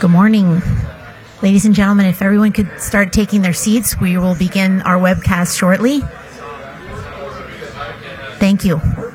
Good morning, ladies and gentlemen. If everyone could start taking their seats, we will begin our webcast shortly. Thank you. Good morning.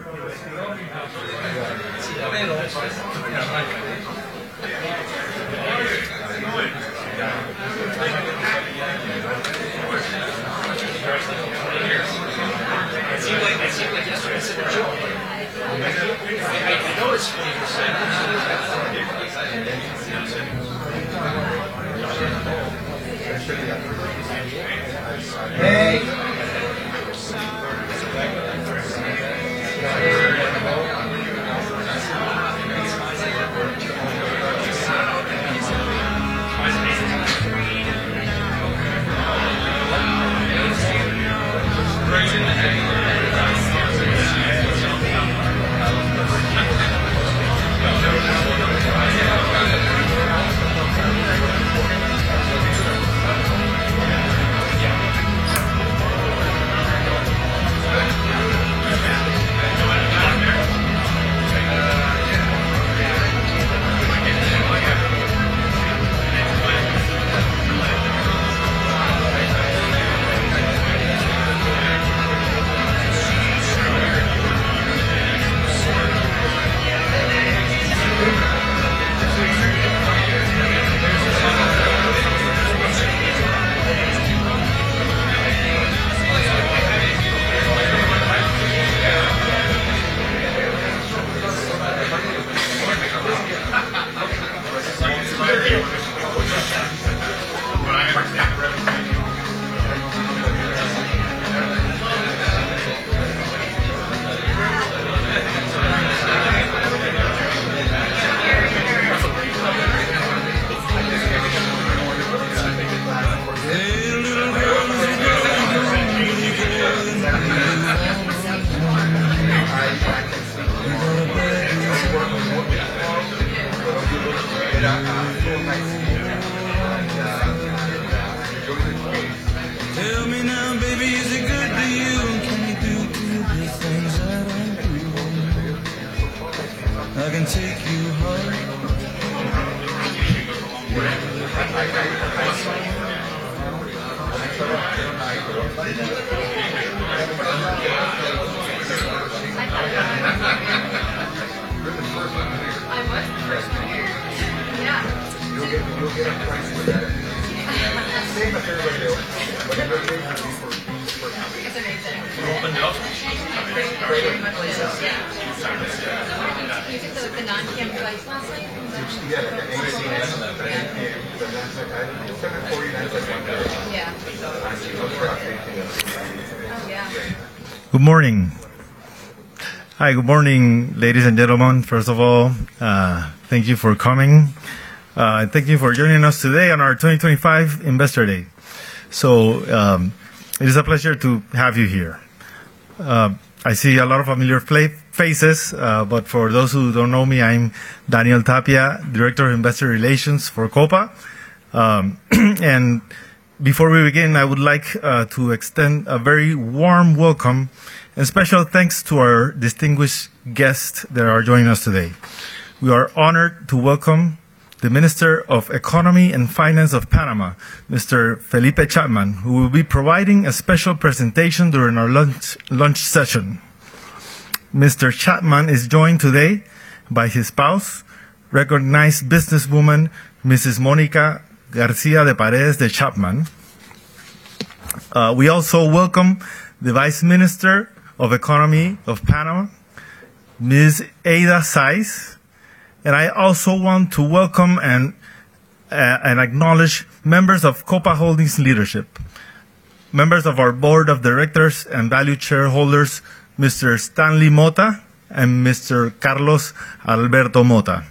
Hi, good morning, ladies and gentlemen. First of all, thank you for coming. Thank you for joining us today on our 2025 Investor Day. So it is a pleasure to have you here. I see a lot of familiar faces, but for those who don't know me, I'm Daniel Tapia, Director of Investor Relations for Copa. And before we begin, I would like to extend a very warm welcome and special thanks to our distinguished guests that are joining us today. We are honored to welcome the Minister of Economy and Finance of Panama, Mr. Felipe Chapman, who will be providing a special presentation during our lunch session. Mr. Chapman is joined today by his spouse, recognized businesswoman, Mrs. Mónica García de Paredes de Chapman. We also welcome the Vice Minister of Economy of Panama, Ms. Eida Sáiz. I also want to welcome and acknowledge members of Copa Holdings Leadership, members of our Board of Directors and valued shareholders, Mr. Stanley Motta and Mr. Carlos Alberto Motta.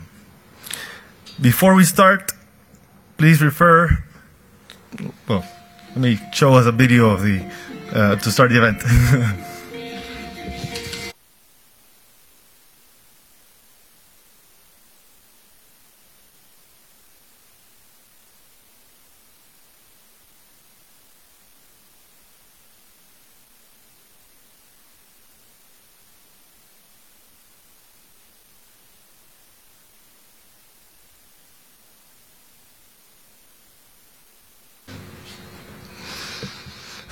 Well, let me show us a video to start the event.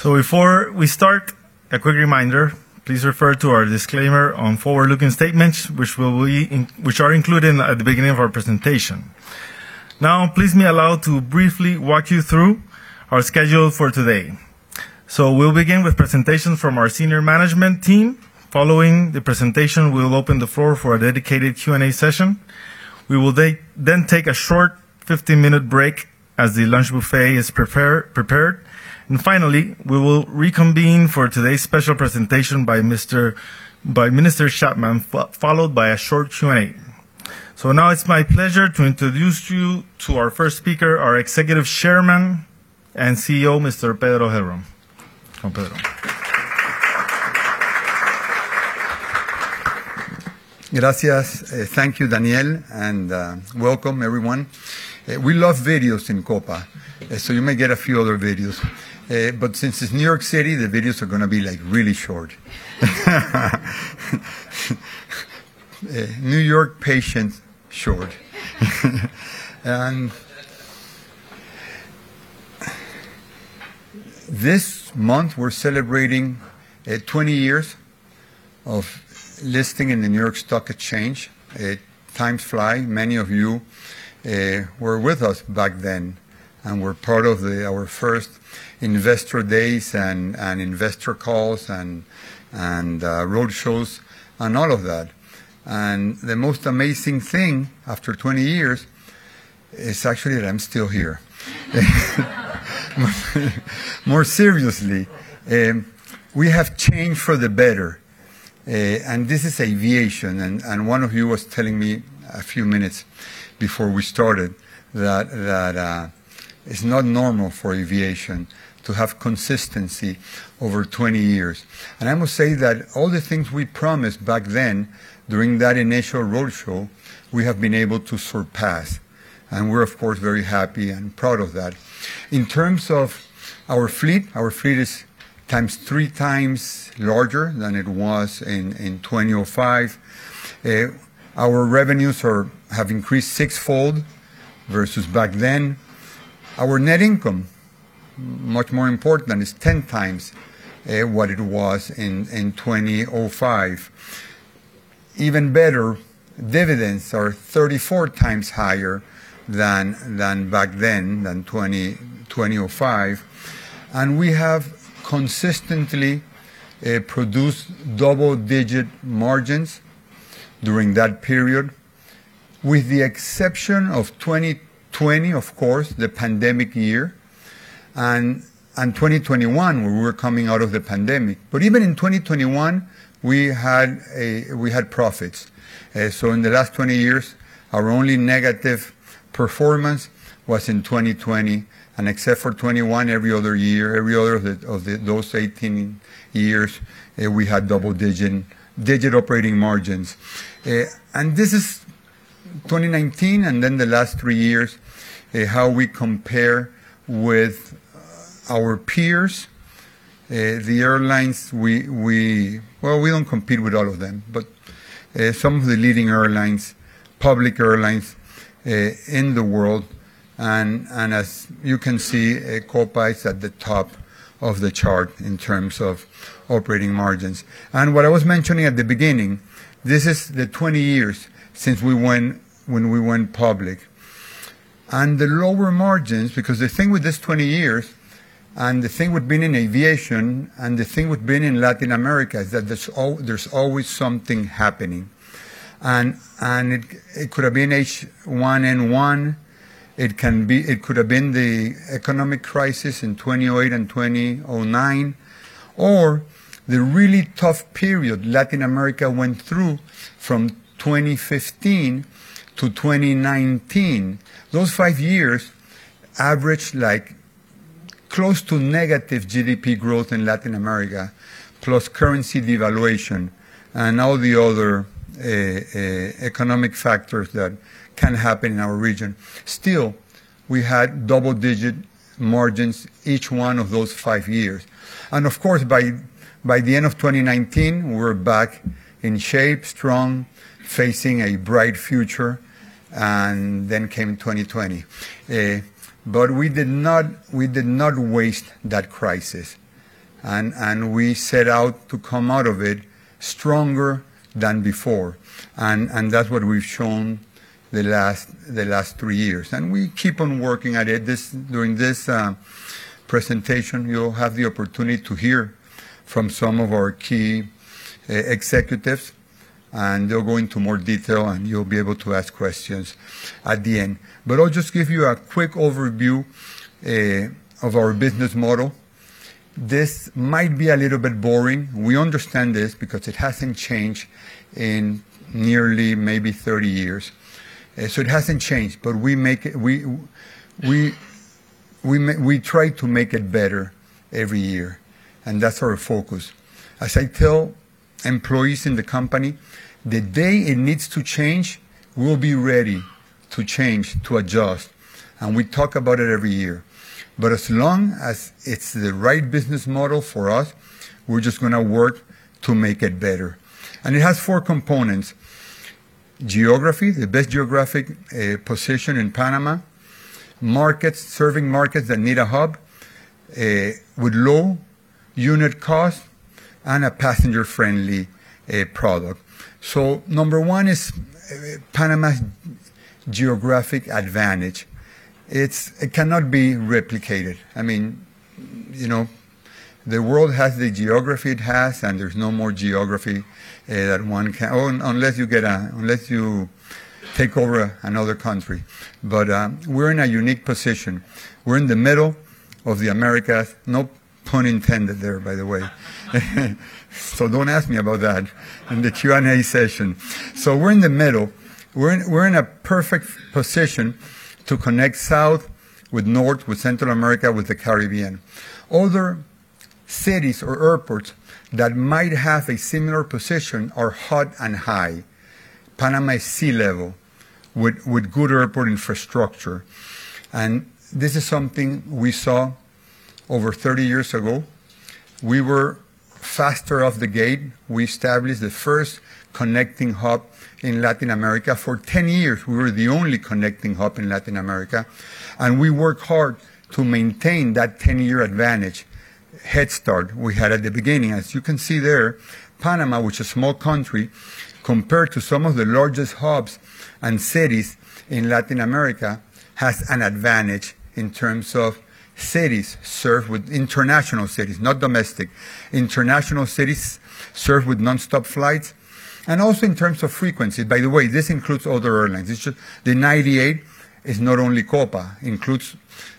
So before we start, a quick reminder: please refer to our disclaimer on forward-looking statements, which are included at the beginning of our presentation. Now, please allow me to briefly walk you through our schedule for today. So we'll begin with presentations from our senior management team. Following the presentation, we'll open the floor for a dedicated Q&A session. We will then take a short 15-minute break as the lunch buffet is prepared. And finally, we will reconvene for today's special presentation by Mr. Chapman, followed by a short Q&A. So now it's my pleasure to introduce you to our first speaker, our Executive Chairman and CEO, Mr. Pedro Heilbron. Gracias. Thank you, Daniel, and welcome, everyone. We love videos in Copa, so you may get a few other videos. But since it's New York City, the videos are going to be like really short. New York patience short. And this month, we're celebrating 20 years of listing in the New York Stock Exchange. Time flies. Many of you were with us back then and were part of our first investor days and investor calls and roadshows and all of that. And the most amazing thing after 20 years is actually that I'm still here. More seriously, we have changed for the better. And this is aviation. And one of you was telling me a few minutes before we started that it's not normal for aviation to have consistency over 20 years. I must say that all the things we promised back then during that initial roadshow, we have been able to surpass. We're, of course, very happy and proud of that. In terms of our fleet, our fleet is three times larger than it was in 2005. Our revenues have increased sixfold versus back then. Our net income, much more important, is 10 times what it was in 2005. Even better, dividends are 34 times higher than back then, than 2005. We have consistently produced double-digit margins during that period, with the exception of 2020, of course, the pandemic year, and 2021, when we were coming out of the pandemic. Even in 2021, we had profits. In the last 20 years, our only negative performance was in 2020. Except for 2021, every other year, every other of those 18 years, we had double-digit operating margins. This is 2019 and then the last three years, how we compare with our peers, the airlines. We don't compete with all of them, but some of the leading airlines, public airlines in the world. As you can see, Copa is at the top of the chart in terms of operating margins. What I was mentioning at the beginning, this is the 20 years since we went public. The lower margins, because the thing with this 20 years and the thing with being in aviation and the thing with being in Latin America is that there's always something happening. It could have been H1N1. It could have been the economic crisis in 2008 and 2009, or the really tough period Latin America went through from 2015 to 2019. Those five years averaged like close to negative GDP growth in Latin America, plus currency devaluation and all the other economic factors that can happen in our region. Still, we had double-digit margins each one of those five years. And of course, by the end of 2019, we're back in shape, strong, facing a bright future. And then came 2020. But we did not waste that crisis. And we set out to come out of it stronger than before. And that's what we've shown the last three years. And we keep on working at it. During this presentation, you'll have the opportunity to hear from some of our key executives. And they'll go into more detail, and you'll be able to ask questions at the end. But I'll just give you a quick overview of our business model. This might be a little bit boring. We understand this because it hasn't changed in nearly maybe 30 years, so it hasn't changed, but we try to make it better every year, and that's our focus. As I tell employees in the company, the day it needs to change, we'll be ready to change, to adjust, and we talk about it every year, but as long as it's the right business model for us, we're just going to work to make it better, and it has four components: geography, the best geographic position in Panama, serving markets that need a hub with low unit cost, and a passenger-friendly product, so number one is Panama's geographic advantage. It cannot be replicated. I mean, the world has the geography it has, and there's no more geography that one can, unless you take over another country, but we're in a unique position. We're in the middle of the Americas, no pun intended there, by the way. So don't ask me about that in the Q&A session. So we're in the middle. We're in a perfect position to connect South with North, with Central America, with the Caribbean. Other cities or airports that might have a similar position are hot and high. Panama is sea level with good airport infrastructure. And this is something we saw over 30 years ago. We were faster off the gate. We established the first connecting hub in Latin America. For 10 years, we were the only connecting hub in Latin America. And we worked hard to maintain that 10-year advantage, head start we had at the beginning. As you can see there, Panama, which is a small country, compared to some of the largest hubs and cities in Latin America, has an advantage in terms of cities served with international cities, not domestic. International cities served with nonstop flights, and also in terms of frequency, by the way, this includes other airlines. The 98 is not only Copa. It includes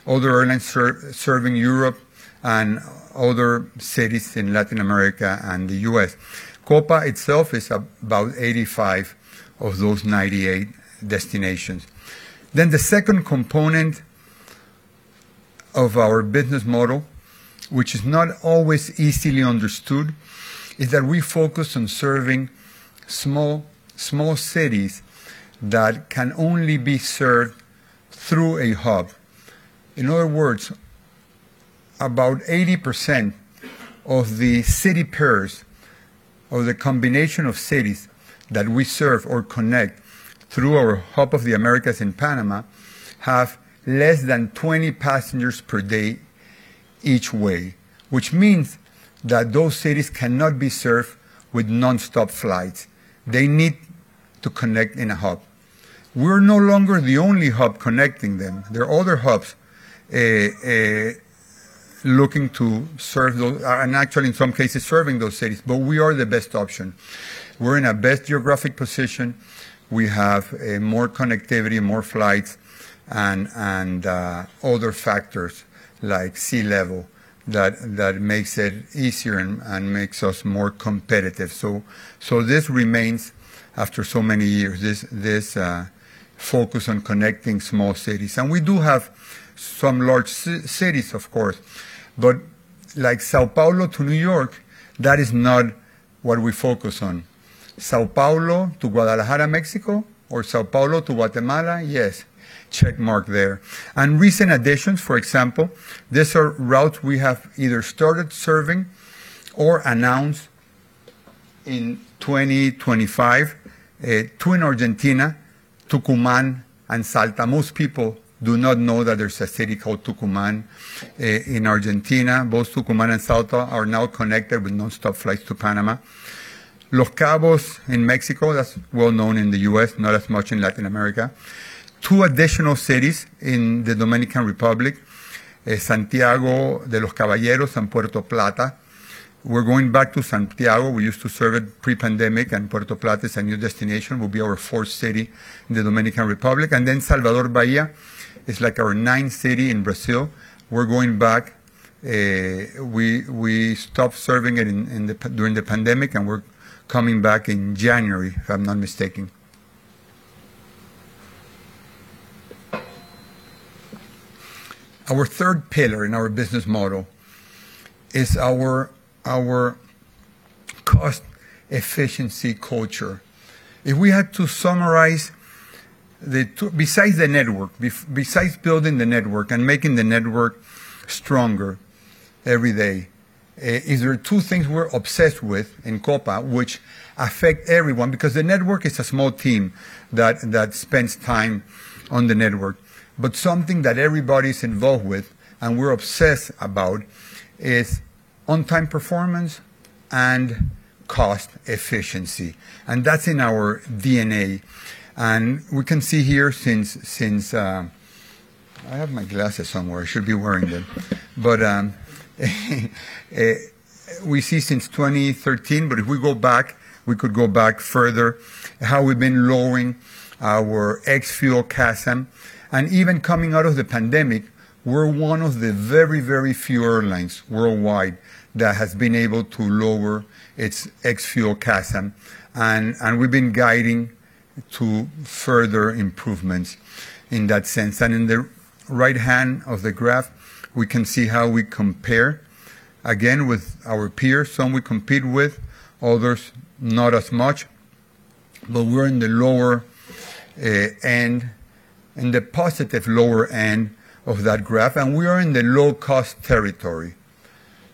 other airlines serving Europe and other cities in Latin America and the U.S. Copa itself is about 85 of those 98 destinations, then the second component of our business model, which is not always easily understood, is that we focus on serving small cities that can only be served through a hub. In other words, about 80% of the city pairs, or the combination of cities that we serve or connect through our Hub of the Americas in Panama, have less than 20 passengers per day each way, which means that those cities cannot be served with nonstop flights. They need to connect in a hub. We're no longer the only hub connecting them. There are other hubs looking to serve those, and actually, in some cases, serving those cities. But we are the best option. We're in a best geographic position. We have more connectivity, more flights, and other factors like sea level that makes it easier and makes us more competitive. So this remains, after so many years, this focus on connecting small cities. We do have some large cities, of course. Like São Paulo to New York, that is not what we focus on. São Paulo to Guadalajara, Mexico, or São Paulo to Guatemala, yes. Check mark there. Recent additions, for example, these are routes we have either started serving or announced in 2025 to Argentina, Tucumán and Salta. Most people do not know that there's a city called Tucumán in Argentina. Both Tucumán and Salta are now connected with nonstop flights to Panama. Los Cabos in Mexico, that's well known in the U.S., not as much in Latin America. Two additional cities in the Dominican Republic, Santiago de los Caballeros and Puerto Plata. We're going back to Santiago. We used to serve it pre-pandemic, and Puerto Plata is a new destination. It will be our fourth city in the Dominican Republic. Salvador Bahia is like our ninth city in Brazil. We're going back. We stopped serving it during the pandemic, and we're coming back in January, if I'm not mistaken. Our third pillar in our business model is our cost-efficiency culture. If we had to summarize, besides building the network and making the network stronger every day, is there two things we're obsessed with in Copa which affect everyone? Because the network is a small team that spends time on the network. But something that everybody's involved with and we're obsessed about is on-time performance and cost-efficiency. And that's in our DNA. And we can see here since I have my glasses somewhere. I should be wearing them. But we see since 2013, but if we go back, we could go back further, how we've been lowering our ex-fuel CASM. And even coming out of the pandemic, we're one of the very, very few airlines worldwide that has been able to lower its ex-fuel CASM. And we've been guiding to further improvements in that sense. And in the right hand of the graph, we can see how we compare, again, with our peers. Some we compete with, others not as much. But we're in the lower end, in the positive lower end of that graph. And we are in the low-cost territory,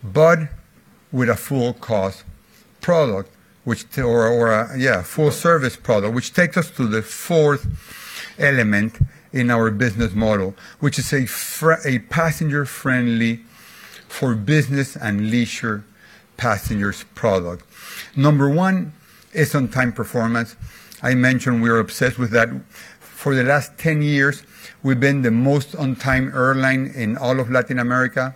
but with a full-cost product, or a full-service product, which takes us to the fourth element in our business model, which is a passenger-friendly for business and leisure passengers product. Number one is on-time performance. I mentioned we are obsessed with that. For the last 10 years, we've been the most on-time airline in all of Latin America.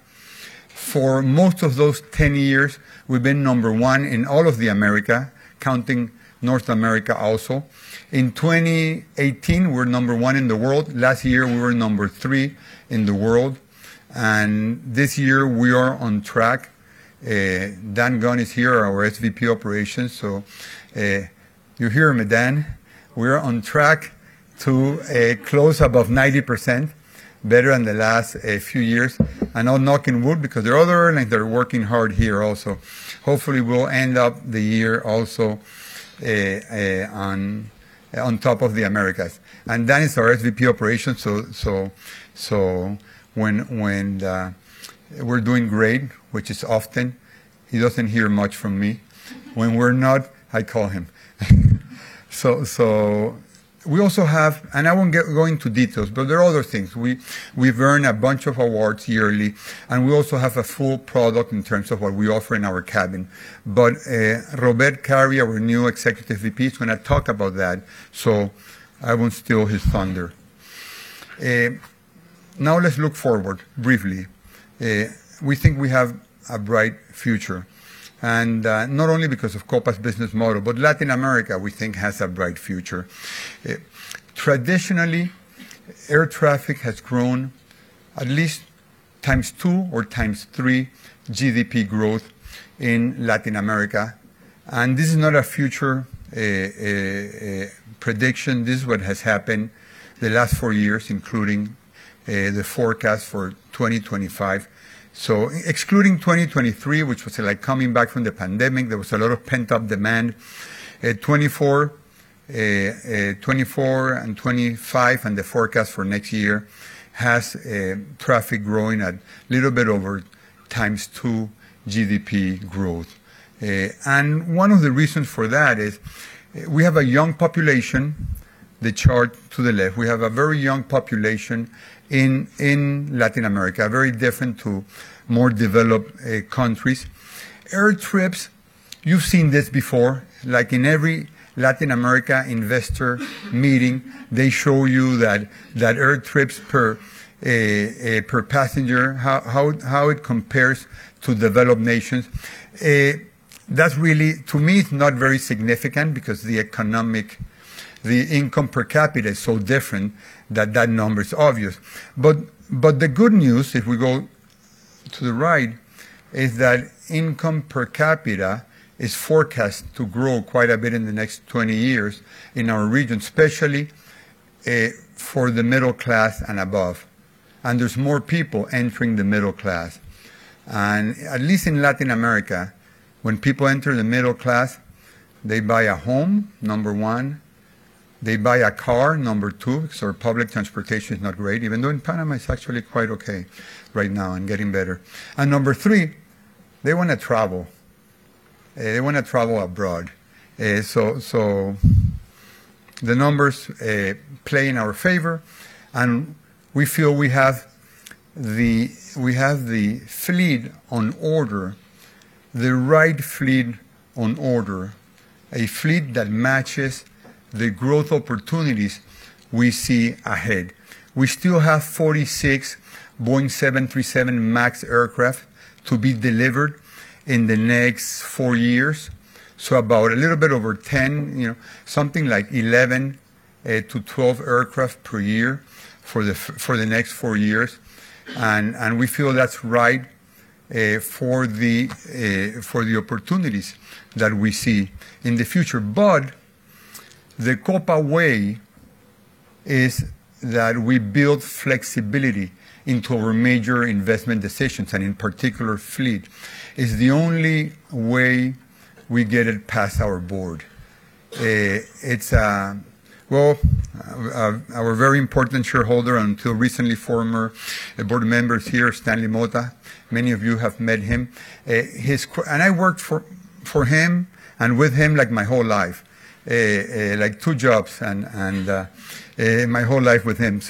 For most of those 10 years, we've been number one in all of the Americas, counting North America also. In 2018, we're number one in the world. Last year, we were number three in the world. And this year, we are on track. Dan Gunn is here, our SVP operations, so you hear him, Dan. We are on track to close above 90%, better than the last few years, and I'll knock on wood because there are other airlines that are working hard here also. Hopefully, we'll end up the year also on top of the Americas, and Dan is our SVP operations, so when we're doing great, which is often, he doesn't hear much from me. When we're not, I call him, so we also have, and I won't get into details, but there are other things. We've earned a bunch of awards yearly, and we also have a full product in terms of what we offer in our cabin, but Robert Carey, our new executive VP, is going to talk about that, so I won't steal his thunder. Now let's look forward briefly. We think we have a bright future. Not only because of Copa's business model, but Latin America, we think, has a bright future. Traditionally, air traffic has grown at least times two or times three GDP growth in Latin America. This is not a future prediction. This is what has happened the last four years, including the forecast for 2025. Excluding 2023, which was like coming back from the pandemic, there was a lot of pent-up demand. 2024 and 2025 and the forecast for next year has traffic growing at a little bit over times two GDP growth. One of the reasons for that is we have a young population. The chart to the left, we have a very young population in Latin America, very different to more developed countries. Air trips, you've seen this before. Like in every Latin America investor meeting, they show you that air trips per passenger, how it compares to developed nations. That's really, to me, it's not very significant because the economic, the income per capita is so different that that number is obvious. But the good news, if we go to the right, is that income per capita is forecast to grow quite a bit in the next 20 years in our region, especially for the middle class and above. And there's more people entering the middle class. And at least in Latin America, when people enter the middle class, they buy a home, number one. They buy a car, number two. So public transportation is not great, even though in Panama, it's actually quite okay right now and getting better. And number three, they want to travel. They want to travel abroad. So the numbers play in our favor. And we feel we have the fleet on order, the right fleet on order, a fleet that matches the growth opportunities we see ahead. We still have 46 Boeing 737 MAX aircraft to be delivered in the next four years. So about a little bit over 10, something like 11 to 12 aircraft per year for the next four years. And we feel that's right for the opportunities that we see in the future. But the Copa way is that we build flexibility into our major investment decisions, and in particular, fleet. It's the only way we get it past our board. It's a, well, our very important shareholder until recently, former board members here, Stanley Motta. Many of you have met him. I worked for him and with him like my whole life, like two jobs and my whole life with him.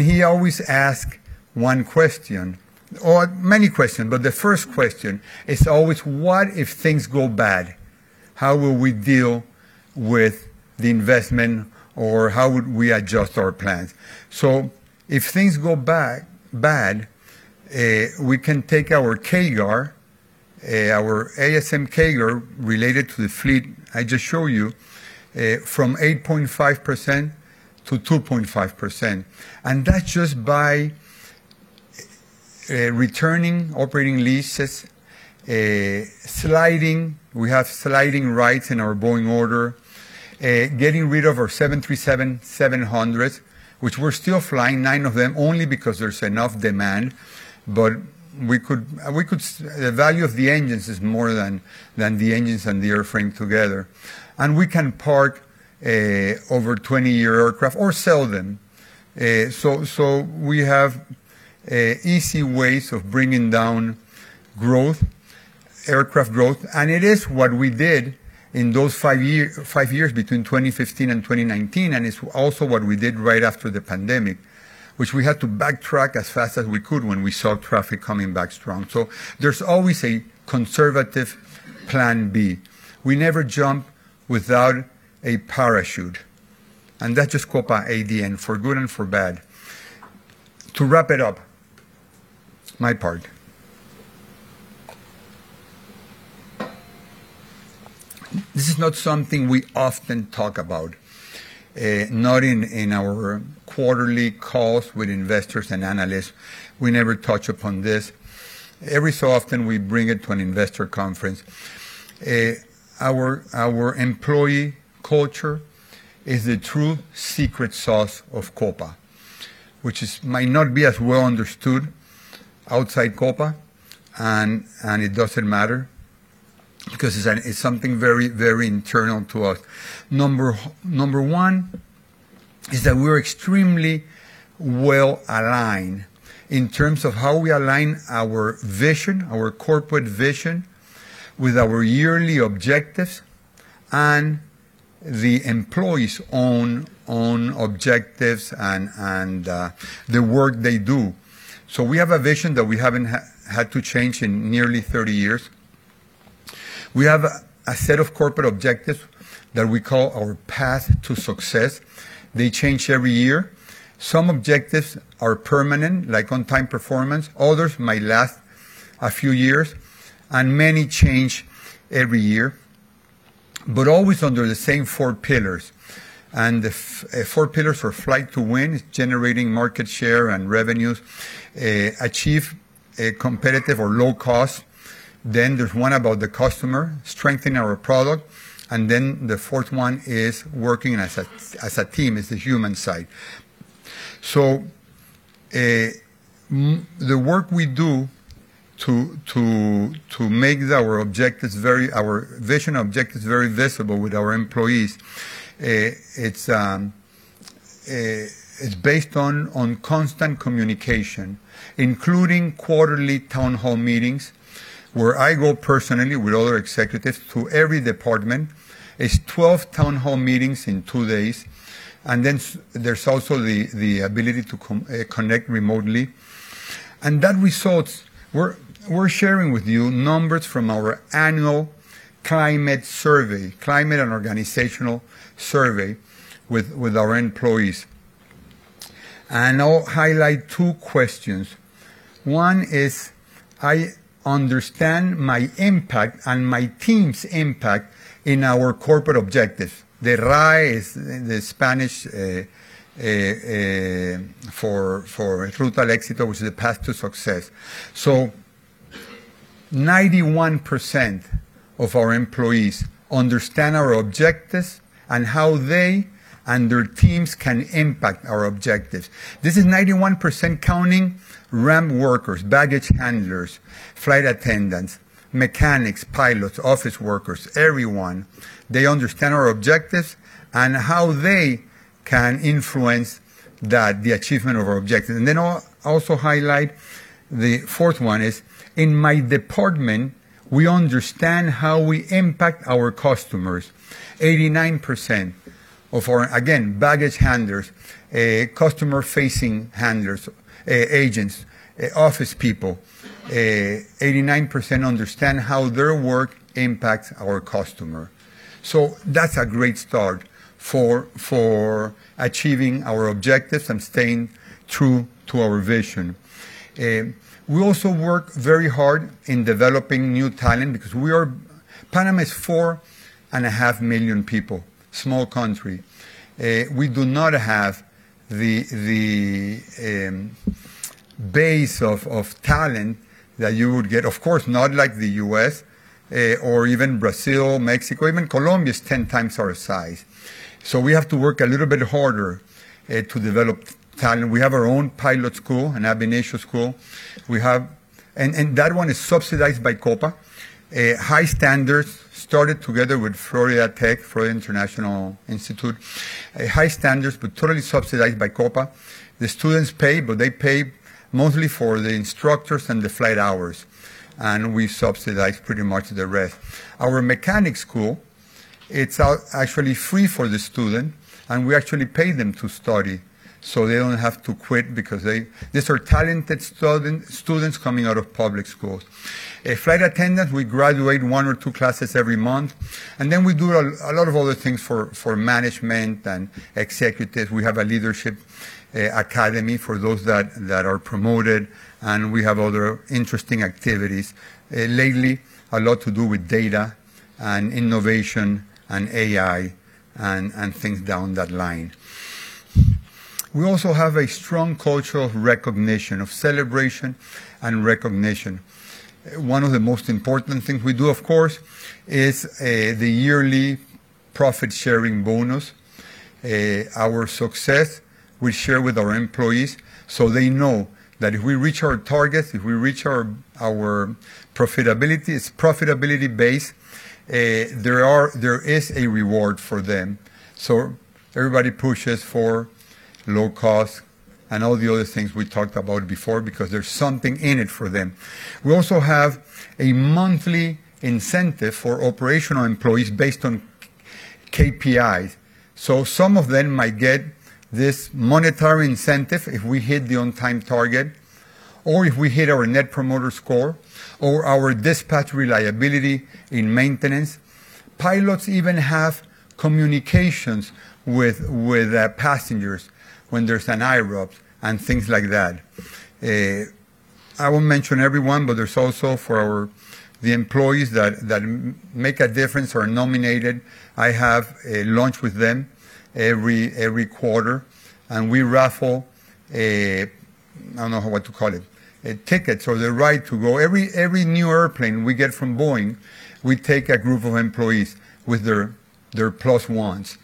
He always asks one question, or many questions. But the first question is always, what if things go bad? How will we deal with the investment, or how would we adjust our plans? So if things go bad, we can take our CAGR, our ASM CAGR related to the fleet I just showed you, from 8.5% to 2.5%. And that's just by returning operating leases, sliding. We have sliding rights in our Boeing order, getting rid of our 737-700, which we're still flying, nine of them, only because there's enough demand. But the value of the engines is more than the engines and the airframe together. And we can park over 20-year aircraft or sell them. So we have easy ways of bringing down growth, aircraft growth. And it is what we did in those five years between 2015 and 2019. And it's also what we did right after the pandemic, which we had to backtrack as fast as we could when we saw traffic coming back strong. So there's always a conservative plan B. We never jump without a parachute. And that's just Copa DNA, for good and for bad. To wrap it up, my part. This is not something we often talk about, not in our quarterly calls with investors and analysts. We never touch upon this. Every so often, we bring it to an investor conference. Our employee culture is the true secret sauce of Copa, which might not be as well understood outside Copa. And it doesn't matter because it's something very, very internal to us. Number one is that we're extremely well aligned in terms of how we align our vision, our corporate vision with our yearly objectives and the employees' own objectives and the work they do. So we have a vision that we haven't had to change in nearly 30 years. We have a set of corporate objectives that we call our path to success. They change every year. Some objectives are permanent, like on-time performance. Others might last a few years. And many change every year, but always under the same four pillars. And the four pillars are fight to win, generating market share and revenues, achieve competitive or low cost. Then there's one about the customer, strengthen our product. And then the fourth one is working as a team, is the human side. The work we do to make our vision objectives very visible with our employees is based on constant communication, including quarterly town hall meetings where I go personally with other executives to every department. It's 12 town hall meetings in two days. There is also the ability to connect remotely. That results in numbers from our annual climate and organizational survey with our employees, which we're sharing with you. I'll highlight two questions. One is, I understand my impact and my team's impact in our corporate objectives. The RAE is the Spanish for Ruta al Éxito, which is the path to success. 91% of our employees understand our objectives and how they and their teams can impact our objectives. This is 91% counting ramp workers, baggage handlers, flight attendants, mechanics, pilots, office workers, everyone. They understand our objectives and how they can influence the achievement of our objectives. Then I'll also highlight the fourth one is, in my department, we understand how we impact our customers. 89% of our, again, baggage handlers, customer-facing handlers, agents, office people, 89% understand how their work impacts our customer. That's a great start for achieving our objectives and staying true to our vision. We also work very hard in developing new talent because Panama is four and a half million people, small country. We do not have the base of talent that you would get, of course, not like the U.S. or even Brazil, Mexico. Even Colombia is 10 times our size. We have to work a little bit harder to develop talent. We have our own pilot school, an aviation school. That one is subsidized by Copa. High standards, started together with Florida Institute of Technology. High standards, but totally subsidized by Copa. The students pay, but they pay mostly for the instructors and the flight hours. And we subsidize pretty much the rest. Our mechanics school, it's actually free for the student. And we actually pay them to study so they don't have to quit because these are talented students coming out of public schools. Flight attendants, we graduate one or two classes every month. And then we do a lot of other things for management and executives. We have a leadership academy for those that are promoted. And we have other interesting activities. Lately, a lot to do with data and innovation and AI and things down that line. We also have a strong cultural recognition of celebration and recognition. One of the most important things we do, of course, is the yearly profit-sharing bonus. Our success we share with our employees so they know that if we reach our targets, if we reach our profitability, it's profitability-based, there is a reward for them. So everybody pushes for low cost and all the other things we talked about before because there's something in it for them. We also have a monthly incentive for operational employees based on KPIs. So some of them might get this monetary incentive if we hit the on-time target or if we hit our Net Promoter Score or our dispatch reliability in maintenance. Pilots even have communications with passengers when there's an irregular op and things like that. I won't mention everyone, but there's also for the employees that make a difference or are nominated. I have lunch with them every quarter. And we raffle, I don't know what to call it, tickets or the right to go. Every new airplane we get from Boeing, we take a group of employees with their plus ones.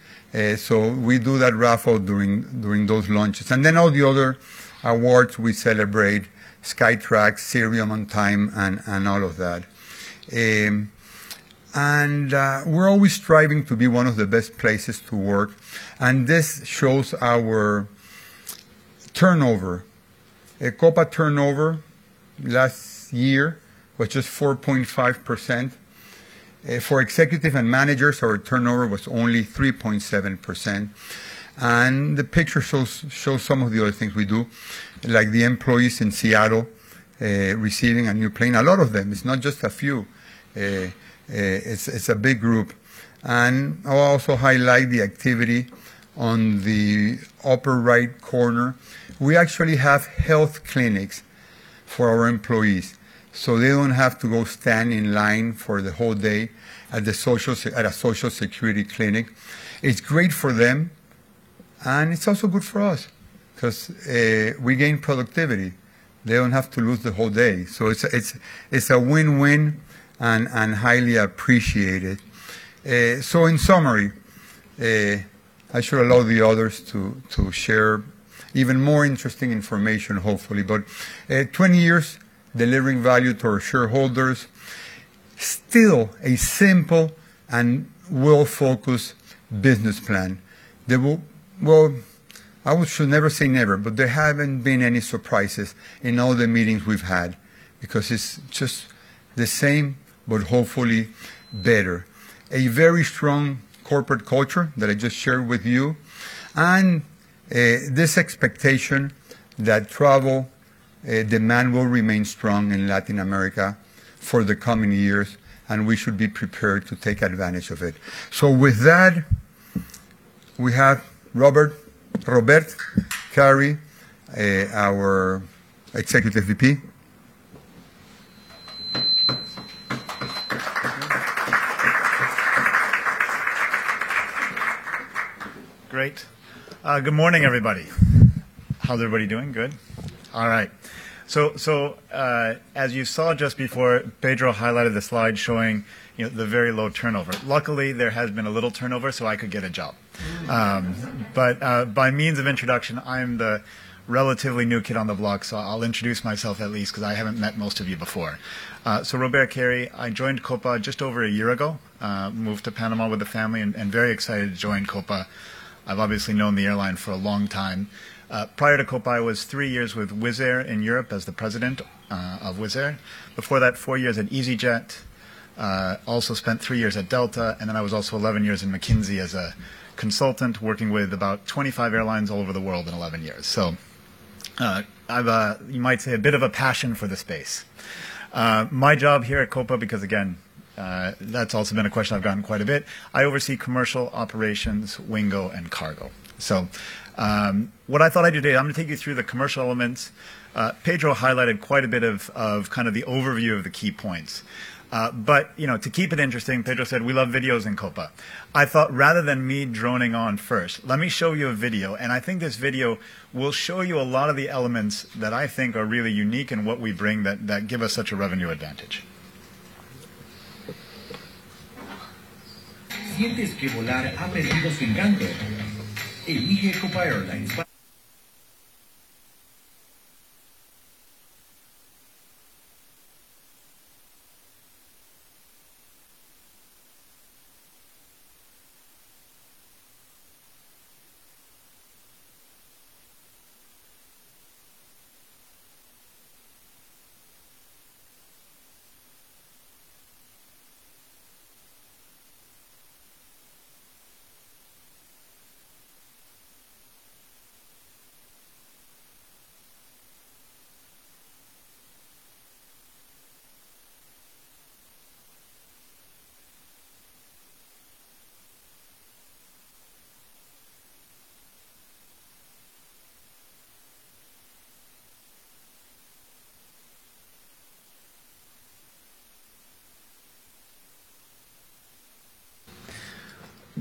So we do that raffle during those lunches. And then all the other awards we celebrate, Skytrax, Cirium on time, and all of that. And we're always striving to be one of the best places to work. And this shows our turnover. Copa turnover last year was just 4.5%. For executives and managers, our turnover was only 3.7%. And the picture shows some of the other things we do, like the employees in Seattle receiving a new plane. A lot of them. It's not just a few. It's a big group. And I'll also highlight the activity on the upper right corner. We actually have health clinics for our employees. So they don't have to go stand in line for the whole day at a social security clinic. It's great for them. And it's also good for us because we gain productivity. They don't have to lose the whole day. So it's a win-win and highly appreciated. So in summary, I should allow the others to share even more interesting information, hopefully. But 20 years delivering value to our shareholders, still a simple and well-focused business plan. Well, I should never say never, but there haven't been any surprises in all the meetings we've had because it's just the same, but hopefully better. A very strong corporate culture that I just shared with you. And this expectation that travel demand will remain strong in Latin America for the coming years, and we should be prepared to take advantage of it. So with that, we have Robert Carey, our Executive VP. Great. Good morning, everybody. How's everybody doing? Good? All right. So as you saw just before, Pedro highlighted the slide showing the very low turnover. Luckily, there has been a little turnover so I could get a job. But by means of introduction, I'm the relatively new kid on the block, so I'll introduce myself at least because I haven't met most of you before. So Robert Carey, I joined Copa just over a year ago, moved to Panama with the family, and very excited to join Copa. I've obviously known the airline for a long time. Prior to Copa, I was three years with Wizz Air in Europe as the president of Wizz Air. Before that, four years at easyJet. Also spent three years at Delta. And then I was also 11 years in McKinsey as a consultant, working with about 25 airlines all over the world in 11 years. So I've, you might say, a bit of a passion for the space. My job here at Copa, because again, that's also been a question I've gotten quite a bit, I oversee commercial operations, Wingo, and cargo. So what I thought I'd do today, I'm going to take you through the commercial elements. Pedro highlighted quite a bit of kind of the overview of the key points. But to keep it interesting, Pedro said, "We love videos in Copa." I thought, rather than me droning on first, let me show you a video. And I think this video will show you a lot of the elements that I think are really unique in what we bring that give us such a revenue advantage. Sientes que volar ha perdido su encanto. Elige Copa Airlines.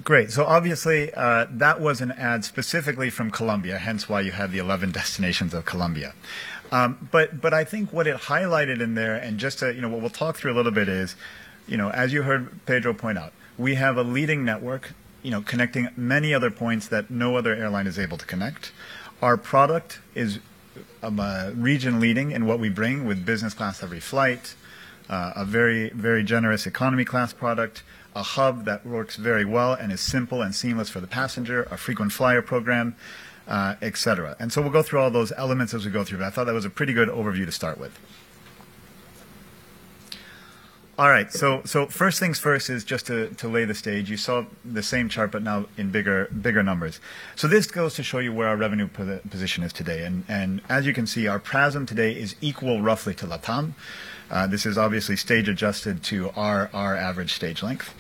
Great. So obviously, that was an ad specifically from Colombia, hence why you have the 11 destinations of Colombia. But I think what it highlighted in there, and just what we'll talk through a little bit, is, as you heard Pedro point out, we have a leading network connecting many other points that no other airline is able to connect. Our product is region-leading in what we bring with business class every flight, a very generous economy class product, a hub that works very well and is simple and seamless for the passenger, a frequent flyer program, etc. And so we'll go through all those elements as we go through. But I thought that was a pretty good overview to start with. All right. So first things first is just to lay the stage. You saw the same chart, but now in bigger numbers. So this goes to show you where our revenue position is today. And as you can see, our PRASM today is equal roughly to LATAM. This is obviously stage-adjusted to our average stage length,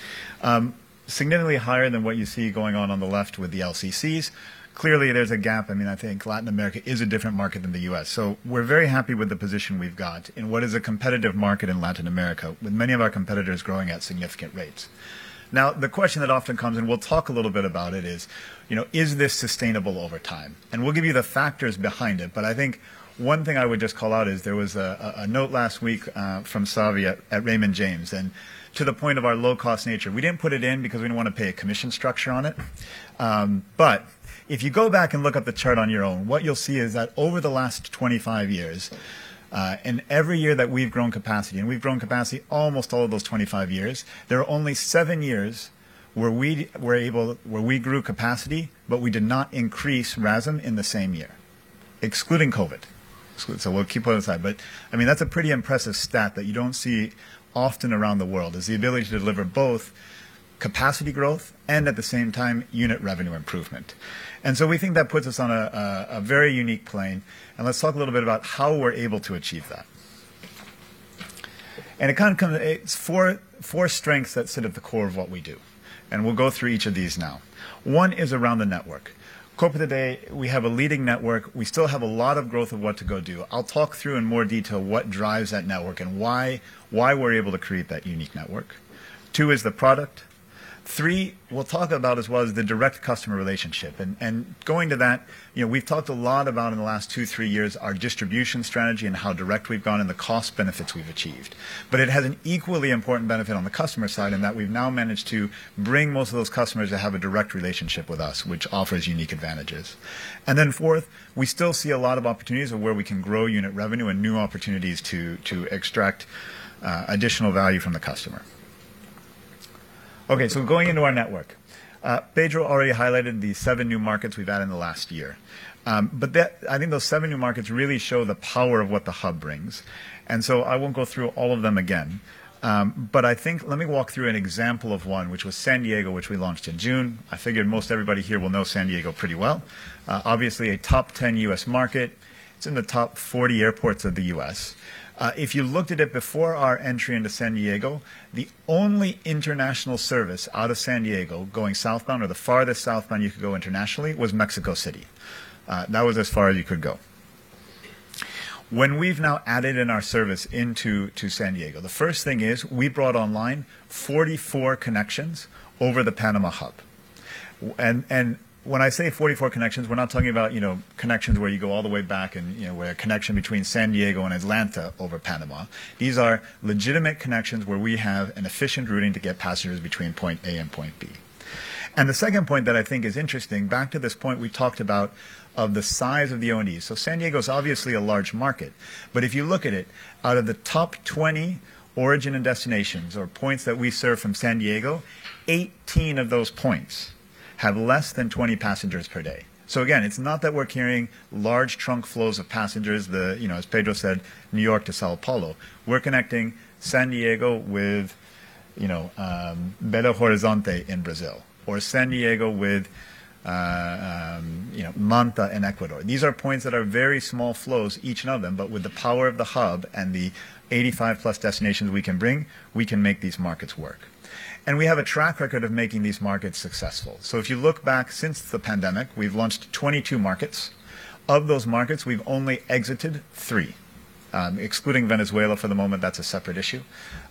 significantly higher than what you see going on on the left with the LCCs. Clearly, there's a gap. I mean, I think Latin America is a different market than the US. So we're very happy with the position we've got in what is a competitive market in Latin America, with many of our competitors growing at significant rates. Now, the question that often comes, and we'll talk a little bit about it, is, is this sustainable over time? And we'll give you the factors behind it. But I think one thing I would just call out is there was a note last week from Savanthi Syth at Raymond James. And to the point of our low-cost nature, we didn't put it in because we didn't want to pay a commission structure on it. But if you go back and look at the chart on your own, what you'll see is that over the last 25 years, in every year that we've grown capacity, and we've grown capacity almost all of those 25 years, there are only seven years where we grew capacity, but we did not increase RASM in the same year, excluding COVID. So we'll keep that aside. But I mean, that's a pretty impressive stat that you don't see often around the world, is the ability to deliver both capacity growth and at the same time, unit revenue improvement. And so we think that puts us on a very unique plane. And let's talk a little bit about how we're able to achieve that. And it kind of comes in four strengths that sit at the core of what we do. And we'll go through each of these now. One is around the network. Copa today, we have a leading network. We still have a lot of growth of what to go do. I'll talk through in more detail what drives that network and why we're able to create that unique network. Two is the product. Three, we'll talk about as well as the direct customer relationship. And going to that, we've talked a lot about in the last two, three years, our distribution strategy and how direct we've gone and the cost benefits we've achieved. But it has an equally important benefit on the customer side in that we've now managed to bring most of those customers to have a direct relationship with us, which offers unique advantages. And then fourth, we still see a lot of opportunities where we can grow unit revenue and new opportunities to extract additional value from the customer. Okay. So going into our network, Pedro already highlighted the seven new markets we've added in the last year. But I think those seven new markets really show the power of what the hub brings. And so I won't go through all of them again. But I think let me walk through an example of one, which was San Diego, which we launched in June. I figured most everybody here will know San Diego pretty well. Obviously, a top 10 U.S. market. It's in the top 40 airports of the U.S. If you looked at it before our entry into San Diego, the only international service out of San Diego going southbound or the farthest southbound you could go internationally was Mexico City. That was as far as you could go. When we've now added in our service into San Diego, the first thing is we brought online 44 connections over the Panama hub, and when I say 44 connections, we're not talking about connections where you go all the way back and where a connection between San Diego and Atlanta over Panama. These are legitimate connections where we have an efficient routing to get passengers between point A and point B, and the second point that I think is interesting, back to this point we talked about of the size of the O&D, so San Diego is obviously a large market. But if you look at it, out of the top 20 origin and destinations or points that we serve from San Diego, 18 of those points have less than 20 passengers per day. So again, it's not that we're carrying large trunk flows of passengers, as Pedro said, New York to São Paulo. We're connecting San Diego with Belo Horizonte in Brazil or San Diego with Manta in Ecuador. These are points that are very small flows, each one of them, but with the power of the hub and the 85-plus destinations we can bring, we can make these markets work. And we have a track record of making these markets successful. So if you look back since the pandemic, we've launched 22 markets. Of those markets, we've only exited three. Excluding Venezuela for the moment, that's a separate issue.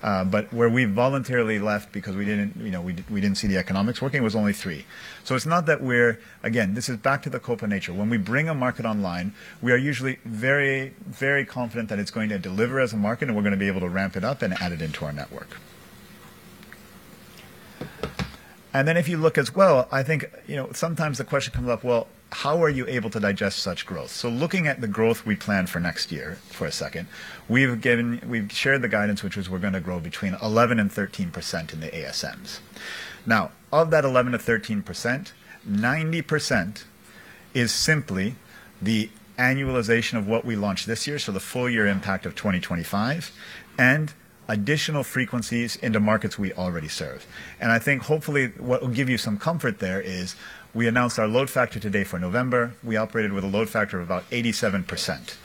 But where we've voluntarily left because we didn't see the economics working was only three. So it's not that we're again, this is back to the Copa nature. When we bring a market online, we are usually very, very confident that it's going to deliver as a market and we're going to be able to ramp it up and add it into our network. And then if you look as well, I think sometimes the question comes up, well, how are you able to digest such growth? So looking at the growth we plan for next year for a second, we've shared the guidance, which is we're going to grow between 11% and 13% in the ASMs. Now, of that 11% to 13%, 90% is simply the annualization of what we launched this year, so the full year impact of 2025, and additional frequencies into markets we already serve. I think hopefully what will give you some comfort there is we announced our load factor today for November. We operated with a load factor of about 87%.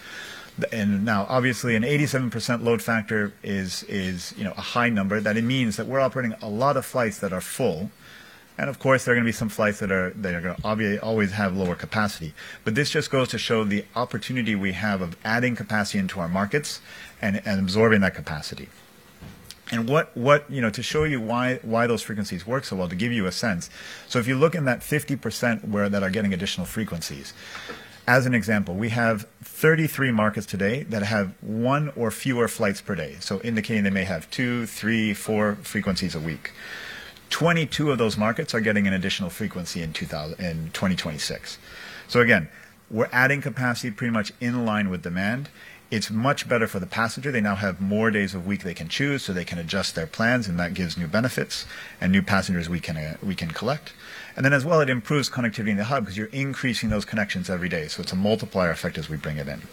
Now, obviously, an 87% load factor is a high number that it means that we're operating a lot of flights that are full. Of course, there are going to be some flights that are going to always have lower capacity. This just goes to show the opportunity we have of adding capacity into our markets and absorbing that capacity. To show you why those frequencies work so well, to give you a sense, so if you look in that 50% that are getting additional frequencies, as an example, we have 33 markets today that have one or fewer flights per day, so indicating they may have two, three, four frequencies a week. 22 of those markets are getting an additional frequency in 2026. So again, we're adding capacity pretty much in line with demand. It's much better for the passenger. They now have more days of the week they can choose, so they can adjust their plans, and that gives new benefits and new passengers we can collect. And then as well, it improves connectivity in the hub because you're increasing those connections every day. So it's a multiplier effect as we bring it in.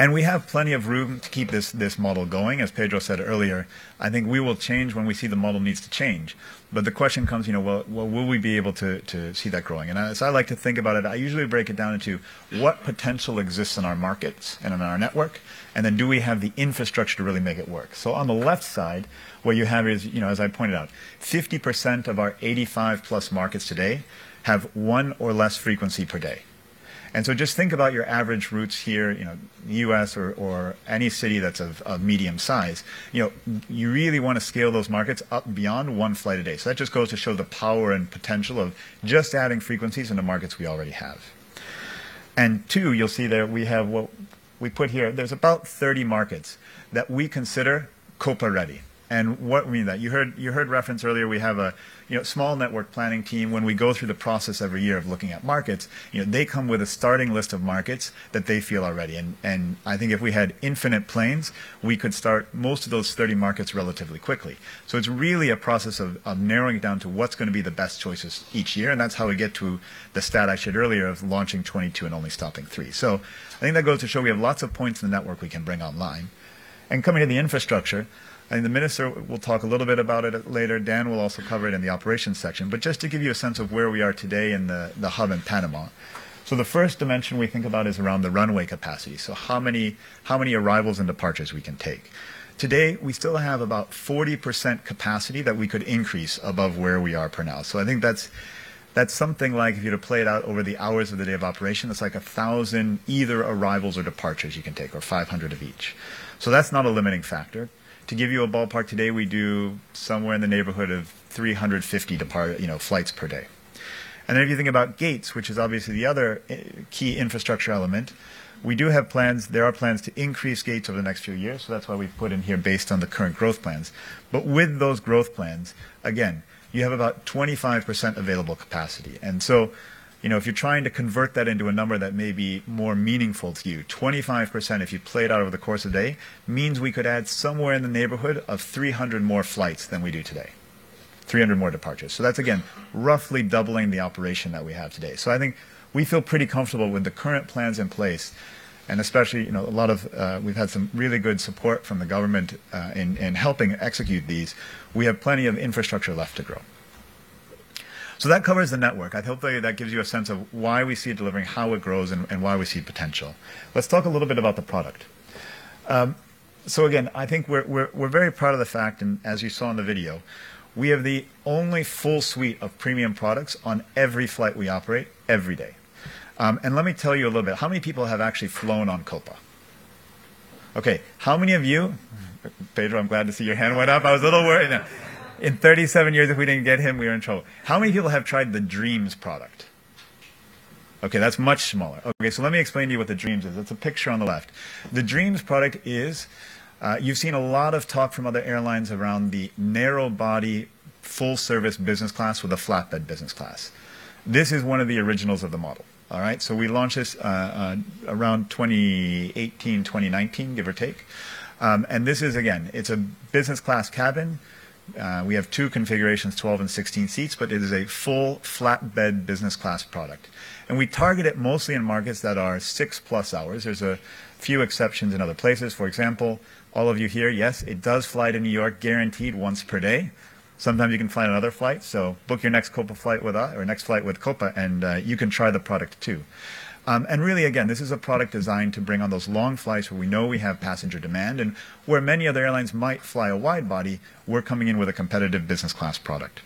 And we have plenty of room to keep this model going. As Pedro said earlier, I think we will change when we see the model needs to change. But the question comes, well, will we be able to see that growing? As I like to think about it, I usually break it down into what potential exists in our markets and in our network, and then do we have the infrastructure to really make it work? So on the left side, what you have is, as I pointed out, 50% of our 85-plus markets today have one or less frequency per day. And so just think about your average routes here, U.S. or any city that's of medium size. You really want to scale those markets up beyond one flight a day. So that just goes to show the power and potential of just adding frequencies into markets we already have. And two, you'll see there we have what we put here. There's about 30 markets that we consider Copa ready. And what we mean that you heard reference earlier, we have a small network planning team. When we go through the process every year of looking at markets, they come with a starting list of markets that they feel are ready. And I think if we had infinite planes, we could start most of those 30 markets relatively quickly. So it's really a process of narrowing it down to what's going to be the best choices each year. And that's how we get to the stat I shared earlier of launching 22 and only stopping three. So I think that goes to show we have lots of points in the network we can bring online. And coming to the infrastructure, I think the minister will talk a little bit about it later. Dan will also cover it in the operations section. But just to give you a sense of where we are today in the hub in Panama. The first dimension we think about is around the runway capacity. How many arrivals and departures we can take. Today, we still have about 40% capacity that we could increase above where we are right now. I think that's something like if you were to play it out over the hours of the day of operation. It's like 1,000 either arrivals or departures you can take or 500 of each. That's not a limiting factor. To give you a ballpark today, we do somewhere in the neighborhood of 350 flights per day. If you think about gates, which is obviously the other key infrastructure element, we do have plans. There are plans to increase gates over the next few years. So that's why we've put in here based on the current growth plans. But with those growth plans, again, you have about 25% available capacity. And so if you're trying to convert that into a number that may be more meaningful to you, 25% if you play it out over the course of the day means we could add somewhere in the neighborhood of 300 more flights than we do today, 300 more departures. So that's, again, roughly doubling the operation that we have today. So I think we feel pretty comfortable with the current plans in place, and especially a lot of we've had some really good support from the government in helping execute these. We have plenty of infrastructure left to grow. So that covers the network. I hope that gives you a sense of why we see it delivering, how it grows, and why we see potential. Let's talk a little bit about the product. So again, I think we're very proud of the fact, and as you saw in the video, we have the only full suite of premium products on every flight we operate every day, and let me tell you a little bit. How many people have actually flown on Copa? Okay. How many of you? Pedro, I'm glad to see your hand went up. I was a little worried. In 37 years, if we didn't get him, we were in trouble. How many people have tried the Dreams product? Okay. That's much smaller. Okay. So let me explain to you what the Dreams is. That's a picture on the left. The Dreams product. You've seen a lot of talk from other airlines around the narrow-body full-service business class with a flatbed business class. This is one of the originals of the model. All right? So we launched this around 2018, 2019, give or take. And this is, again, it's a business class cabin. We have two configurations, 12 and 16 seats, but it is a full flatbed business class product. And we target it mostly in markets that are six-plus hours. There's a few exceptions in other places. For example, all of you here, yes, it does fly to New York, guaranteed once per day. Sometimes you can fly another flight. So book your next Copa flight with us or next flight with Copa, and you can try the product too. And really, again, this is a product designed to bring on those long flights where we know we have passenger demand. And where many other airlines might fly a wide body, we're coming in with a competitive business class product.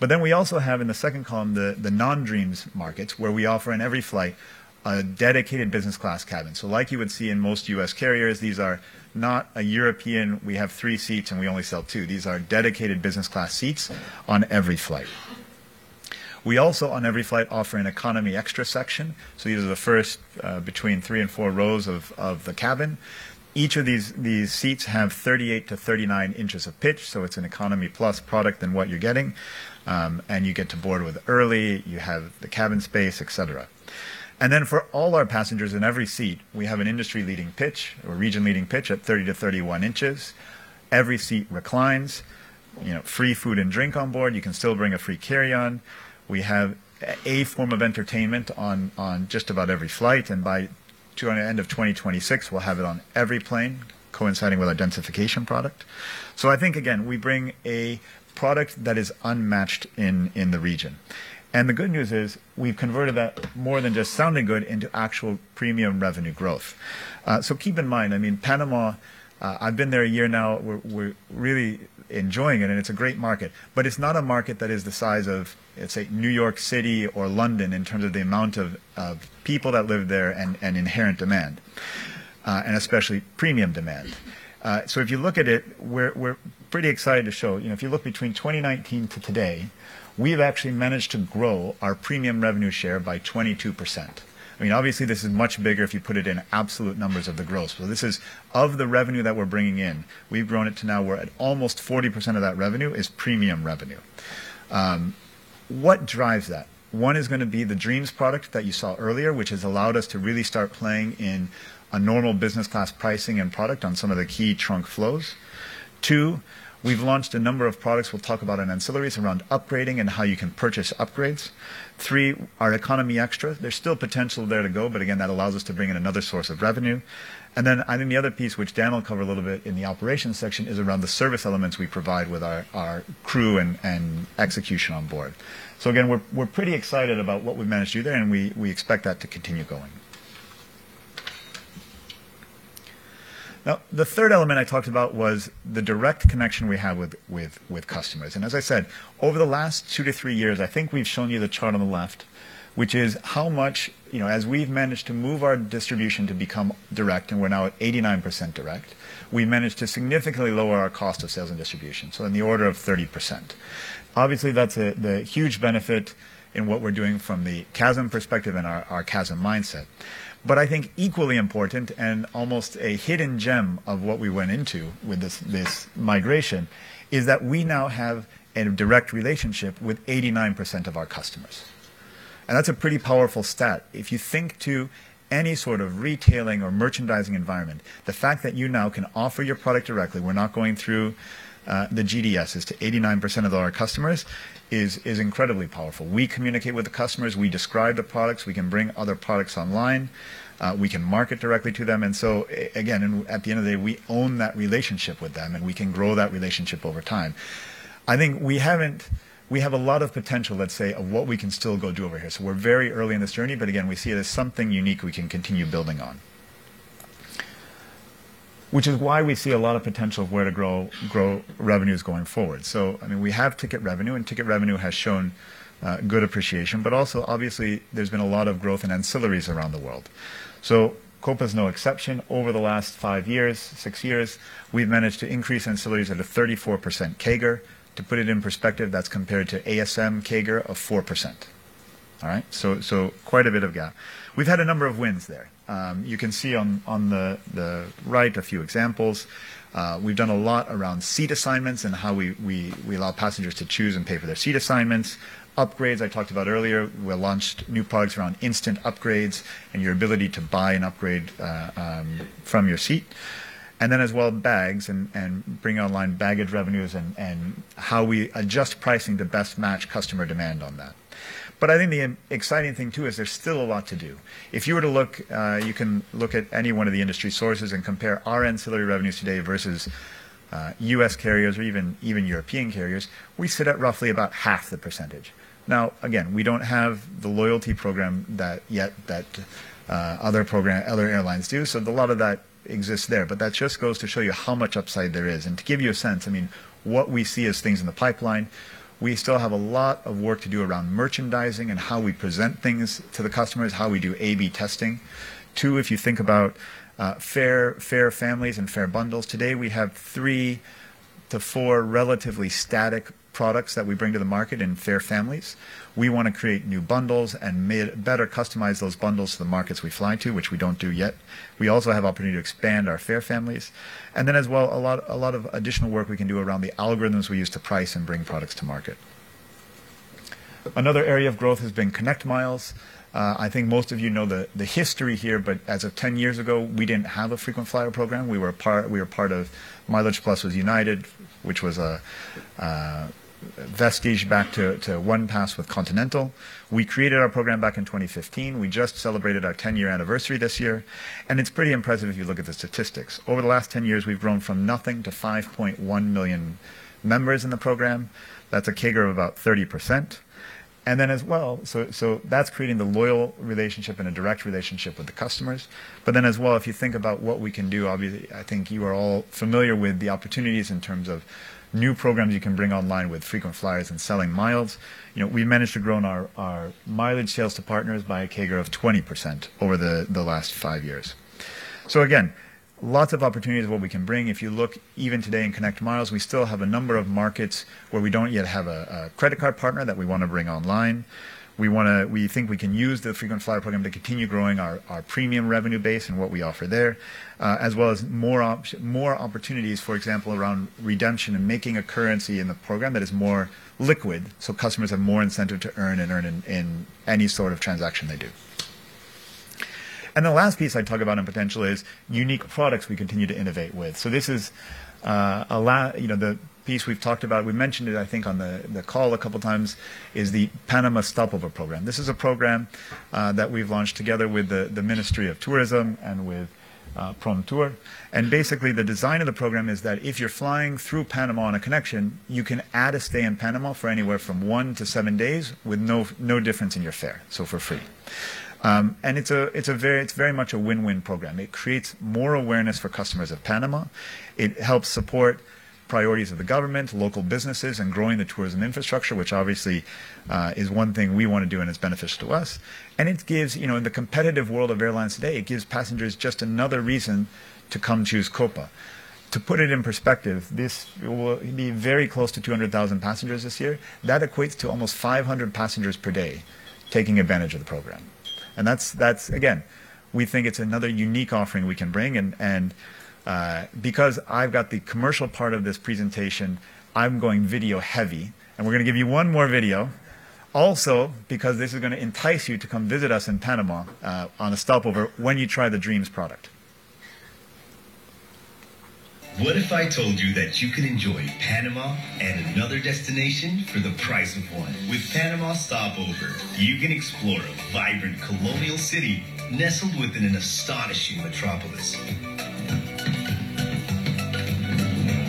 But then we also have in the second column the non-Dreams markets where we offer in every flight a dedicated business class cabin. So like you would see in most U.S. carriers, these are not European. We have three seats, and we only sell two. These are dedicated business class seats on every flight. We also, on every flight, offer an Economy Extra section. So these are the first between three and four rows of the cabin. Each of these seats have 38-39 inches of pitch. So it's an economy-plus product than what you're getting. And you get to board early. You have the cabin space, etc. And then for all our passengers in every seat, we have an industry-leading pitch or region-leading pitch at 30-31 inches. Every seat reclines. Free food and drink on board. You can still bring a free carry-on. We have a form of entertainment on just about every flight, and by the end of 2026, we'll have it on every plane, coinciding with our densification product, so I think, again, we bring a product that is unmatched in the region. The good news is we've converted that more than just sounding good into actual premium revenue growth, so keep in mind, I mean, Panama. I've been there a year now. We're really enjoying it, and it's a great market, but it's not a market that is the size of, let's say, New York City or London, in terms of the amount of people that live there and inherent demand, and especially premium demand, so if you look at it, we're pretty excited to show if you look between 2019 to today, we've actually managed to grow our premium revenue share by 22%. I mean, obviously, this is much bigger if you put it in absolute numbers of the growth. So this is of the revenue that we're bringing in, we've grown it to now where almost 40% of that revenue is premium revenue. What drives that? One is going to be the Dreams product that you saw earlier, which has allowed us to really start playing in a normal business class pricing and product on some of the key trunk flows. Two, we've launched a number of products. We'll talk about ancillaries around upgrading and how you can purchase upgrades. Three, our Economy Extra. There's still potential there to go, but again, that allows us to bring in another source of revenue. Then I think the other piece, which Dan will cover a little bit in the operations section, is around the service elements we provide with our crew and execution on board. So again, we're pretty excited about what we've managed to do there, and we expect that to continue going. Now, the third element I talked about was the direct connection we have with customers. And as I said, over the last two to three years, I think we've shown you the chart on the left, which is how much, as we've managed to move our distribution to become direct, and we're now at 89% direct. We've managed to significantly lower our cost of sales and distribution, so in the order of 30%. Obviously, that's a huge benefit in what we're doing from the CASM perspective and our CASM mindset. But I think equally important and almost a hidden gem of what we went into with this migration is that we now have a direct relationship with 89% of our customers. And that's a pretty powerful stat. If you think to any sort of retailing or merchandising environment, the fact that you now can offer your product directly, we're not going through the GDSs to 89% of our customers, is incredibly powerful. We communicate with the customers. We describe the products. We can bring other products online. We can market directly to them. And so again, at the end of the day, we own that relationship with them, and we can grow that relationship over time. I think we have a lot of potential, let's say, of what we can still go do over here. So we're very early in this journey, but again, we see it as something unique we can continue building on, which is why we see a lot of potential of where to grow revenues going forward. So I mean, we have ticket revenue, and ticket revenue has shown good appreciation. But also, obviously, there's been a lot of growth in ancillaries around the world. So Copa is no exception. Over the last five years, six years, we've managed to increase ancillaries at a 34% CAGR. To put it in perspective, that's compared to ASM CAGR of 4%. All right? So quite a bit of gap. We've had a number of wins there. You can see on the right a few examples. We've done a lot around seat assignments and how we allow passengers to choose and pay for their seat assignments. Upgrades I talked about earlier. We launched new products around instant upgrades and your ability to buy an upgrade from your seat. And then as well, bags and bring online baggage revenues and how we adjust pricing to best match customer demand on that. But I think the exciting thing too is there's still a lot to do. If you were to look, you can look at any one of the industry sources and compare our ancillary revenues today versus U.S. carriers or even European carriers. We sit at roughly about half the percentage. Now, again, we don't have the loyalty program yet that other airlines do. So a lot of that exists there. But that just goes to show you how much upside there is. To give you a sense, I mean, what we see as things in the pipeline, we still have a lot of work to do around merchandising and how we present things to the customers, how we do A/B testing. Two, if you think about fare families and fare bundles, today we have three to four relatively static products that we bring to the market in fare families. We want to create new bundles and better customize those bundles to the markets we fly to, which we don't do yet. We also have the opportunity to expand our fare families. And then as well, a lot of additional work we can do around the algorithms we use to price and bring products to market. Another area of growth has been ConnectMiles. I think most of you know the history here, but as of 10 years ago, we didn't have a frequent flyer program. We were part of MileagePlus with United, which was a vestige back to OnePass with Continental. We created our program back in 2015. We just celebrated our 10-year anniversary this year. And it's pretty impressive if you look at the statistics. Over the last 10 years, we've grown from nothing to 5.1 million members in the program. That's a CAGR of about 30%. And then as well, so that's creating the loyal relationship and a direct relationship with the customers. But then as well, if you think about what we can do, obviously, I think you are all familiar with the opportunities in terms of new programs you can bring online with frequent flyers and selling miles. We've managed to grow our mileage sales to partners by a CAGR of 20% over the last five years, so again, lots of opportunities of what we can bring. If you look even today in ConnectMiles, we still have a number of markets where we don't yet have a credit card partner that we want to bring online. We think we can use the frequent flyer program to continue growing our premium revenue base and what we offer there, as well as more opportunities, for example, around redemption and making a currency in the program that is more liquid, so customers have more incentive to earn and earn in any sort of transaction they do, and the last piece I'd talk about in potential is unique products we continue to innovate with, so this is the piece we've talked about. We mentioned it, I think, on the call a couple of times. It is the Panama Stopover program. This is a program that we've launched together with the Ministry of Tourism and with PROMTUR. Basically, the design of the program is that if you're flying through Panama on a connection, you can add a stay in Panama for anywhere from one to seven days with no difference in your fare, so for free. It is very much a win-win program. It creates more awareness for customers of Panama. It helps support priorities of the government, local businesses, and growing the tourism infrastructure, which obviously is one thing we want to do and is beneficial to us. In the competitive world of airlines today, it gives passengers just another reason to come choose Copa. To put it in perspective, this will be very close to 200,000 passengers this year. That equates to almost 500 passengers per day taking advantage of the program. And again, we think it's another unique offering we can bring. And because I've got the commercial part of this presentation, I'm going video heavy. And we're going to give you one more video, also because this is going to entice you to come visit us in Panama on a stopover when you try the Dreams product. What if I told you that you can enjoy Panama and another destination for the price of one? With Panama Stopover, you can explore a vibrant colonial city nestled within an astonishing metropolis,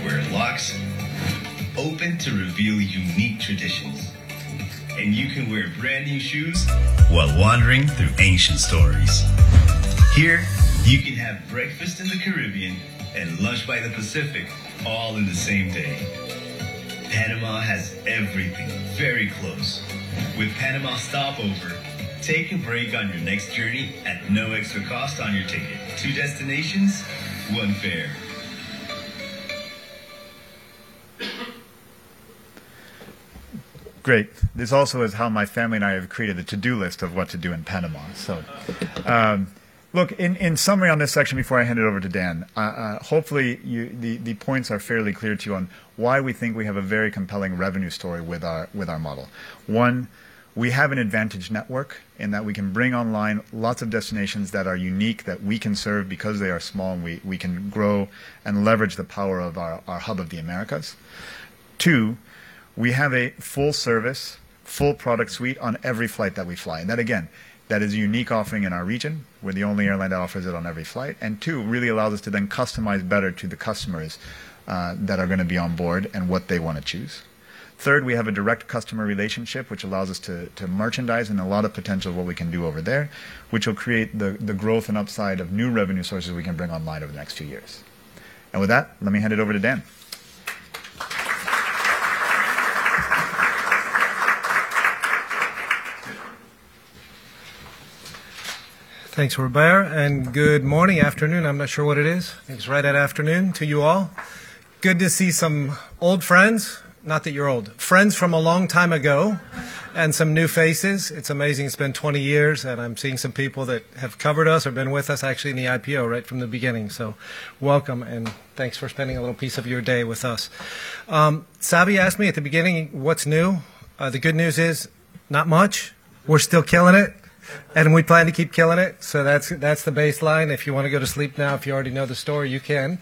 where locks open to reveal unique traditions. And you can wear brand new shoes while wandering through ancient stories. Here, you can have breakfast in the Caribbean and lunch by the Pacific, all in the same day. Panama has everything very close. With Panama Stopover, take a break on your next journey at no extra cost on your ticket. Two destinations, one fare. Great. This also is how my family and I have created the to-do list of what to do in Panama. So look, in summary on this section before I hand it over to Dan, hopefully, the points are fairly clear to you on why we think we have a very compelling revenue story with our model. One, we have an advantage network in that we can bring online lots of destinations that are unique that we can serve because they are small, and we can grow and leverage the power of our Hub of the Americas. Two, we have a full service, full product suite on every flight that we fly. And that, again, that is a unique offering in our region. We're the only airline that offers it on every flight. And two, it really allows us to then customize better to the customers that are going to be on board and what they want to choose. Third, we have a direct customer relationship, which allows us to merchandise, and a lot of potential of what we can do over there, which will create the growth and upside of new revenue sources we can bring online over the next few years. And with that, let me hand it over to Dan. Thanks, Robert. And good morning, afternoon. I'm not sure what it is. It's right at afternoon to you all. Good to see some old friends. Not that you're old. Friends from a long time ago and some new faces. It's amazing. It's been 20 years, and I'm seeing some people that have covered us or been with us, actually, in the IPO right from the beginning. So welcome, and thanks for spending a little piece of your day with us. Savi asked me at the beginning, "What's new?" The good news is not much. We're still killing it, and we plan to keep killing it. So that's the baseline. If you want to go to sleep now, if you already know the story, you can.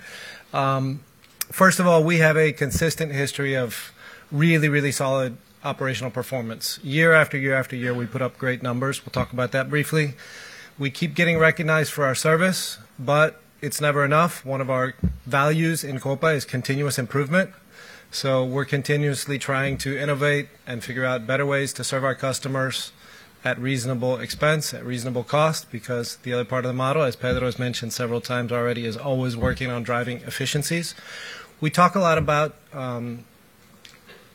First of all, we have a consistent history of really, really solid operational performance. Year after year after year, we put up great numbers. We'll talk about that briefly. We keep getting recognized for our service, but it's never enough. One of our values in Copa is continuous improvement. So we're continuously trying to innovate and figure out better ways to serve our customers at reasonable expense, at reasonable cost, because the other part of the model, as Pedro has mentioned several times already, is always working on driving efficiencies. We talk a lot about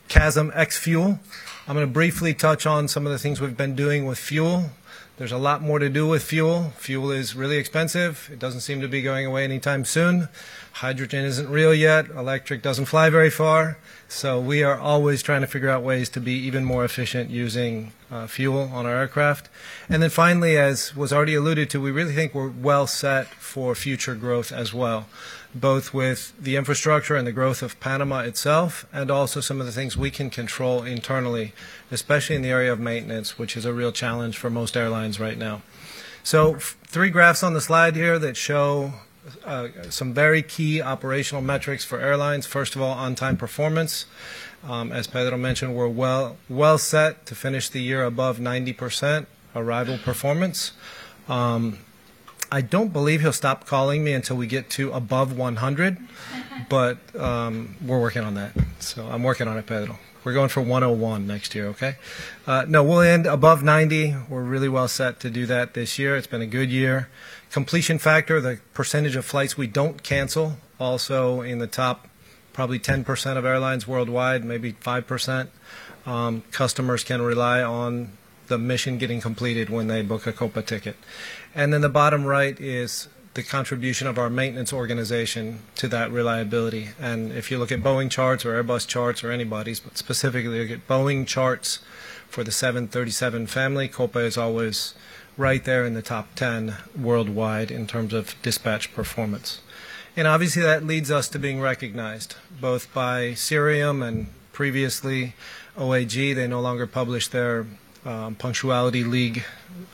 CASM ex-fuel. I'm going to briefly touch on some of the things we've been doing with fuel. There's a lot more to do with fuel. Fuel is really expensive. It doesn't seem to be going away anytime soon. Hydrogen isn't real yet. Electric doesn't fly very far. So we are always trying to figure out ways to be even more efficient using fuel on our aircraft. And then finally, as was already alluded to, we really think we're well set for future growth as well, both with the infrastructure and the growth of Panama itself, and also some of the things we can control internally, especially in the area of maintenance, which is a real challenge for most airlines right now. So three graphs on the slide here that show some very key operational metrics for airlines. First of all, on-time performance. As Pedro mentioned, we're well set to finish the year above 90% arrival performance. I don't believe he'll stop calling me until we get to above 100, but we're working on that. So I'm working on it, Pedro. We're going for 101 next year, okay? No, we'll end above 90. We're really well set to do that this year. It's been a good year. Completion factor, the percentage of flights we don't cancel, also in the top probably 10% of airlines worldwide, maybe 5%. Customers can rely on the mission getting completed when they book a Copa ticket, and then the bottom right is the contribution of our maintenance organization to that reliability, and if you look at Boeing charts or Airbus charts or anybody's, but specifically, look at Boeing charts for the 737 family, Copa is always right there in the top 10 worldwide in terms of dispatch performance. And obviously, that leads us to being recognized both by Cirium and previously OAG. They no longer publish their punctuality league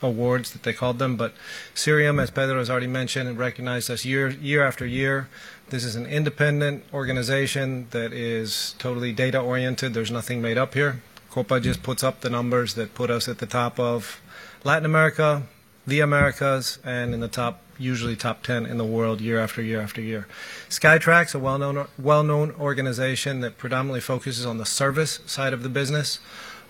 awards that they called them, but Cirium, as Pedro has already mentioned, recognized us year after year. This is an independent organization that is totally data-oriented. There's nothing made up here. Copa just puts up the numbers that put us at the top of Latin America, the Americas, and in the top, usually top 10 in the world year after year after year. Skytrax, a well-known organization that predominantly focuses on the service side of the business,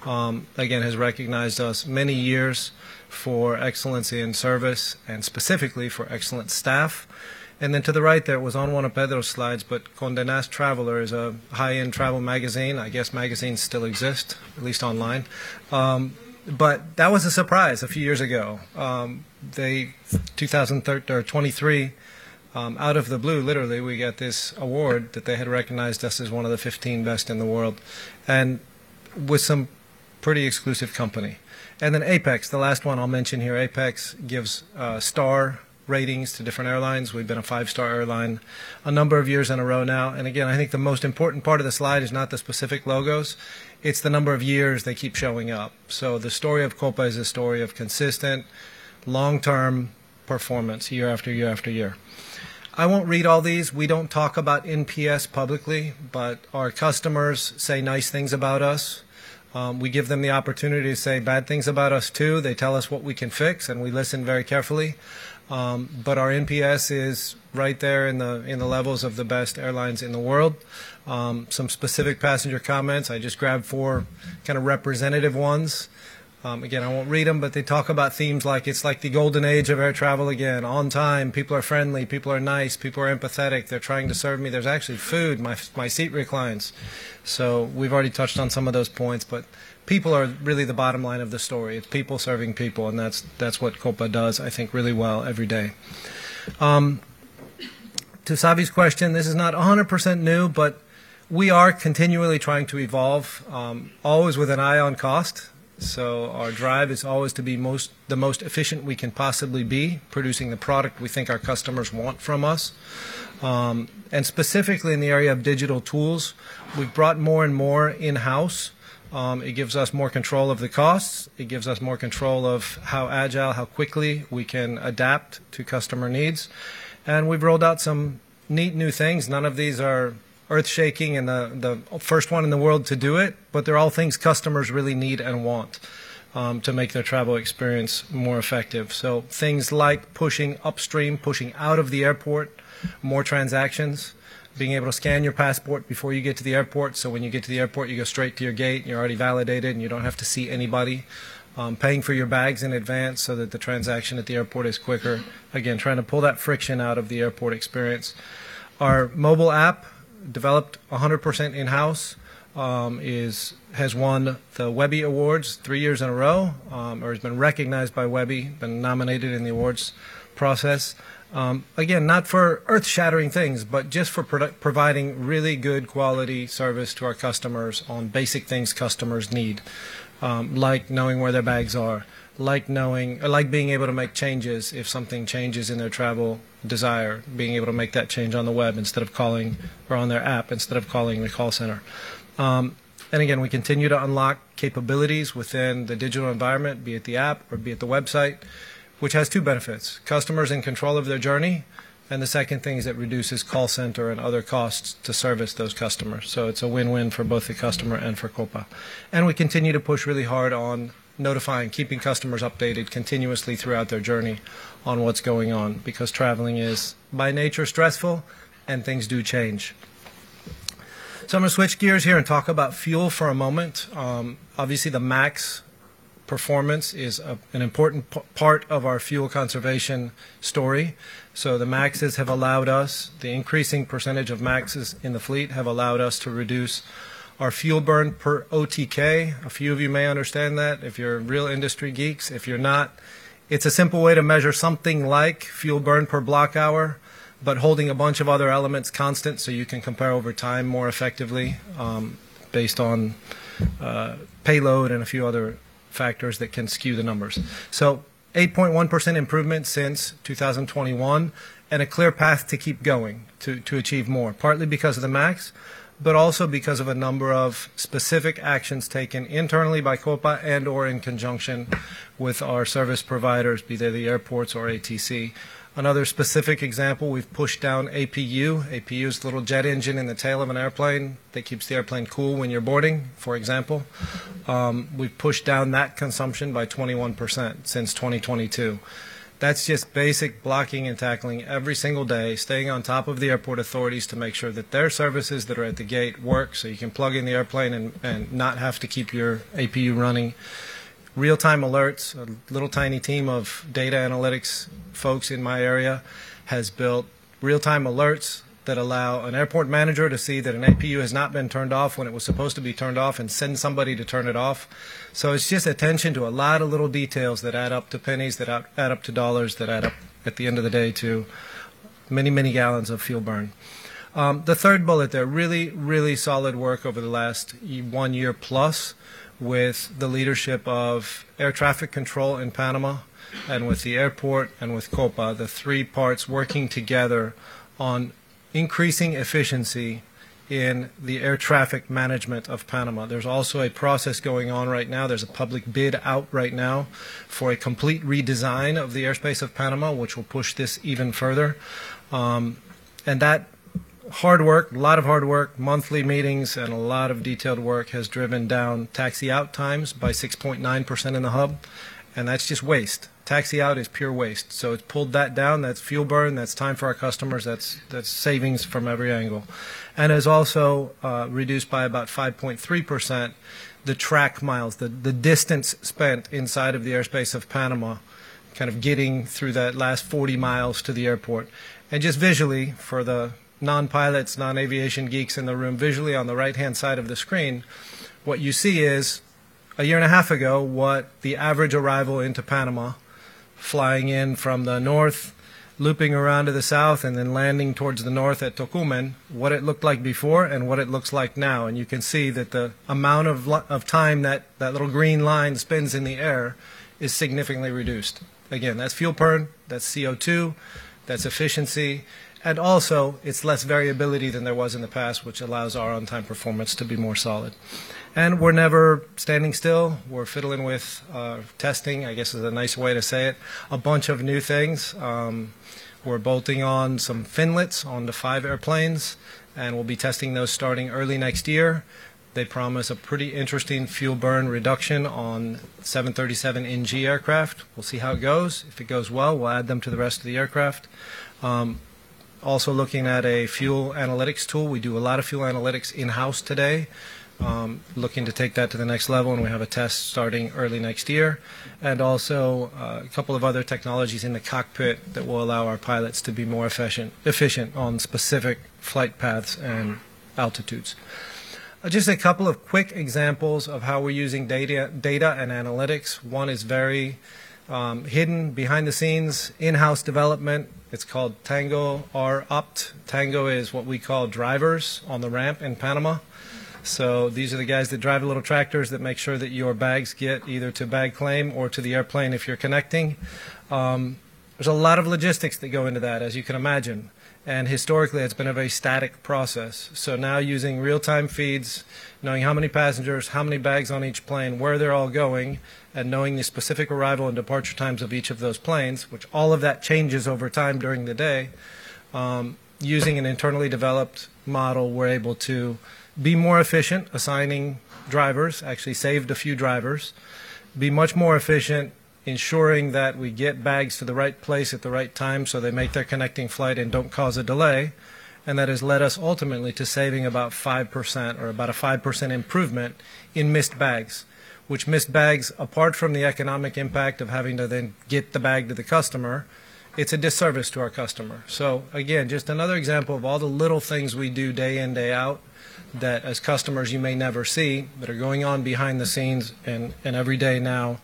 again, has recognized us many years for excellence in service and specifically for excellent staff. Then to the right, there was on one of Pedro's slides, but Condé Nast Traveler is a high-end travel magazine. I guess magazines still exist, at least online. But that was a surprise a few years ago. 2023, out of the blue, literally, we got this award that they had recognized us as one of the 15 best in the world and with some pretty exclusive company. Then APEX, the last one I'll mention here. APEX gives star ratings to different airlines. We've been a five-star airline a number of years in a row now, and again, I think the most important part of the slide is not the specific logos. It's the number of years they keep showing up, so the story of Copa is a story of consistent, long-term performance year after year after year. I won't read all these. We don't talk about NPS publicly, but our customers say nice things about us. We give them the opportunity to say bad things about us too. They tell us what we can fix, and we listen very carefully, but our NPS is right there in the levels of the best airlines in the world. Some specific passenger comments. I just grabbed four kind of representative ones. Again, I won't read them, but they talk about themes like it's like the golden age of air travel again. On time, people are friendly, people are nice, people are empathetic. They're trying to serve me. There's actually food, my seat reclines. So we've already touched on some of those points, but people are really the bottom line of the story. It's people serving people, and that's what Copa does, I think, really well every day. To Savi's question, this is not 100% new, but we are continually trying to evolve, always with an eye on cost. So our drive is always to be the most efficient we can possibly be, producing the product we think our customers want from us. And specifically in the area of digital tools, we've brought more and more in-house. It gives us more control of the costs. It gives us more control of how agile, how quickly we can adapt to customer needs. And we've rolled out some neat new things. None of these are earthshaking and the first one in the world to do it, but they're all things customers really need and want to make their travel experience more effective. So things like pushing upstream, pushing out of the airport, more transactions, being able to scan your passport before you get to the airport. So when you get to the airport, you go straight to your gate, and you're already validated, and you don't have to see anybody paying for your bags in advance so that the transaction at the airport is quicker. Again, trying to pull that friction out of the airport experience. Our mobile app, developed 100% in-house, has won the Webby Awards three years in a row, or has been recognized by Webby, been nominated in the awards process. Again, not for earth-shattering things, but just for providing really good quality service to our customers on basic things customers need, like knowing where their bags are, like being able to make changes if something changes in their travel desire, being able to make that change on the web instead of calling or on their app instead of calling the call center. And again, we continue to unlock capabilities within the digital environment, be it the app or be it the website, which has two benefits: customers in control of their journey, and the second thing is it reduces call center and other costs to service those customers. So it's a win-win for both the customer and for Copa. And we continue to push really hard on notifying, keeping customers updated continuously throughout their journey on what's going on because traveling is, by nature, stressful, and things do change. I'm going to switch gears here and talk about fuel for a moment. Obviously, the MAX performance is an important part of our fuel conservation story. The MAXs have allowed us, the increasing percentage of MAXs in the fleet have allowed us to reduce our fuel burn per ATK. A few of you may understand that if you're real industry geeks. If you're not, it's a simple way to measure something like fuel burn per block hour, but holding a bunch of other elements constant so you can compare over time more effectively based on payload and a few other factors that can skew the numbers. So 8.1% improvement since 2021 and a clear path to keep going to achieve more, partly because of the MAX, but also because of a number of specific actions taken internally by Copa and/or in conjunction with our service providers, be they the airports or ATC. Another specific example, we've pushed down APU. APU is a little jet engine in the tail of an airplane that keeps the airplane cool when you're boarding, for example. We've pushed down that consumption by 21% since 2022. That's just basic blocking and tackling every single day, staying on top of the airport authorities to make sure that their services that are at the gate work so you can plug in the airplane and not have to keep your APU running. Real-time alerts, a little tiny team of data analytics folks in my area has built real-time alerts that allow an airport manager to see that an APU has not been turned off when it was supposed to be turned off and send somebody to turn it off. So it's just attention to a lot of little details that add up to pennies, that add up to dollars, that add up at the end of the day to many, many gallons of fuel burn. The third bullet there, really, really solid work over the last one year plus with the leadership of air traffic control in Panama and with the airport and with Copa, the three parts working together on increasing efficiency in the air traffic management of Panama. There's also a process going on right now. There's a public bid out right now for a complete redesign of the airspace of Panama, which will push this even further. And that hard work, a lot of hard work, monthly meetings, and a lot of detailed work has driven down taxi-out times by 6.9% in the hub. And that's just waste. Taxi-out is pure waste. So it's pulled that down. That's fuel burn. That's time for our customers. That's savings from every angle. And it's also reduced by about 5.3% the track miles, the distance spent inside of the airspace of Panama, kind of getting through that last 40 miles to the airport. Just visually, for the non-pilots, non-aviation geeks in the room, visually on the right-hand side of the screen, what you see is a year and a half ago what the average arrival into Panama, flying in from the north, looping around to the south, and then landing towards the north at Tocumen, what it looked like before and what it looks like now. You can see that the amount of time that that little green line spends in the air is significantly reduced. Again, that's fuel burn. That's CO2. That's efficiency. Also, it's less variability than there was in the past, which allows our on-time performance to be more solid. We're never standing still. We're fiddling with testing, I guess is a nice way to say it, a bunch of new things. We're bolting on some finlets on the five airplanes, and we'll be testing those starting early next year. They promise a pretty interesting fuel burn reduction on 737 NG aircraft. We'll see how it goes. If it goes well, we'll add them to the rest of the aircraft. Also looking at a fuel analytics tool. We do a lot of fuel analytics in-house today, looking to take that to the next level, and we have a test starting early next year. And also a couple of other technologies in the cockpit that will allow our pilots to be more efficient on specific flight paths and altitudes. Just a couple of quick examples of how we're using data and analytics. One is very hidden behind the scenes, in-house development. It's called Tango R-Opt. Tango is what we call drivers on the ramp in Panama. These are the guys that drive the little tractors that make sure that your bags get either to bag claim or to the airplane if you're connecting. There's a lot of logistics that go into that, as you can imagine. Historically, it's been a very static process. Now using real-time feeds, knowing how many passengers, how many bags on each plane, where they're all going, and knowing the specific arrival and departure times of each of those planes, which all of that changes over time during the day. Using an internally developed model, we're able to be more efficient assigning drivers, actually saved a few drivers, be much more efficient ensuring that we get bags to the right place at the right time so they make their connecting flight and don't cause a delay. And that has led us ultimately to saving about 5% or about a 5% improvement in missed bags, which missed bags, apart from the economic impact of having to then get the bag to the customer, it's a disservice to our customer. So again, just another example of all the little things we do day in, day out that as customers, you may never see, but are going on behind the scenes and every day now,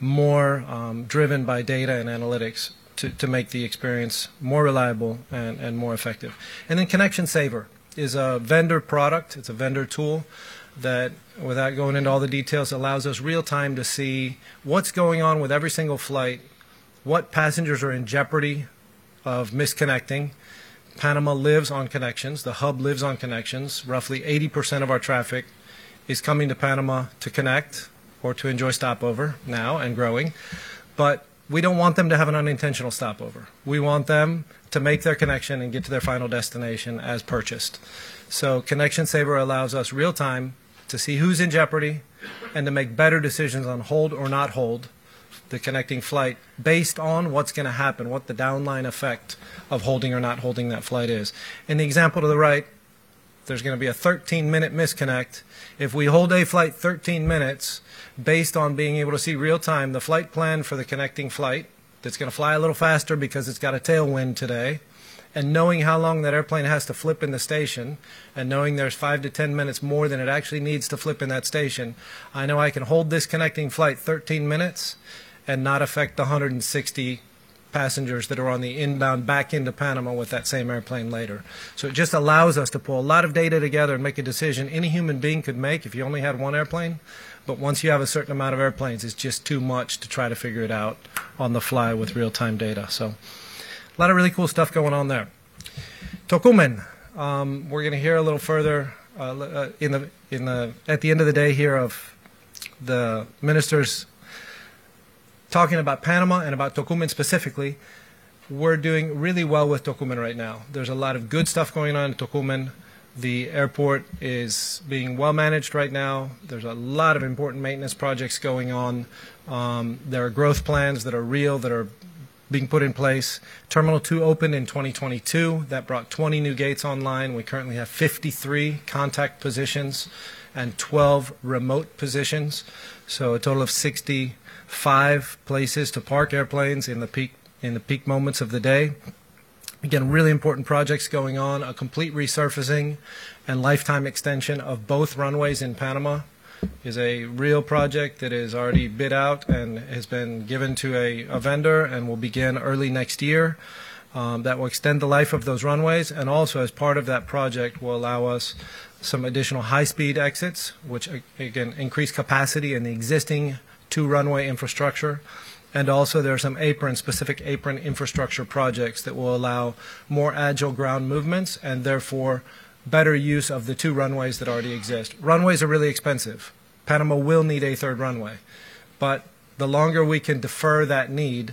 more driven by data and analytics to make the experience more reliable and more effective. And then Connection Saver is a vendor product. It's a vendor tool that, without going into all the details, allows us real-time to see what's going on with every single flight, what passengers are in jeopardy of misconnecting. Panama lives on connections. The hub lives on connections. Roughly 80% of our traffic is coming to Panama to connect or to enjoy stopover now and growing. But we don't want them to have an unintentional stopover. We want them to make their connection and get to their final destination as purchased. So Connection Saver allows us real-time to see who's in jeopardy and to make better decisions on hold or not hold the connecting flight based on what's going to happen, what the downline effect of holding or not holding that flight is. In the example to the right, there's going to be a 13-minute misconnect. If we hold a flight 13 minutes, based on being able to see real-time the flight plan for the connecting flight that's going to fly a little faster because it's got a tailwind today, and knowing how long that airplane has to flip in the station, and knowing there's 5 to 10 minutes more than it actually needs to flip in that station, I know I can hold this connecting flight 13 minutes and not affect the 160 passengers that are on the inbound back into Panama with that same airplane later. So it just allows us to pull a lot of data together and make a decision any human being could make if you only had one airplane. But once you have a certain amount of airplanes, it's just too much to try to figure it out on the fly with real-time data. So a lot of really cool stuff going on there. Tocumen. We're going to hear a little further at the end of the day here of the ministers talking about Panama and about Tocumen specifically. We're doing really well with Tocumen right now. There's a lot of good stuff going on in Tocumen. The airport is being well-managed right now. There's a lot of important maintenance projects going on. There are growth plans that are real that are being put in place. Terminal 2 opened in 2022. That brought 20 new gates online. We currently have 53 contact positions and 12 remote positions. So a total of 65 places to park airplanes in the peak moments of the day. Again, really important projects going on. A complete resurfacing and lifetime extension of both runways in Panama is a real project that is already bid out and has been given to a vendor and will begin early next year. That will extend the life of those runways. And also, as part of that project, will allow us some additional high-speed exits, which, again, increase capacity in the existing two-runway infrastructure. And also, there are some specific apron infrastructure projects that will allow more agile ground movements and therefore better use of the two runways that already exist. Runways are really expensive. Panama will need a third runway. But the longer we can defer that need,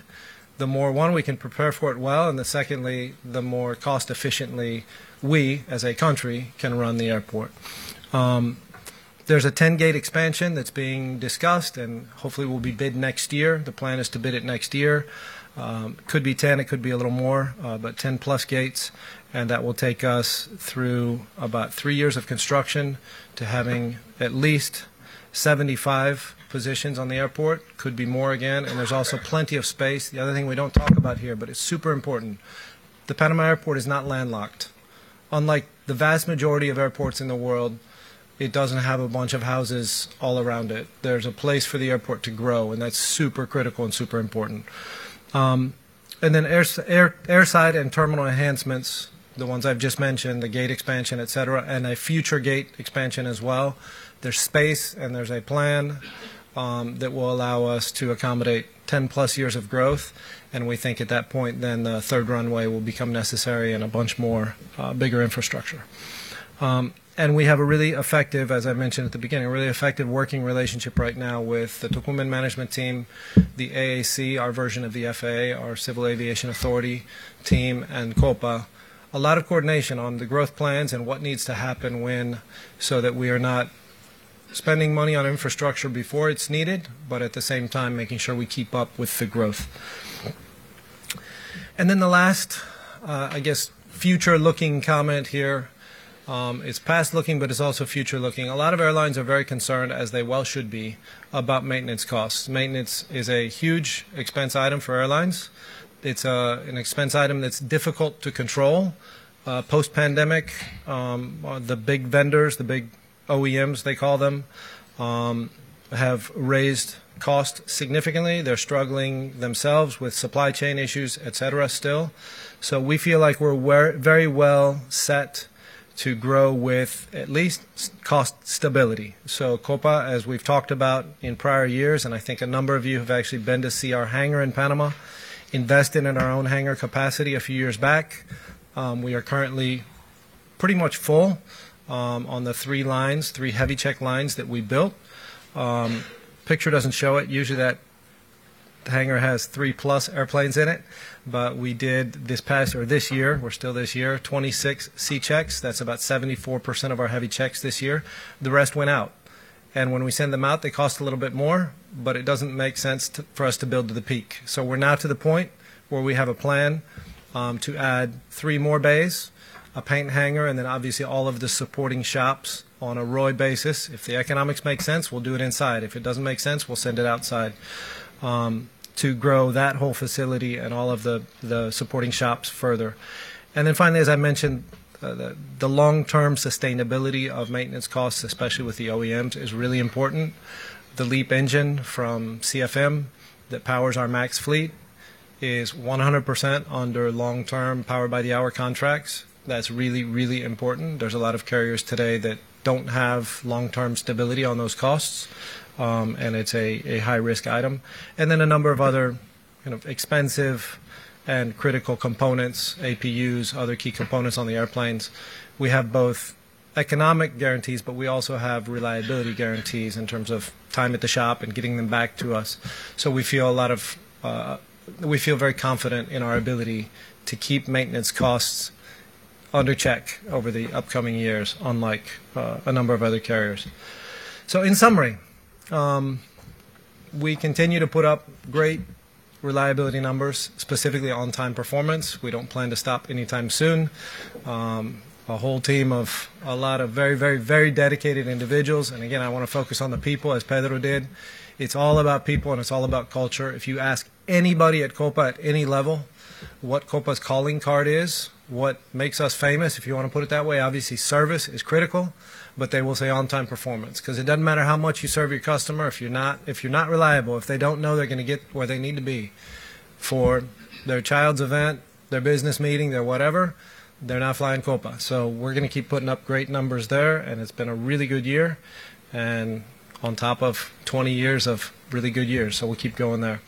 the more one, we can prepare for it well, and the secondly, the more cost-efficiently we, as a country, can run the airport. There's a 10-gate expansion that's being discussed and hopefully will be bid next year. The plan is to build it next year. Could be 10. It could be a little more, but 10-plus gates. And that will take us through about three years of construction to having at least 75 positions at the airport. Could be more again. And there's also plenty of space. The other thing we don't talk about here, but it's super important. The Panama Airport is not landlocked. Unlike the vast majority of airports in the world, it doesn't have a bunch of houses all around it. There's a place for the airport to grow, and that's super critical and super important. And then airside and terminal enhancements, the ones I've just mentioned, the gate expansion, etc., and a future gate expansion as well. There's space, and there's a plan that will allow us to accommodate 10-plus years of growth. We think at that point, then the third runway will become necessary and a bunch more bigger infrastructure. We have a really effective, as I mentioned at the beginning, a really effective working relationship right now with the Tocumen management team, the AAC, our version of the FAA, our Civil Aviation Authority team, and Copa. A lot of coordination on the growth plans and what needs to happen when so that we are not spending money on infrastructure before it's needed, but at the same time, making sure we keep up with the growth. Then the last, I guess, future-looking comment here, it's past-looking, but it's also future-looking. A lot of airlines are very concerned, as they well should be, about maintenance costs. Maintenance is a huge expense item for airlines. It's an expense item that's difficult to control. Post-pandemic, the big vendors, the big OEMs, they call them, have raised costs significantly. They're struggling themselves with supply chain issues, etc., still. So we feel like we're very well set to grow with at least cost stability. So Copa, as we've talked about in prior years, and I think a number of you have actually been to see our hangar in Panama, invested in our own hangar capacity a few years back. We are currently pretty much full on the three lines, three heavy check lines that we built. Picture doesn't show it. Usually, that hangar has three-plus airplanes in it. But we did this past or this year, we're still this year, 26 C-checks. That's about 74% of our heavy checks this year. The rest went out. When we send them out, they cost a little bit more, but it doesn't make sense for us to build to the peak. So we're now to the point where we have a plan to add three more bays, a paint hangar, and then obviously all of the supporting shops on an ROI basis. If the economics make sense, we'll do it inside. If it doesn't make sense, we'll send it outside to grow that whole facility and all of the supporting shops further. And then finally, as I mentioned, the long-term sustainability of maintenance costs, especially with the OEMs, is really important. The LEAP engine from CFM that powers our MAX fleet is 100% under long-term power-by-the-hour contracts. That's really, really important. There's a lot of carriers today that don't have long-term stability on those costs, and it's a high-risk item. And then a number of other expensive and critical components, APUs, other key components on the airplanes. We have both economic guarantees, but we also have reliability guarantees in terms of time at the shop and getting them back to us. So we feel very confident in our ability to keep maintenance costs in check over the upcoming years, unlike a number of other carriers. So in summary, we continue to put up great reliability numbers, specifically on-time performance. We don't plan to stop anytime soon. A whole team of a lot of very, very, very dedicated individuals. And again, I want to focus on the people, as Pedro did. It's all about people, and it's all about culture. If you ask anybody at Copa at any level what Copa's calling card is, what makes us famous, if you want to put it that way, obviously service is critical, but they will say on-time performance. Because it doesn't matter how much you serve your customer. If you're not reliable, if they don't know they're going to get where they need to be for their child's event, their business meeting, their whatever, they're not flying Copa. So we're going to keep putting up great numbers there, and it's been a really good year and on top of 20 years of really good years. So we'll keep going there.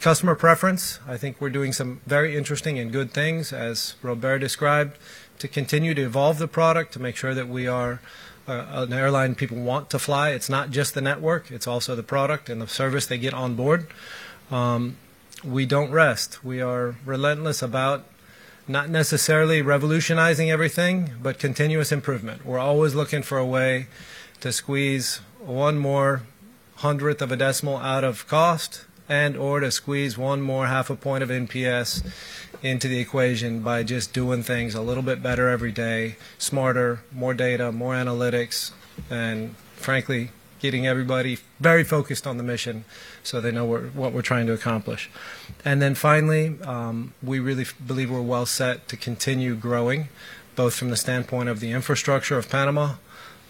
Customer preference, I think we're doing some very interesting and good things, as Robert described, to continue to evolve the product to make sure that we are an airline people want to fly. It's not just the network. It's also the product and the service they get on board. We don't rest. We are relentless about not necessarily revolutionizing everything, but continuous improvement. We're always looking for a way to squeeze one more hundredth of a decimal out of cost and/or to squeeze one more half a point of NPS into the equation by just doing things a little bit better every day, smarter, more data, more analytics, and frankly, getting everybody very focused on the mission so they know what we're trying to accomplish. And then finally, we really believe we're well set to continue growing, both from the standpoint of the infrastructure of Panama,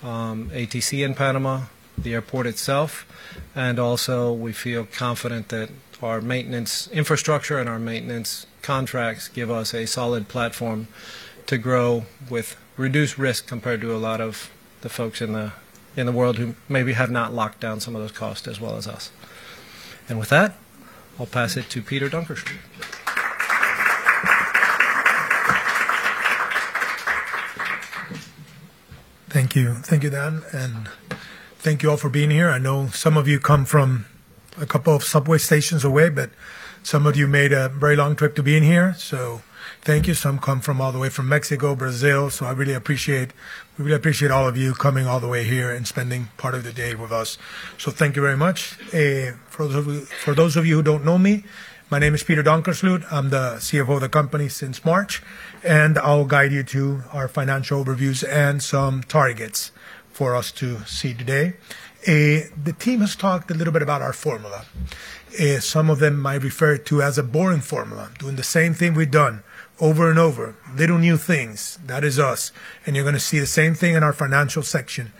ATC in Panama, the airport itself, and also we feel confident that our maintenance infrastructure and our maintenance contracts give us a solid platform to grow with reduced risk compared to a lot of the folks in the world who maybe have not locked down some of those costs as well as us. And with that, I'll pass it to Peter Donkersloot. Thank you. Thank you, Dan, and thank you all for being here. I know some of you come from a couple of subway stations away, but some of you made a very long trip to being here. So thank you. Some come from all the way from Mexico, Brazil. So I really appreciate. We really appreciate all of you coming all the way here and spending part of the day with us. So thank you very much. For those of you who don't know me, my name is Peter Donkersloot. I'm the CFO of the company since March, and I'll guide you through our financial overviews and some targets for us to see today. The team has talked a little bit about our formula. Some of them might refer to it as a boring formula, doing the same thing we've done over and over, little new things. That is us. You're going to see the same thing in our financial section.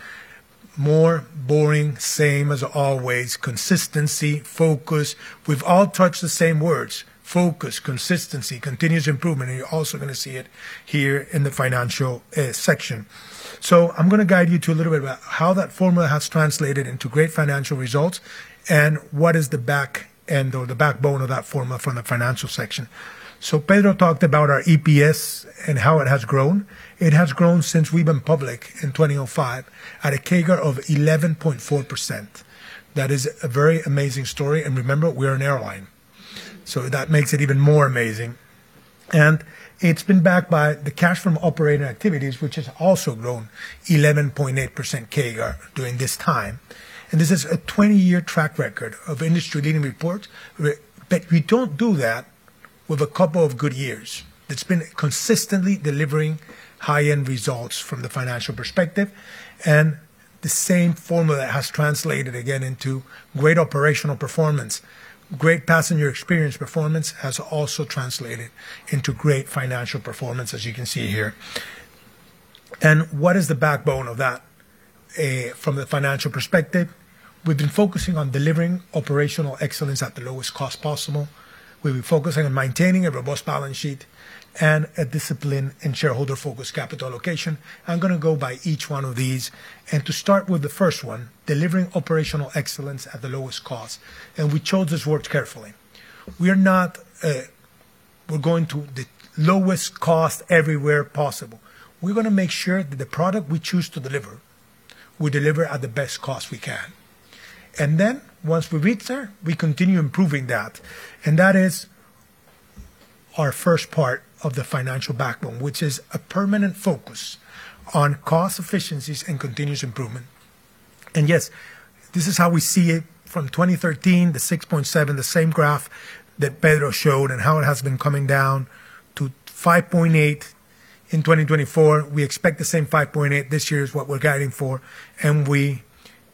More boring, same as always, consistency, focus. We've all touched the same words: focus, consistency, continuous improvement. You're also going to see it here in the financial section. I'm going to guide you through a little bit about how that formula has translated into great financial results and what is the back end or the backbone of that formula from the financial section. Pedro talked about our EPS and how it has grown. It has grown since we've been public in 2005 at a CAGR of 11.4%. That is a very amazing story. Remember, we are an airline. That makes it even more amazing. It's been backed by the cash from operating activities, which has also grown 11.8% CAGR during this time. This is a 20-year track record of industry-leading reports. But we don't do that with a couple of good years. It's been consistently delivering high-end results from the financial perspective. And the same formula has translated again into great operational performance. Great passenger experience performance has also translated into great financial performance, as you can see here. And what is the backbone of that from the financial perspective? We've been focusing on delivering operational excellence at the lowest cost possible. We've been focusing on maintaining a robust balance sheet and a discipline in shareholder-focused capital allocation. I'm going to go by each one of these. And to start with the first one, delivering operational excellence at the lowest cost. And we chose this word carefully. We're going to the lowest cost everywhere possible. We're going to make sure that the product we choose to deliver, we deliver at the best cost we can. Then once we reach there, we continue improving that. That is our first part of the financial backbone, which is a permanent focus on cost efficiencies and continuous improvement. Yes, this is how we see it from 2013, the 6.7, the same graph that Pedro showed and how it has been coming down to 5.8 in 2024. We expect the same 5.8 this year is what we're guiding for. We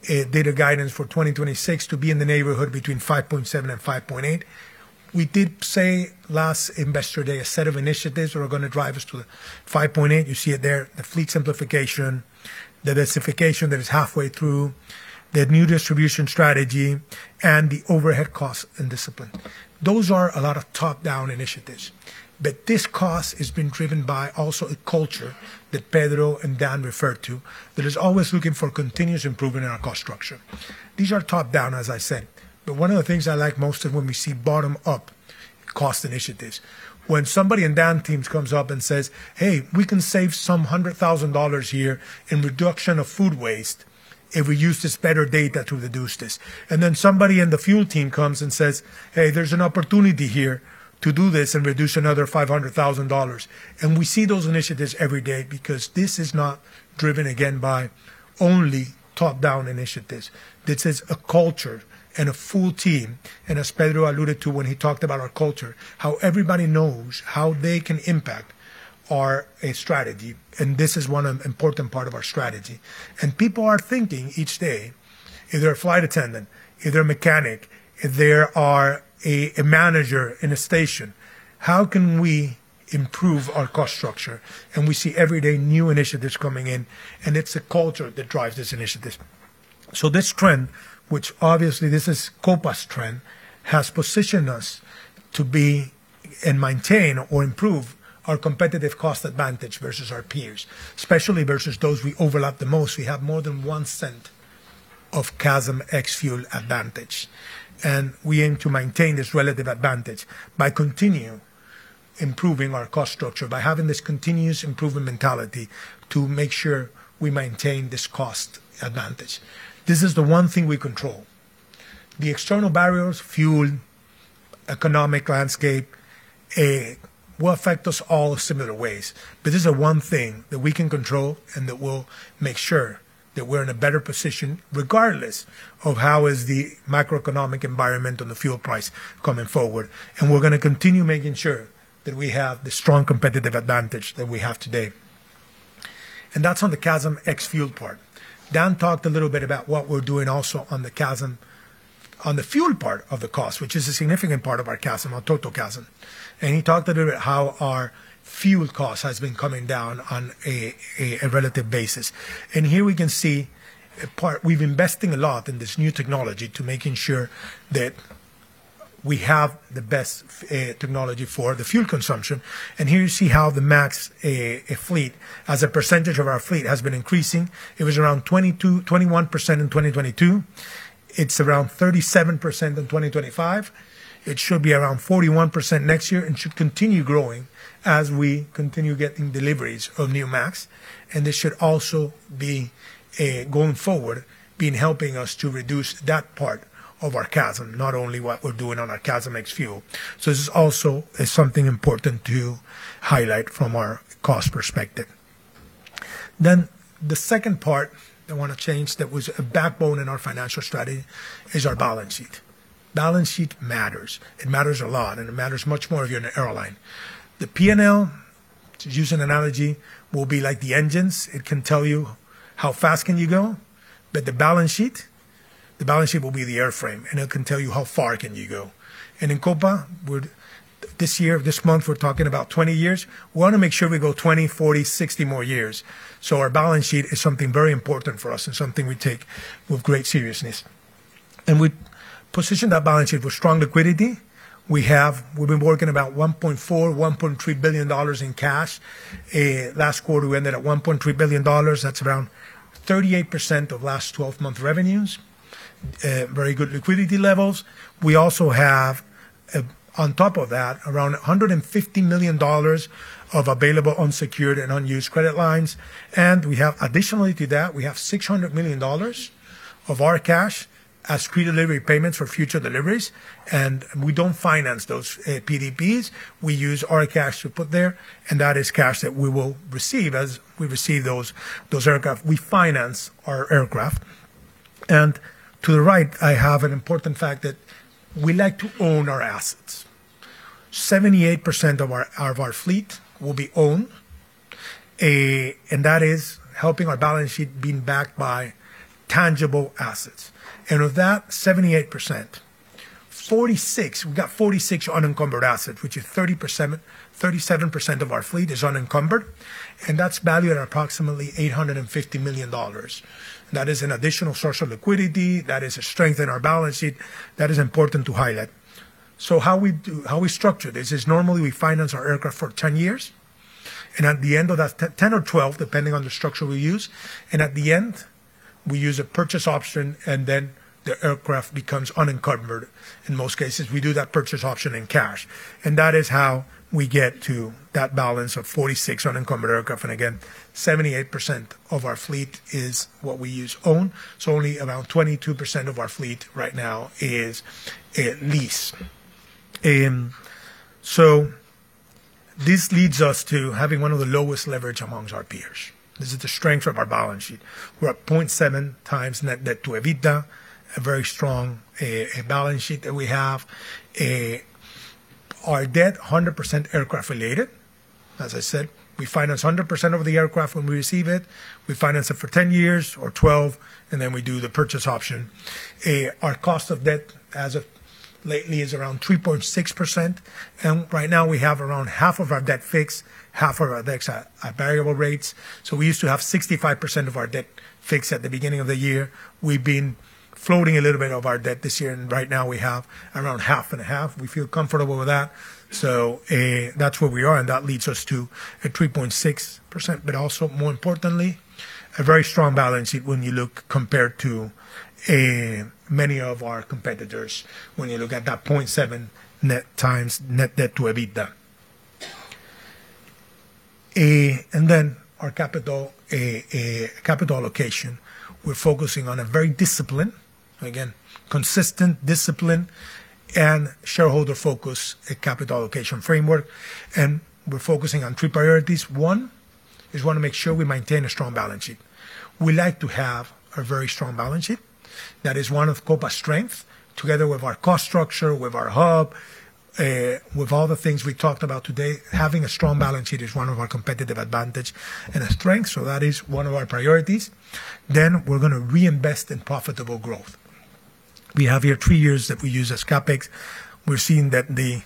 did a guidance for 2026 to be in the neighborhood between 5.7 and 5.8. We did say last Investor Day, a set of initiatives that are going to drive us to 5.8. You see it there, the fleet simplification, the densification that is halfway through, the new distribution strategy, and the overhead cost and discipline. Those are a lot of top-down initiatives. But this cost has been driven by also a culture that Pedro and Dan referred to, that is always looking for continuous improvement in our cost structure. These are top-down, as I said. But one of the things I like most is when we see bottom-up cost initiatives. When somebody in Dan's team comes up and says, "Hey, we can save some $100,000 here in reduction of food waste if we use this better data to reduce this." And then somebody in the fuel team comes and says, "Hey, there's an opportunity here to do this and reduce another $500,000." And we see those initiatives every day because this is not driven, again, by only top-down initiatives. This is a culture and a full team. And as Pedro alluded to when he talked about our culture, how everybody knows how they can impact our strategy. This is one important part of our strategy. People are thinking each day, either a flight attendant, either a mechanic, if there are a manager in a station, how can we improve our cost structure? We see every day new initiatives coming in, and it's a culture that drives these initiatives. This trend, which obviously this is Copa's trend, has positioned us to be and maintain or improve our competitive cost advantage versus our peers, especially versus those we overlap the most. We have more than one cent of CASM ex-fuel advantage. We aim to maintain this relative advantage by continuing improving our cost structure, by having this continuous improvement mentality to make sure we maintain this cost advantage. This is the one thing we control. The external barriers, fuel, economic landscape will affect us all in similar ways. But this is the one thing that we can control and that will make sure that we're in a better position regardless of how is the macroeconomic environment on the fuel price coming forward. And we're going to continue making sure that we have the strong competitive advantage that we have today. And that's on the CASM ex-fuel part. Dan talked a little bit about what we're doing also on the CASM on the fuel part of the cost, which is a significant part of our CASM, our total CASM. And he talked a little bit about how our fuel cost has been coming down on a relative basis. And here we can see we've invested a lot in this new technology to making sure that we have the best technology for the fuel consumption. And here you see how the MAX fleet, as a percentage of our fleet, has been increasing. It was around 21% in 2022. It's around 37% in 2025. It should be around 41% next year and should continue growing as we continue getting deliveries of new MAX. And this should also be going forward, being helping us to reduce that part of our CASM, not only what we're doing on our CASM ex-fuel. So this is also something important to highlight from our cost perspective. Then the second thing that was a backbone in our financial strategy is our balance sheet. Balance sheet matters. It matters a lot, and it matters much more if you're an airline. The P&L, to use an analogy, will be like the engines. It can tell you how fast can you go. The balance sheet, the balance sheet will be the airframe, and it can tell you how far you can go. In Copa, this year, this month, we're talking about 20 years. We want to make sure we go 20, 40, 60 more years. Our balance sheet is something very important for us and something we take with great seriousness. We positioned that balance sheet with strong liquidity. We've been working with about $1.3-$1.4 billion in cash. Last quarter, we ended at $1.3 billion. That's around 38% of last 12-month revenues, very good liquidity levels. We also have, on top of that, around $150 million of available unsecured and unused credit lines. Additionally to that, we have $600 million of our cash as pre-delivery payments for future deliveries. We don't finance those PDPs. We use our cash to put there. That is cash that we will receive as we receive those aircraft. We finance our aircraft. To the right, I have an important fact that we like to own our assets. 78% of our fleet will be owned. That is helping our balance sheet being backed by tangible assets. Of that 78%, we've got 46 unencumbered assets, which is 37% of our fleet is unencumbered. That's valued at approximately $850 million. That is an additional source of liquidity. That is a strength in our balance sheet. That is important to highlight. How we structure this is normally we finance our aircraft for 10 years. At the end of that, 10 or 12, depending on the structure we use. At the end, we use a purchase option, and then the aircraft becomes unencumbered. In most cases, we do that purchase option in cash. That is how we get to that balance of 46 unencumbered aircraft. Again, 78% of our fleet is what we use owned. So only around 22% of our fleet right now is lease. So this leads us to having one of the lowest leverage amongst our peers. This is the strength of our balance sheet. We're at 0.7 times net debt to EBITDA, a very strong balance sheet that we have. Our debt, 100% aircraft-related. As I said, we finance 100% of the aircraft when we receive it. We finance it for 10 years or 12, and then we do the purchase option. Our cost of debt lately is around 3.6%. And right now, we have around half of our debt fixed, half of our debts at variable rates. So we used to have 65% of our debt fixed at the beginning of the year. We've been floating a little bit of our debt this year, and right now, we have around half and a half. We feel comfortable with that, so that's where we are, and that leads us to a 3.6%, but also, more importantly, a very strong balance sheet when you look compared to many of our competitors when you look at that 0.7x net debt to EBITDA. Our capital allocation, we're focusing on a very disciplined, again, consistent discipline and shareholder-focused capital allocation framework, and we're focusing on three priorities. One is we want to make sure we maintain a strong balance sheet. We like to have a very strong balance sheet. That is one of Copa's strengths. Together with our cost structure, with our hub, with all the things we talked about today, having a strong balance sheet is one of our competitive advantages and strengths. So that is one of our priorities. Then we're going to reinvest in profitable growth. We have here three years that we use as CAPEX. We're seeing that the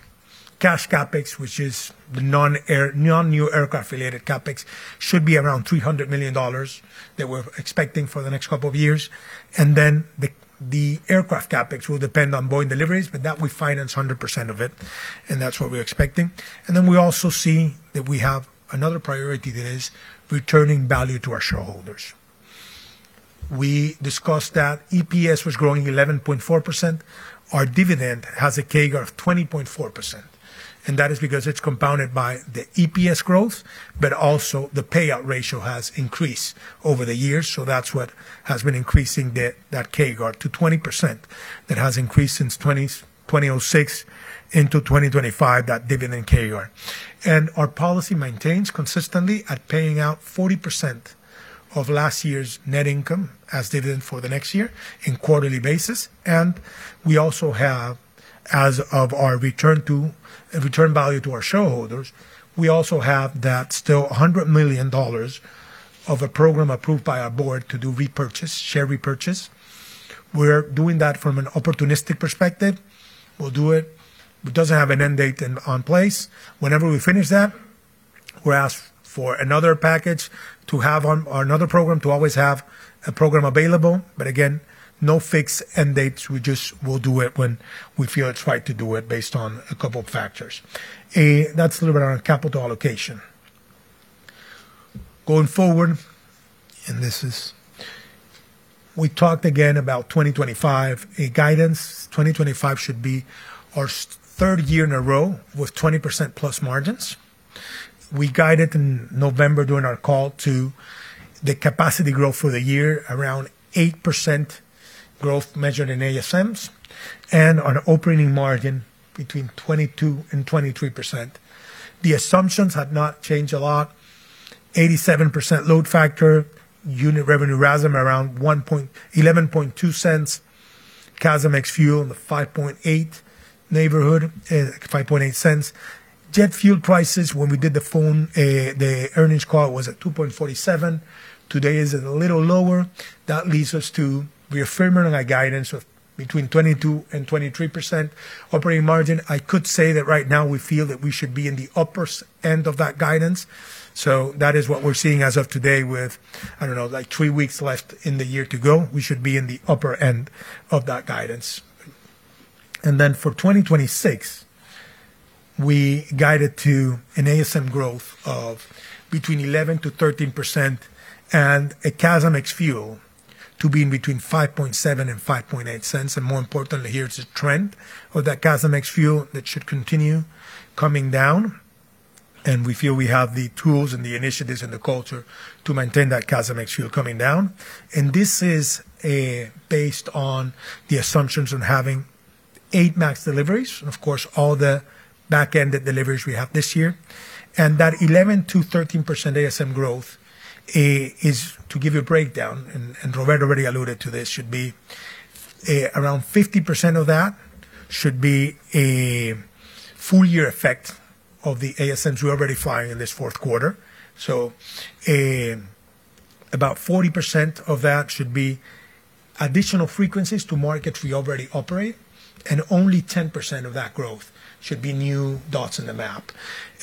cash CAPEX, which is the non-new aircraft-related CAPEX, should be around $300 million that we're expecting for the next couple of years. And then the aircraft CAPEX will depend on Boeing deliveries, but that we finance 100% of it. And that's what we're expecting. And then we also see that we have another priority that is returning value to our shareholders. We discussed that EPS was growing 11.4%. Our dividend has a CAGR of 20.4%. And that is because it's compounded by the EPS growth, but also the payout ratio has increased over the years. So that's what has been increasing that CAGR to 20%. That has increased since 2006 into 2025, that dividend CAGR. Our policy maintains consistently at paying out 40% of last year's net income as dividend for the next year on a quarterly basis. And we also have, as of our return value to our shareholders, we also have that still $100 million of a program approved by our board to do repurchase, share repurchase. We're doing that from an opportunistic perspective. We'll do it. It doesn't have an end date in place. Whenever we finish that, we're asked for another package to have on another program to always have a program available. But again, no fixed end dates. We'll do it when we feel it's right to do it based on a couple of factors. That's a little bit on our capital allocation. Going forward, and this is we talked again about 2025 guidance. 2025 should be our third year in a row with 20% plus margins. We guided in November during our call to the capacity growth for the year, around 8% growth measured in ASMs and an operating margin between 22% and 23%. The assumptions have not changed a lot. 87% load factor, unit revenue RASM around $0.112, CASM ex-fuel in the 5.8 neighborhood, $0.058. Jet fuel prices, when we did the earnings call, was at $2.47. Today is a little lower. That leads us to reaffirming our guidance of between 22% and 23% operating margin. I could say that right now we feel that we should be in the upper end of that guidance. So that is what we're seeing as of today with, I don't know, like three weeks left in the year to go. We should be in the upper end of that guidance. And then for 2026, we guided to an ASM growth of between 11%-13% and a CASM ex-fuel to be between $0.057 and $0.058. And more importantly, here's the trend of that CASM ex-fuel that should continue coming down. And we feel we have the tools and the initiatives and the culture to maintain that CASM ex-fuel coming down. And this is based on the assumptions on having eight MAX deliveries, of course, all the back-ended deliveries we have this year. And that 11%-13% ASM growth is, to give you a breakdown, and Robert already alluded to this, should be around 50% of that should be a full-year effect of the ASMs we're already flying in this fourth quarter. So about 40% of that should be additional frequencies to markets we already operate. Only 10% of that growth should be new dots in the map.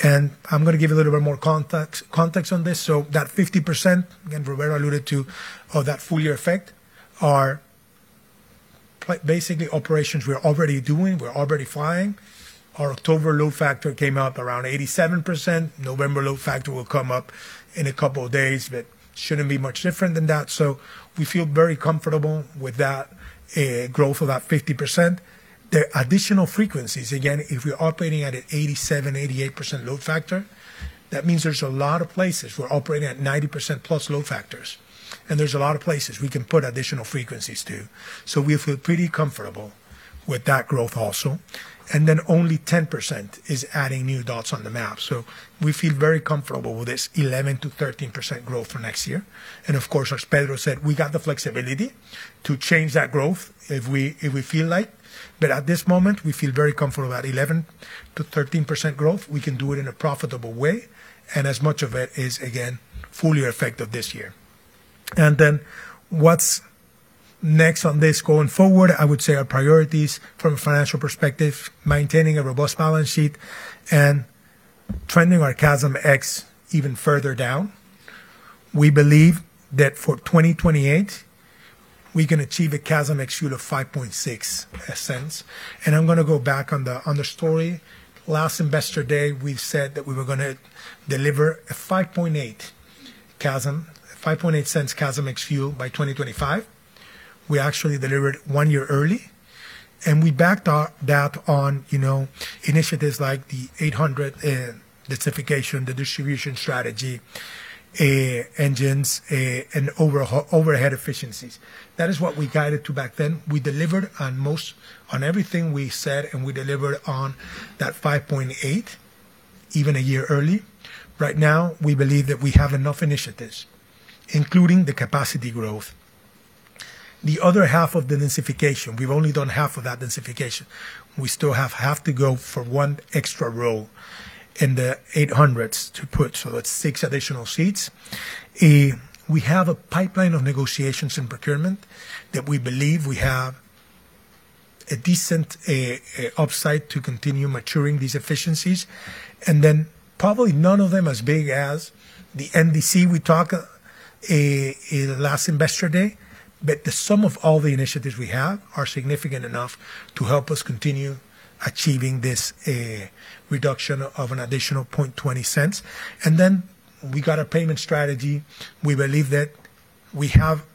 I'm going to give you a little bit more context on this. That 50%, again, Robert alluded to, of that full-year effect are basically operations we're already doing. We're already flying. Our October load factor came up around 87%. November load factor will come up in a couple of days, but shouldn't be much different than that. We feel very comfortable with that growth of that 50%. The additional frequencies, again, if we're operating at an 87%-88% load factor, that means there's a lot of places we're operating at 90% plus load factors. There's a lot of places we can put additional frequencies to. We feel pretty comfortable with that growth also. Only 10% is adding new dots on the map. We feel very comfortable with this 11%-13% growth for next year. And of course, as Pedro said, we got the flexibility to change that growth if we feel like. But at this moment, we feel very comfortable at 11%-13% growth. We can do it in a profitable way. And as much of it is, again, fully effective this year. And then what's next on this going forward, I would say our priorities from a financial perspective, maintaining a robust balance sheet and trending our CASM ex-fuel even further down. We believe that for 2028, we can achieve a CASM ex-fuel of $0.056. And I'm going to go back on the story. Last investor day, we said that we were going to deliver a $0.058 CASM ex-fuel by 2025. We actually delivered one year early. And we backed that on initiatives like the 800, the certification, the distribution strategy, engines, and overhead efficiencies. That is what we guided to back then. We delivered on everything we said, and we delivered on that 5.8 even a year early. Right now, we believe that we have enough initiatives, including the capacity growth. The other half of the densification, we've only done half of that densification. We still have half to go for one extra row in the 800s to put. So that's six additional seats. We have a pipeline of negotiations and procurement that we believe we have a decent upside to continue maturing these efficiencies. And then probably none of them as big as the NDC we talked last investor day. But the sum of all the initiatives we have are significant enough to help us continue achieving this reduction of an additional 0.20 cents. Then we got a payment strategy. We believe that we have,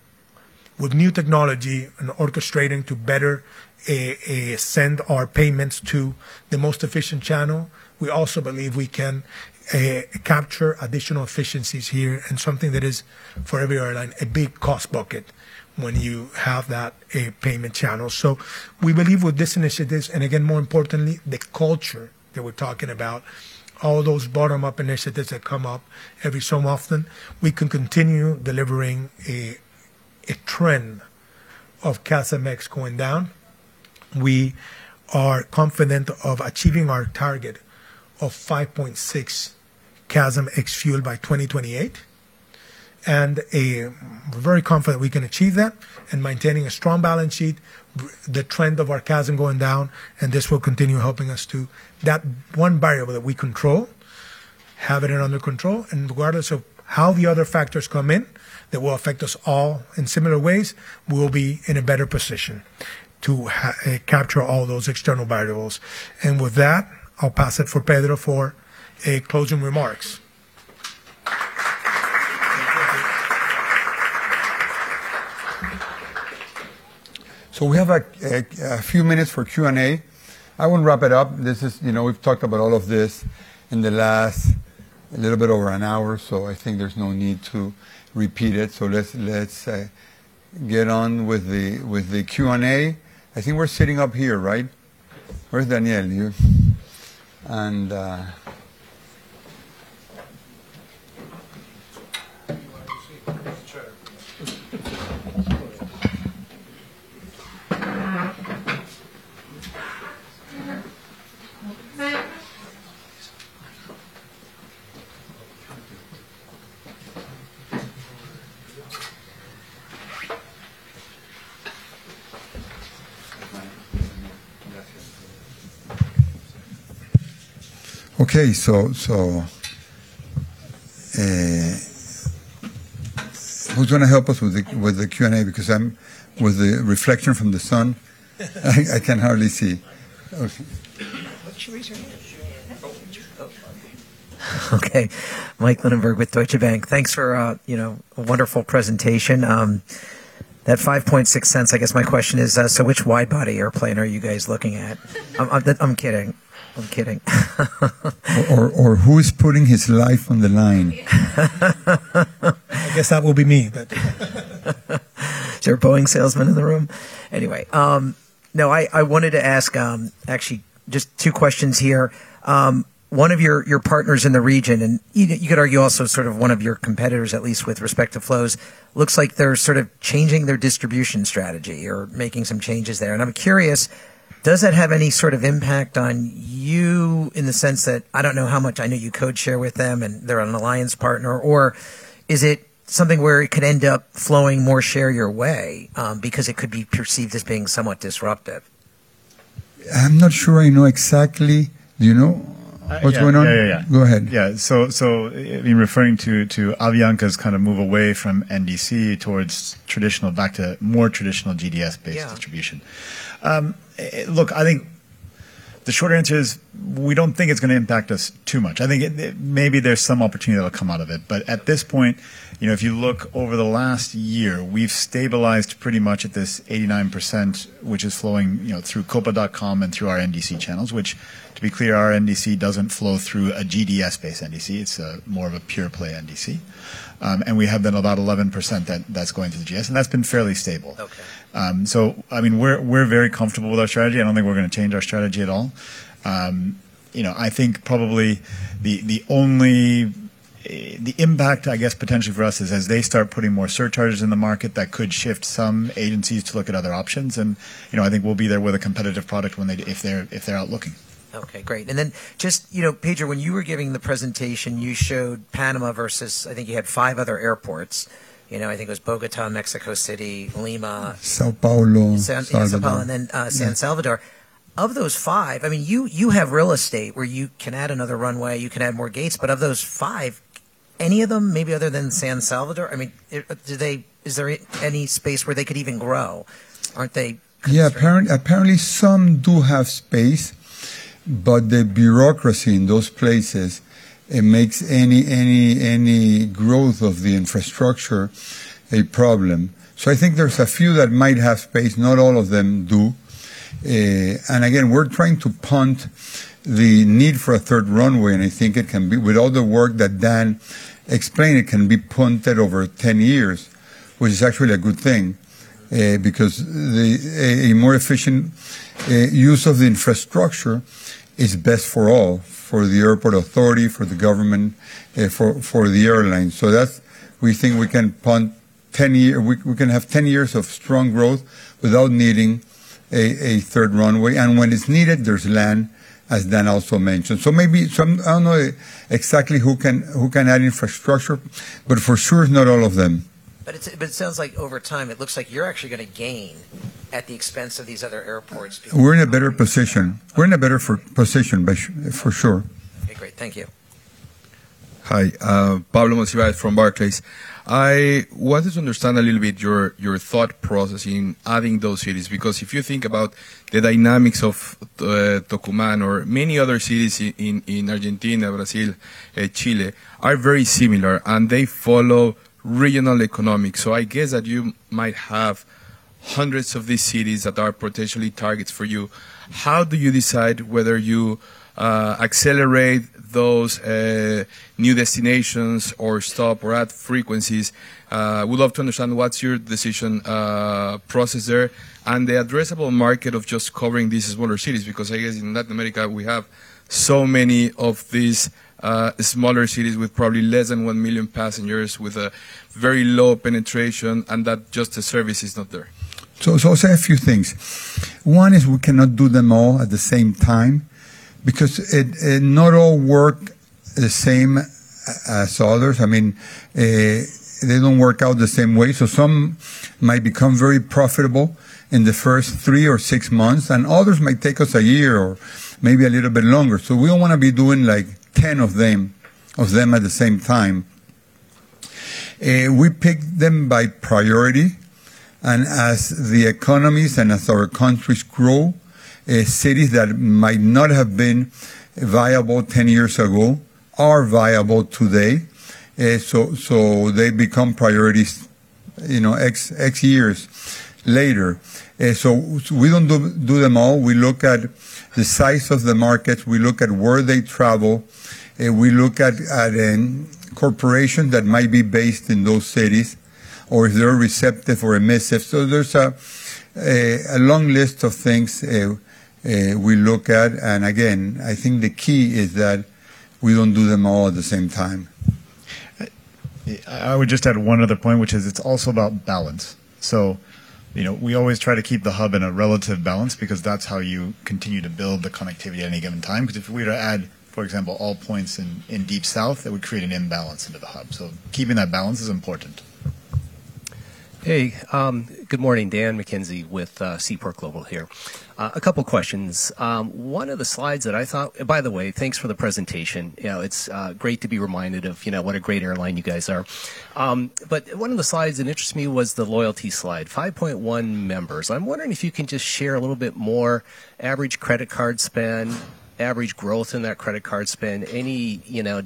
with new technology and orchestrating to better send our payments to the most efficient channel. We also believe we can capture additional efficiencies here and something that is, for every airline, a big cost bucket when you have that payment channel. So we believe with this initiative, and again, more importantly, the culture that we're talking about, all those bottom-up initiatives that come up every so often, we can continue delivering a trend of CASM ex going down. We are confident of achieving our target of 5.6 CASM ex-fuel by 2028. And we're very confident we can achieve that and maintaining a strong balance sheet, the trend of our CASM going down. And this will continue helping us to that one variable that we control, have it under control. Regardless of how the other factors come in that will affect us all in similar ways, we will be in a better position to capture all those external variables. And with that, I'll pass it for Pedro for closing remarks. So we have a few minutes for Q&A. I want to wrap it up. We've talked about all of this in the last a little bit over an hour. So I think there's no need to repeat it. So let's get on with the Q&A. I think we're sitting up here, right? Where's Daniel? You. And okay, so who's going to help us with the Q&A? Because with the reflection from the sun, I can hardly see. Okay. Michael Linenberg with Deutsche Bank. Thanks for a wonderful presentation. That 5.6 cents, I guess my question is, so which widebody airplane are you guys looking at? I'm kidding. I'm kidding. Or who's putting his life on the line? I guess that will be me. Is there a Boeing salesman in the room? Anyway, no, I wanted to ask actually just two questions here. One of your partners in the region, and you could argue also sort of one of your competitors, at least with respect to flows, looks like they're sort of changing their distribution strategy or making some changes there. And I'm curious, does that have any sort of impact on you in the sense that I don't know how much I know you code-share with them and they're an alliance partner, or is it something where it could end up flowing more share your way because it could be perceived as being somewhat disruptive? I'm not sure I know exactly what's going on. Go ahead. Yeah. So I mean, referring to Avianca's kind of move away from NDC towards traditional back to more traditional GDS-based distribution. Look, I think the short answer is we don't think it's going to impact us too much. I think maybe there's some opportunity that'll come out of it. But at this point, if you look over the last year, we've stabilized pretty much at this 89%, which is flowing through copa.com and through our NDC channels, which, to be clear, our NDC doesn't flow through a GDS-based NDC. It's more of a pure-play NDC. And we have been about 11% that's going to the GDS. And that's been fairly stable. So I mean, we're very comfortable with our strategy. I don't think we're going to change our strategy at all. I think probably the impact, I guess, potentially for us is as they start putting more surcharges in the market, that could shift some agencies to look at other options. And I think we'll be there with a competitive product if they're out looking. Okay. Great. And then just, Pedro, when you were giving the presentation, you showed Panama versus I think you had five other airports. I think it was Bogotá, Mexico City, Lima, São Paulo. And then San Salvador. Of those five, I mean, you have real estate where you can add another runway, you can add more gates. But of those five, any of them, maybe other than San Salvador, I mean, is there any space where they could even grow? Aren't they? Yeah. Apparently, some do have space, but the bureaucracy in those places makes any growth of the infrastructure a problem. So I think there's a few that might have space. Not all of them do. And again, we're trying to punt the need for a third runway. And I think it can be, with all the work that Dan explained, it can be punted over 10 years, which is actually a good thing because a more efficient use of the infrastructure is best for all, for the airport authority, for the government, for the airline. So we think we can punt 10 years. We can have 10 years of strong growth without needing a third runway. And when it's needed, there's land, as Dan also mentioned. So I don't know exactly who can add infrastructure, but for sure, not all of them. But it sounds like over time, it looks like you're actually going to gain at the expense of these other airports. We're in a better position. We're in a better position, for sure. Okay. Great. Thank you. Hi. Pablo Monsivais from Barclays. I wanted to understand a little bit your thought process in adding those cities because if you think about the dynamics of Tucumán or many other cities in Argentina, Brazil, Chile, are very similar, and they follow regional economics. So I guess that you might have hundreds of these cities that are potentially targets for you. How do you decide whether you accelerate those new destinations or stop or add frequencies? We'd love to understand what's your decision process there and the addressable market of just covering these smaller cities because I guess in Latin America, we have so many of these smaller cities with probably less than one million passengers with a very low penetration and that just this service is not there. So I'll say a few things. One is we cannot do them all at the same time because not all work the same as others. I mean, they don't work out the same way. So some might become very profitable in the first three or six months, and others might take us a year or maybe a little bit longer. So we don't want to be doing like 10 of them at the same time. We pick them by priority. And as the economies and as our countries grow, cities that might not have been viable 10 years ago are viable today. So they become priorities X years later. So we don't do them all. We look at the size of the markets. We look at where they travel. We look at corporations that might be based in those cities or if they're receptive or emissive. So there's a long list of things we look at. And again, I think the key is that we don't do them all at the same time. I would just add one other point, which is it's also about balance. So we always try to keep the hub in a relative balance because that's how you continue to build the connectivity at any given time. Because if we were to add, for example, all points in deep south, it would create an imbalance into the hub. So keeping that balance is important. Hey. Good morning. Dan McKenzie with Seaport Global here. A couple of questions. One of the slides that I thought, by the way, thanks for the presentation. It's great to be reminded of what a great airline you guys are. But one of the slides that interests me was the loyalty slide, 5.1 members. I'm wondering if you can just share a little bit more average credit card spend, average growth in that credit card spend, any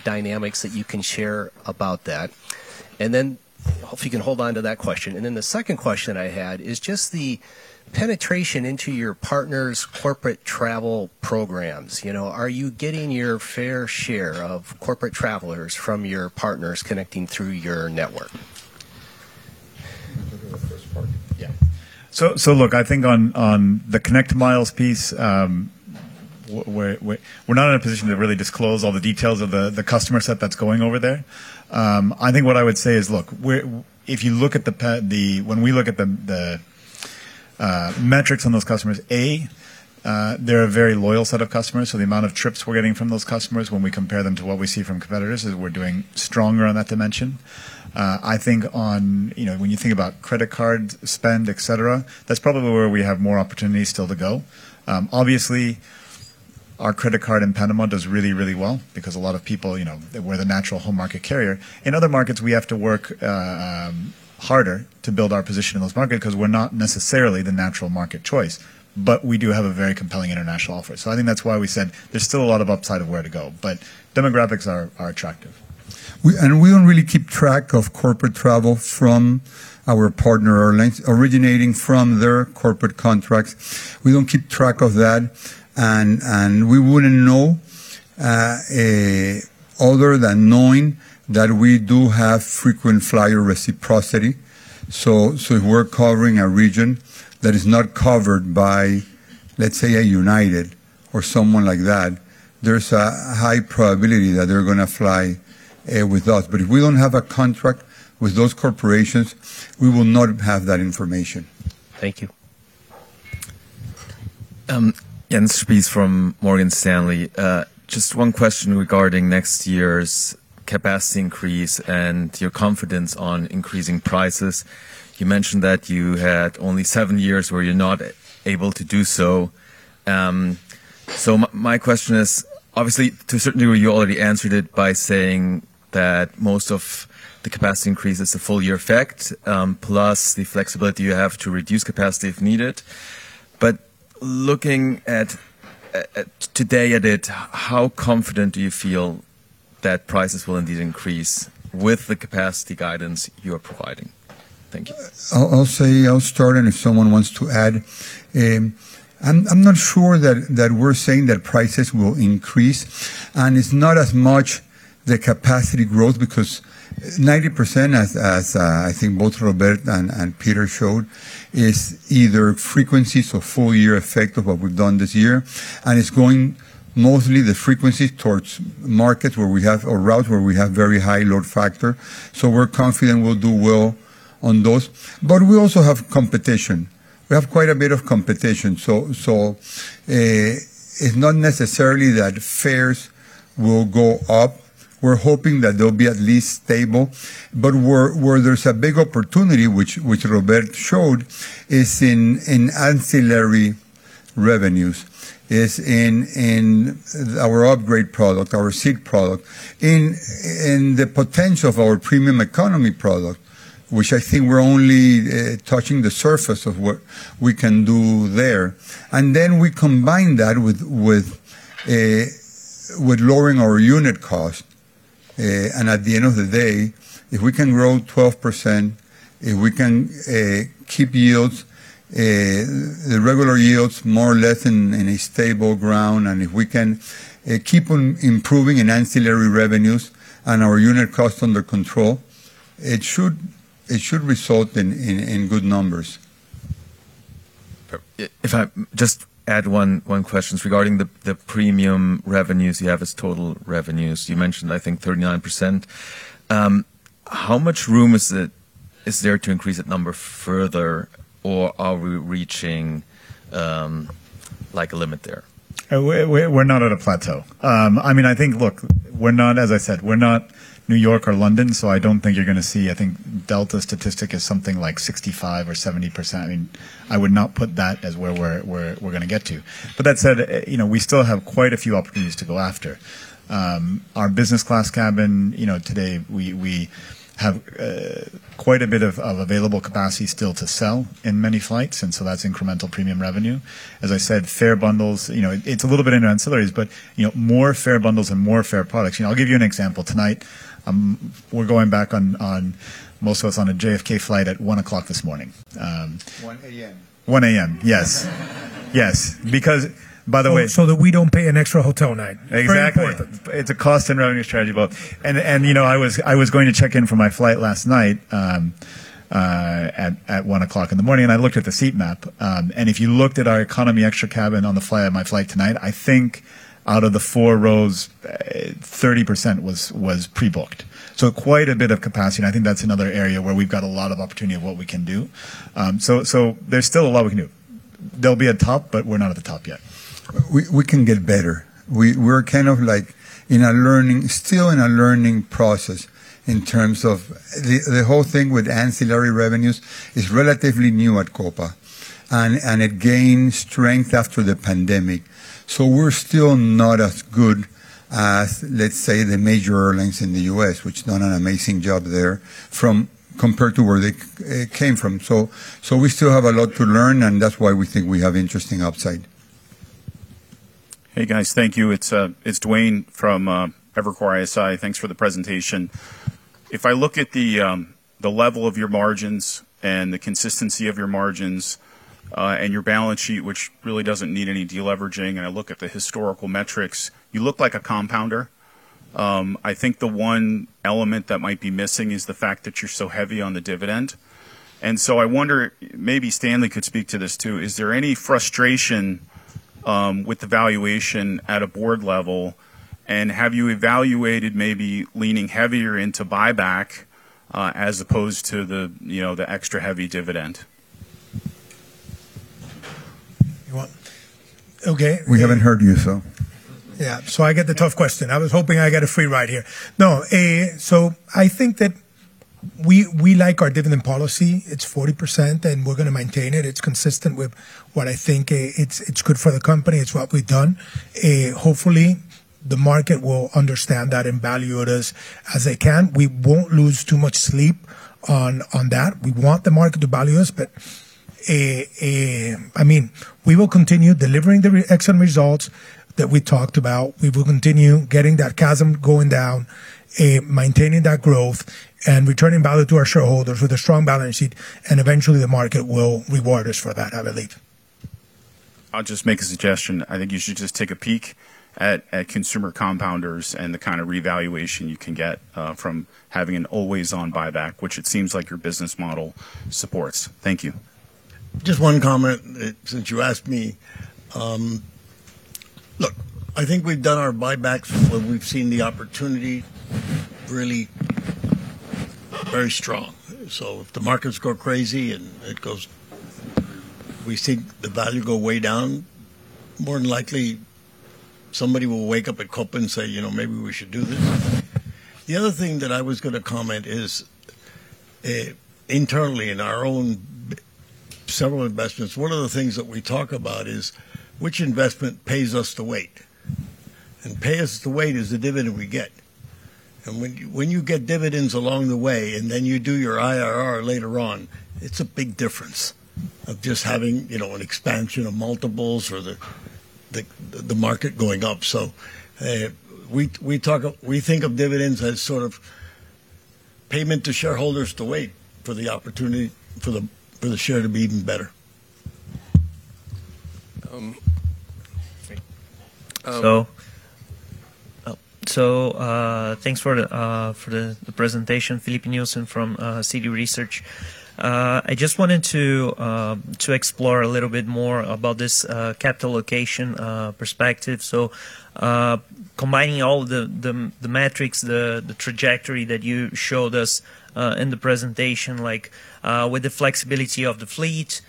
dynamics that you can share about that. And then hopefully you can hold on to that question. And then the second question I had is just the penetration into your partners' corporate travel programs. Are you getting your fair share of corporate travelers from your partners connecting t Through your network? Yeah. So look, I think on the ConnectMiles piece, we're not in a position to really disclose all the details of the customer set that's going over there. I think what I would say is, look, if you look at the when we look at the metrics on those customers, A, they're a very loyal set of customers. So the amount of trips we're getting from those customers when we compare them to what we see from competitors is we're doing stronger on that dimension. I think when you think about credit card spend, etc., that's probably where we have more opportunity still to go. Obviously, our credit card in Panama does really, really well because a lot of people, we're the natural home market carrier. In other markets, we have to work harder to build our position in those markets because we're not necessarily the natural market choice, but we do have a very compelling international offer. So I think that's why we said there's still a lot of upside of where to go, but demographics are attractive, and we don't really keep track of corporate travel from our partner airlines originating from their corporate contracts. We don't keep track of that. We wouldn't know other than knowing that we do have frequent flyer reciprocity. So if we're covering a region that is not covered by, let's say, a United or someone like that, there's a high probability that they're going to fly with us. But if we don't have a contract with those corporations, we will not have that information. Thank you. Jens Spiess from Morgan Stanley. Just one question regarding next year's capacity increase and your confidence on increasing prices. You mentioned that you had only seven years where you're not able to do so. So my question is, obviously, to a certain degree, you already answered it by saying that most of the capacity increase is a full-year effect, plus the flexibility you have to reduce capacity if needed. But looking at it today, how confident do you feel that prices will indeed increase with the capacity guidance you're providing? Thank you. I'll say I'll start, and if someone wants to add. I'm not sure that we're saying that prices will increase. And it's not as much the capacity growth because 90%, as I think both Robert Carey and Pedro Heilbron showed, is either frequencies or full-year effect of what we've done this year. And it's going mostly the frequency towards markets where we have or routes where we have very high load factor. So we're confident we'll do well on those. But we also have competition. We have quite a bit of competition. So it's not necessarily that fares will go up. We're hoping that they'll be at least stable. But where there's a big opportunity, which Robert showed, is in ancillary revenues, is in our upgrade product, our seat product, in the potential of our premium economy product, which I think we're only touching the surface of what we can do there. And then we combine that with lowering our unit cost. And at the end of the day, if we can grow 12%, if we can keep yields, the regular yields more or less in a stable ground, and if we can keep improving in ancillary revenues and our unit cost under control, it should result in good numbers. If I just add one question regarding the premium revenues you have as total revenues. You mentioned, I think, 39%. How much room is there to increase that number further, or are we reaching a limit there? We're not at a plateau. I mean, I think, look, as I said, we're not New York or London. So I don't think you're going to see, I think, Delta statistic is something like 65% or 70%. I mean, I would not put that as where we're going to get to. But that said, we still have quite a few opportunities to go after. Our business class cabin today, we have quite a bit of available capacity still to sell in many flights. And so that's incremental premium revenue. As I said, fare bundles, it's a little bit in ancillaries, but more fare bundles and more fare products. I'll give you an example. Tonight, we're going back on most of us on a JFK flight at 1 o'clock this morning. 1:00 A.M. Yes. Yes. Because, by the way, so that we don't pay an extra hotel night. Exactly. It's a cost and revenue strategy. And I was going to check in for my flight last night at 1:00 A.M. And I looked at the seat map. And if you looked at our Economy Extra cabin on my flight tonight, I think out of the four rows, 30% was pre-booked. So quite a bit of capacity. And I think that's another area where we've got a lot of opportunity of what we can do. So there's still a lot we can do. There'll be a top, but we're not at the top yet. We can get better. We're kind of still in a learning process in terms of the whole thing with ancillary revenues is relatively new at Copa. And it gained strength after the pandemic. So we're still not as good as, let's say, the major airlines in the US, which done an amazing job there compared to where they came from. So we still have a lot to learn, and that's why we think we have interesting upside. Hey, guys. Thank you. It's Duane from Evercore ISI. Thanks for the presentation. If I look at the level of your margins and the consistency of your margins and your balance sheet, which really doesn't need any deleveraging, and I look at the historical metrics, you look like a compounder. I think the one element that might be missing is the fact that you're so heavy on the dividend. And so I wonder maybe Stanley could speak to this too. Is there any frustration with the valuation at a board level? Have you evaluated maybe leaning heavier into buyback as opposed to the extra heavy dividend? Okay. We haven't heard you, so. Yeah. I get the tough question. I was hoping I got a free ride here. No. I think that we like our dividend policy. It's 40%, and we're going to maintain it. It's consistent with what I think it's good for the company. It's what we've done. Hopefully, the market will understand that and value it as they can. We won't lose too much sleep on that. We want the market to value us. I mean, we will continue delivering the excellent results that we talked about. We will continue getting that CASM going down, maintaining that growth, and returning value to our shareholders with a strong balance sheet. Eventually, the market will reward us for that, I believe. I'll just make a suggestion. I think you should just take a peek at consumer compounders and the kind of revaluation you can get from having an always-on buyback, which it seems like your business model supports. Thank you. Just one comment since you asked me. Look, I think we've done our buybacks where we've seen the opportunity really very strong. So if the markets go crazy and it goes we see the value go way down, more than likely, somebody will wake up at Copa and say, "Maybe we should do this." The other thing that I was going to comment is internally in our own several investments, one of the things that we talk about is which investment pays us the weight. Pay us the weight is the dividend we get. And when you get dividends along the way and then you do your IRR later on, it's a big difference of just having an expansion of multiples or the market going up. So we think of dividends as sort of payment to shareholders to wait for the opportunity for the share to be even better. So thanks for the presentation, Filipe Nielsen from Citi Research. I just wanted to explore a little bit more about this capital allocation perspective. So combining all the metrics, the trajectory that you showed us in the presentation, with the flexibility of the fleet,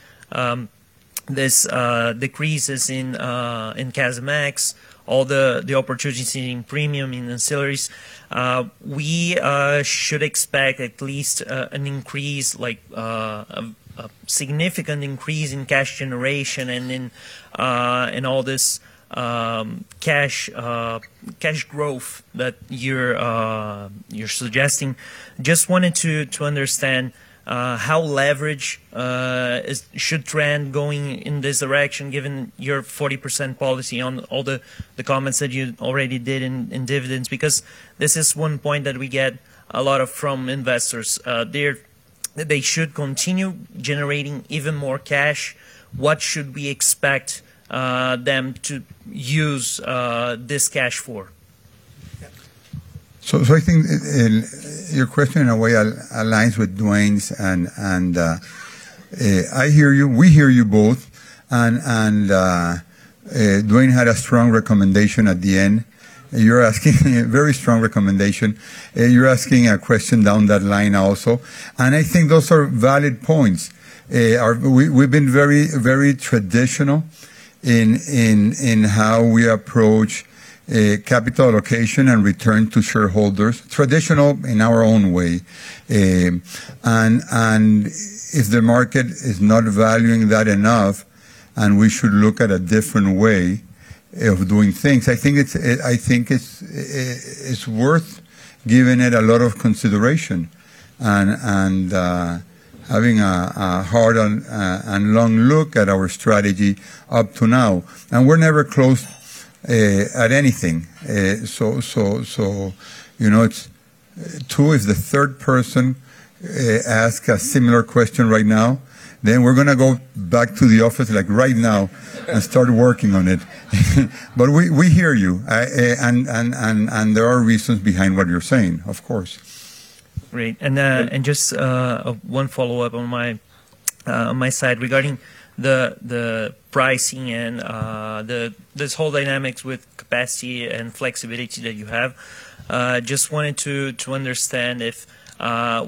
these decreases in CASM ex, all the opportunities in premium, in ancillaries, we should expect at least an increase, a significant increase in cash generation and in all this cash growth that you're suggesting. Just wanted to understand how leverage should trend going in this direction, given your 40% policy on all the comments that you already did in dividends, because this is one point that we get a lot of from investors. They should continue generating even more cash. What should we expect them to use this cash for? So I think your question in a way aligns with Duane's. And I hear you. We hear you both. And Duane had a strong recommendation at the end. You're asking a very strong recommendation. You're asking a question down that line also. And I think those are valid points. We've been very traditional in how we approach capital allocation and return to shareholders, traditional in our own way. And if the market is not valuing that enough, and we should look at a different way of doing things, I think it's worth giving it a lot of consideration and having a hard and long look at our strategy up to now. And we're never close at anything. So two, if the third person asks a similar question right now, then we're going to go back to the office right now and start working on it. But we hear you. And there are reasons behind what you're saying, of course. Great. And just one follow-up on my side regarding the pricing and this whole dynamics with capacity and flexibility that you have. Just wanted to understand if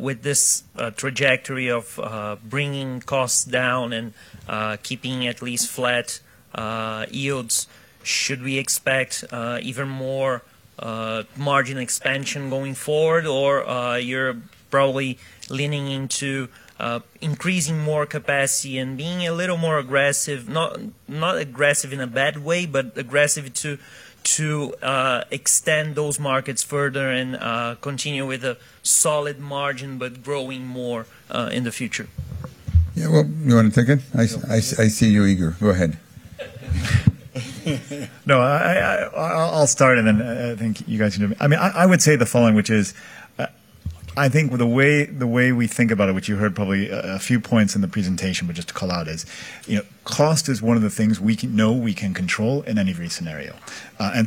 with this trajectory of bringing costs down and keeping at least flat yields, should we expect even more margin expansion going forward, or you're probably leaning into increasing more capacity and being a little more aggressive, not aggressive in a bad way, but aggressive to extend those markets further and continue with a solid margin, but growing more in the future? Yeah. Well, you want to take it? I see you're eager. Go ahead. No, I'll start, and then I think you guys can do it. I mean, I would say the following, which is I think the way we think about it, which you heard probably a few points in the presentation, but just to call out, cost is one of the things we know we can control in any of these scenarios.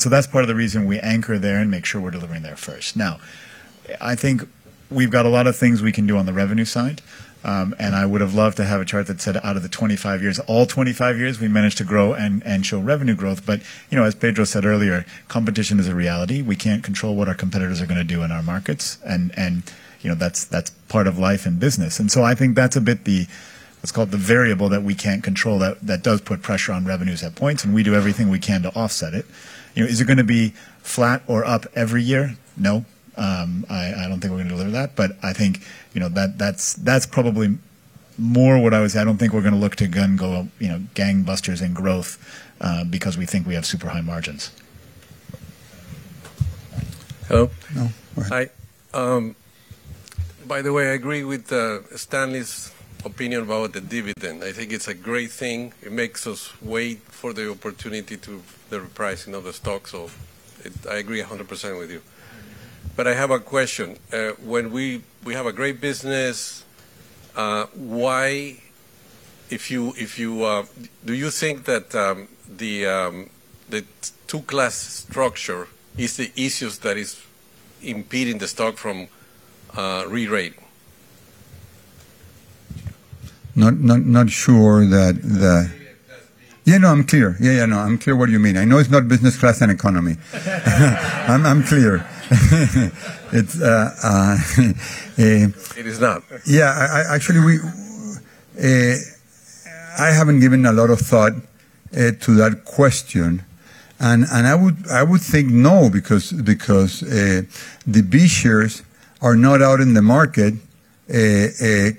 So that's part of the reason we anchor there and make sure we're delivering there first. Now, I think we've got a lot of things we can do on the revenue side. I would have loved to have a chart that said out of the 25 years, all 25 years, we managed to grow and show revenue growth. As Pedro said earlier, competition is a reality. We can't control what our competitors are going to do in our markets. That's part of life and business. So I think that's a bit the, let's call it the variable that we can't control that does put pressure on revenues at points. We do everything we can to offset it. Is it going to be flat or up every year? No. I don't think we're going to deliver that. But I think that's probably more what I would say. I don't think we're going to look to go gangbusters in growth because we think we have super high margins. Hello? Hi. By the way, I agree with Stanley's opinion about the dividend. I think it's a great thing. It makes us wait for the opportunity to the repricing of the stock. So I agree 100% with you. But I have a question. When we have a great business, why do you think that the two-class structure is the easiest that is impeding the stock from re-rating? Not sure that the yeah, no, I'm clear. Yeah, no, I'm clear what you mean. I know it's not business class and economy. I'm clear. It is not. Yeah. Actually, I haven't given a lot of thought to that question. And I would think no because the B shares are not out in the market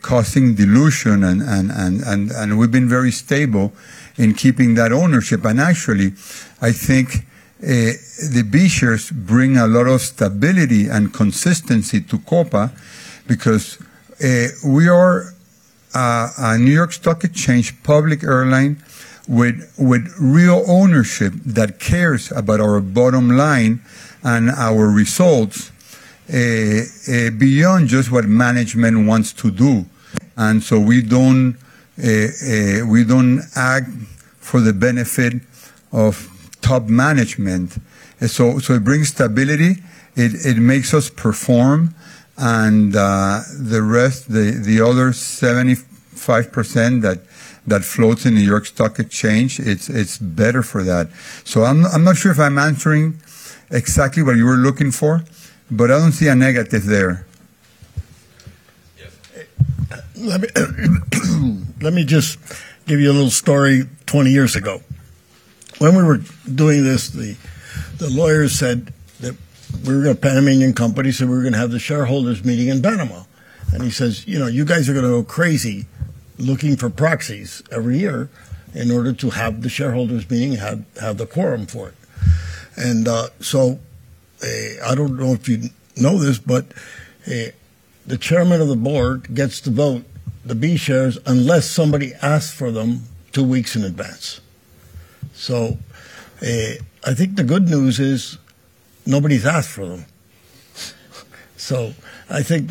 causing dilution. And we've been very stable in keeping that ownership. And actually, I think the B shares bring a lot of stability and consistency to Copa because we are a New York Stock Exchange public airline with real ownership that cares about our bottom line and our results beyond just what management wants to do. And so we don't act for the benefit of top management. So it brings stability. It makes us perform. And the rest, the other 75% that floats in New York Stock Exchange, it's better for that. So I'm not sure if I'm answering exactly what you were looking for, but I don't see a negative there. Let me just give you a little story 20 years ago. When we were doing this, the lawyer said that we were going to Panamanian companies and we were going to have the shareholders' meeting in Panama, and he says, "You guys are going to go crazy looking for proxies every year in order to have the shareholders' meeting and have the quorum for it," and so I don't know if you know this, but the chairman of the board gets to vote the B shares unless somebody asks for them two weeks in advance, so I think the good news is nobody's asked for them, so I think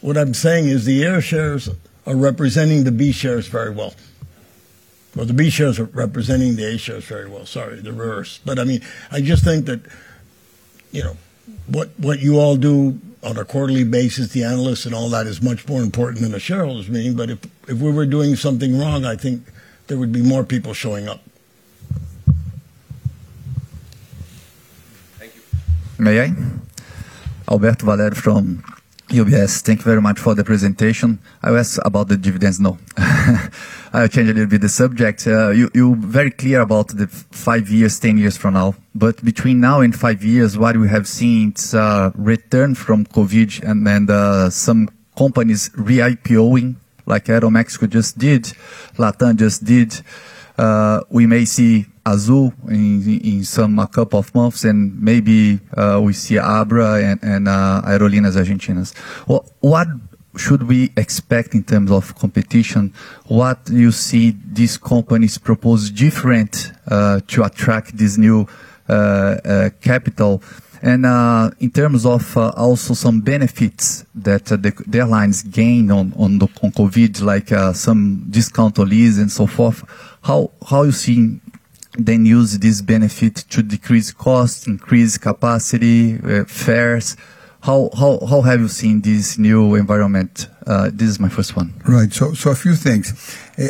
what I'm saying is the A shares are representing the B shares very well, well, the B shares are representing the A shares very well. Sorry, the reverse. But I mean, I just think that what you all do on a quarterly basis, the analysts and all that is much more important than a shareholders meeting. But if we were doing something wrong, I think there would be more people showing up. Thank you. May I? Alberto Valerio from UBS. Thank you very much for the presentation. I was about the dividends. No. I'll change a little bit the subject. You're very clear about the five years, ten years from now. But between now and five years, what we have seen is return from COVID and then some companies re-IPOing like Aeroméxico just did, LATAM just did. We may see Azul in some couple of months, and maybe we see Abra and Aerolíneas Argentinas. What should we expect in terms of competition? What do you see these companies propose different to attract this new capital? In terms of also some benefits that the airlines gained on COVID, like some discount on lease and so forth, how you see them use this benefit to decrease cost, increase capacity, fares? How have you seen this new environment? This is my first one. Right. A few things.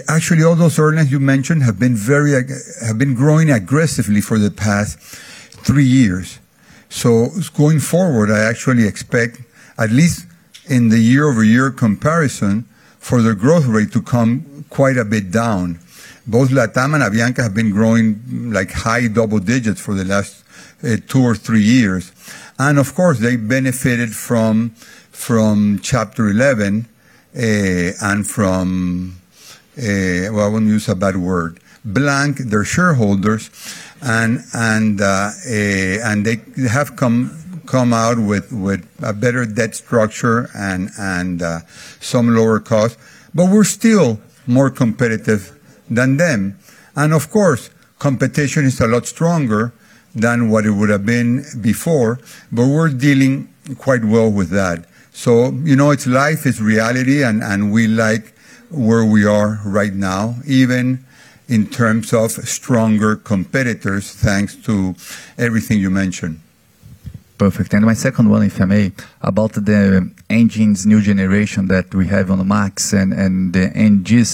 Actually, all those earnings you mentioned have been growing aggressively for the past three years. Going forward, I actually expect at least in the year-over-year comparison for the growth rate to come quite a bit down. Both LATAM and Avianca have been growing like high double digits for the last two or three years. And of course, they benefited from Chapter 11 and from, well, I won't use a bad word, blank their shareholders. And they have come out with a better debt structure and some lower cost, but we're still more competitive than them. And of course, competition is a lot stronger than what it would have been before, but we're dealing quite well with that. So it's life, it's reality, and we like where we are right now, even in terms of stronger competitors thanks to everything you mentioned. Perfect. And my second one, if I may, about the engines new generation that we have on the MAX and the NGs.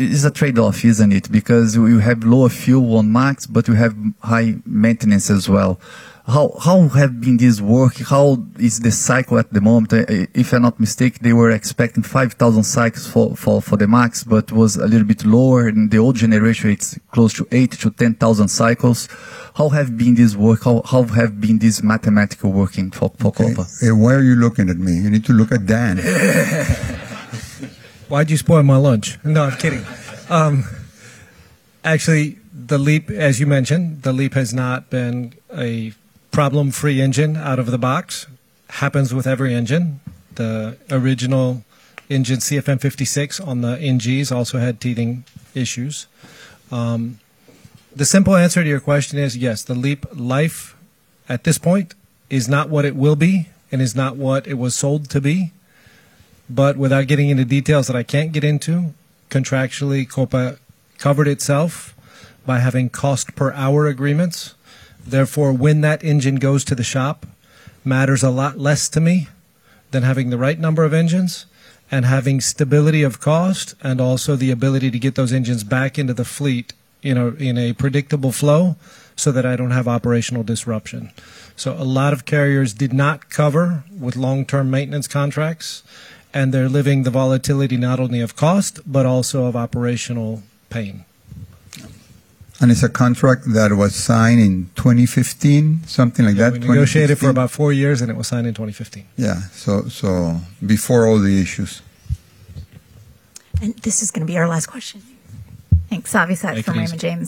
It's a trade-off, isn't it? Because you have low fuel on MAX, but you have high maintenance as well. How have been these working? How is the cycle at the moment? If I'm not mistaken, they were expecting 5,000 cycles for the MAX, but it was a little bit lower. And the old generation, it's close to 8,000 to 10,000 cycles. How have been these working? How have been these mathematical working for Copa? Why are you looking at me? You need to look at Dan. Why did you spoil my lunch? No, I'm kidding. Actually, the LEAP, as you mentioned, the LEAP has not been a problem-free engine out of the box. Happens with every engine. The original engine CFM56 on the NGs also had teething issues. The simple answer to your question is yes, the LEAP life at this point is not what it will be and is not what it was sold to be, but without getting into details that I can't get into, contractually, Copa covered itself by having cost per hour agreements. Therefore, when that engine goes to the shop, matters a lot less to me than having the right number of engines and having stability of cost and also the ability to get those engines back into the fleet in a predictable flow so that I don't have operational disruption. A lot of carriers did not cover with long-term maintenance contracts, and they're living the volatility not only of cost, but also of operational pain. And it's a contract that was signed in 2015, something like that? We negotiated for about four years, and it was signed in 2015. Yeah. So before all the issues. And this is going to be our last question. Thanks. Have a good day.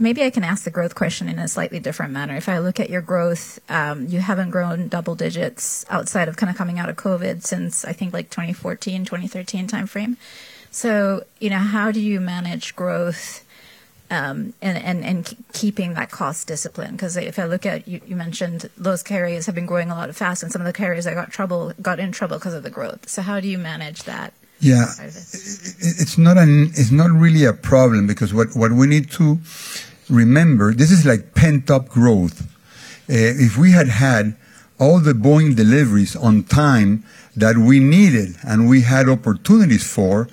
Maybe I can ask the growth question in a slightly different manner. If I look at your growth, you haven't grown double digits outside of kind of coming out of COVID since, I think, like 2014, 2013 timeframe. So how do you manage growth and keeping that cost discipline? Because if I look at, you mentioned those carriers have been growing a lot faster, and some of the carriers got in trouble because of the growth. So how do you manage that? Yeah. It's not really a problem because what we need to remember, this is like pent-up growth. If we had had all the Boeing deliveries on time that we needed and we had opportunities for,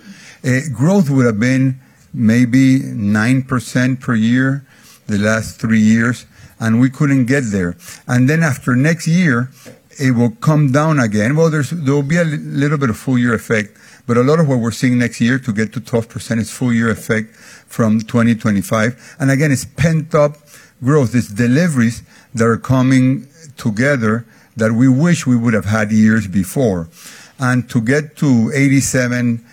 growth would have been maybe 9% per year the last three years, and we couldn't get there. And then after next year, it will come down again. Well, there will be a little bit of full-year effect, but a lot of what we're seeing next year to get to 12% is full-year effect from 2025. And again, it's pent-up growth. It's deliveries that are coming together that we wish we would have had years before. And to get to 87%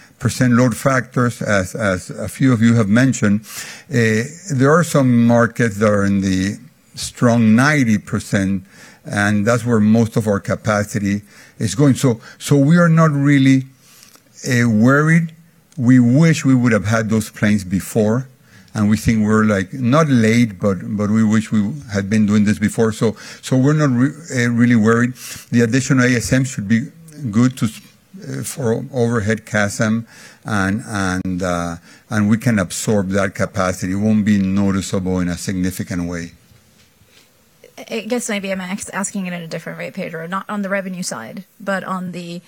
load factors, as a few of you have mentioned, there are some markets that are in the strong 90%, and that's where most of our capacity is going. So we are not really worried. We wish we would have had those planes before, and we think we're not late, but we wish we had been doing this before. So we're not really worried. The additional ASM should be good for overhead CASM, and we can absorb that capacity. It won't be noticeable in a significant way. I guess maybe I'm asking it in a different way, Pedro, not on the revenue side, but on the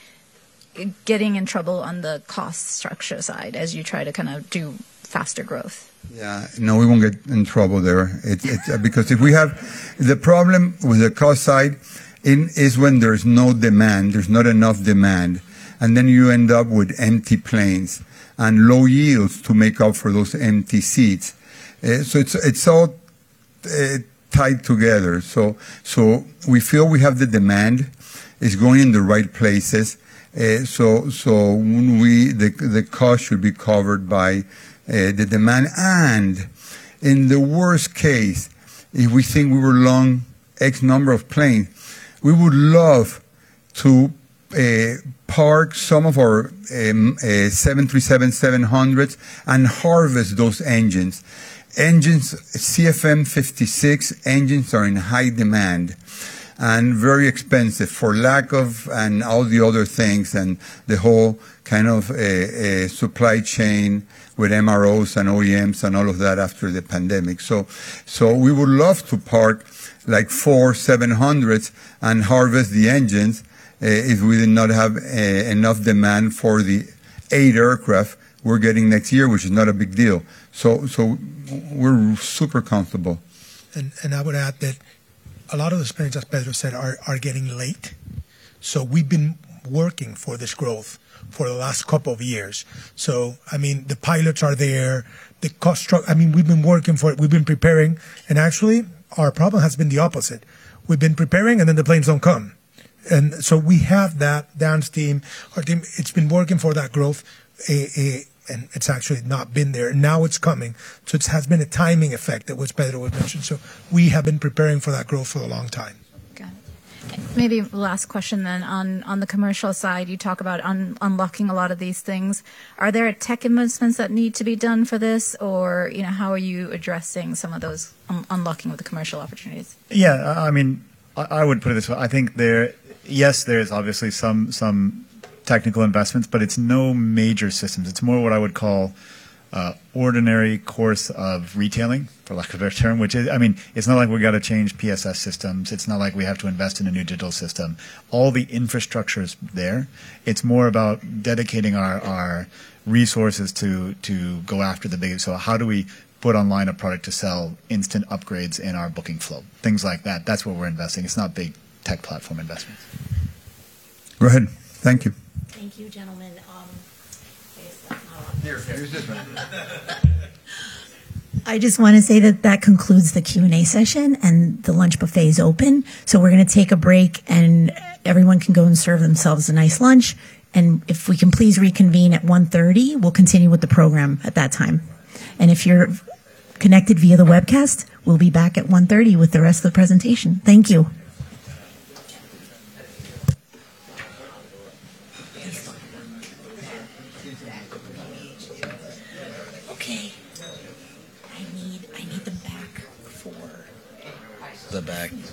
getting in trouble on the cost structure side as you try to kind of do faster growth. Yeah. No, we won't get in trouble there because if we have the problem with the cost side is when there's no demand, there's not enough demand, and then you end up with empty planes and low yields to make up for those empty seats. So it's all tied together. We feel we have the demand. It's going in the right places. The cost should be covered by the demand. In the worst case, if we think we were long X number of planes, we would love to park some of our 737-700s and harvest those engines. CFM56 engines are in high demand and very expensive for lack of and all the other things and the whole kind of supply chain with MROs and OEMs and all of that after the pandemic. We would love to park like four 700s and harvest the engines if we did not have enough demand for the eight aircraft we're getting next year, which is not a big deal. We're super comfortable. I would add that a lot of the spending, as Pedro said, are getting late. So we've been working for this growth for the last couple of years. So I mean, the pilots are there. I mean, we've been working for it. We've been preparing. And actually, our problem has been the opposite. We've been preparing, and then the planes don't come. And so we have that downstream. It's been working for that growth, and it's actually not been there. Now it's coming. So it has been a timing effect that Pedro mentioned. So we have been preparing for that growth for a long time. Got it. Maybe last question then. On the commercial side, you talk about unlocking a lot of these things. Are there tech investments that need to be done for this, or how are you addressing some of those unlocking with the commercial opportunities? Yeah. I mean, I would put it this way. I think, yes, there is obviously some technical investments, but it's no major systems. It's more what I would call ordinary course of retailing, for lack of a better term, which is, I mean, it's not like we've got to change PSS systems. It's not like we have to invest in a new digital system. All the infrastructure is there. It's more about dedicating our resources to go after the big. So how do we put online a product to sell instant upgrades in our booking flow? Things like that. That's what we're investing. It's not big tech platform investments. Go ahead. Thank you. Thank you, gentlemen. I guess that's not a lot. Here's this one. I just want to say that that concludes the Q&A session, and the lunch buffet is open. So we're going to take a break, and everyone can go and serve themselves a nice lunch. If we can please reconvene at 1:30 P.M., we'll continue with the program at that time. If you're connected via the webcast, we'll be back at 1:30 P.M. with the rest of the presentation. Thank you. Okay. I need them back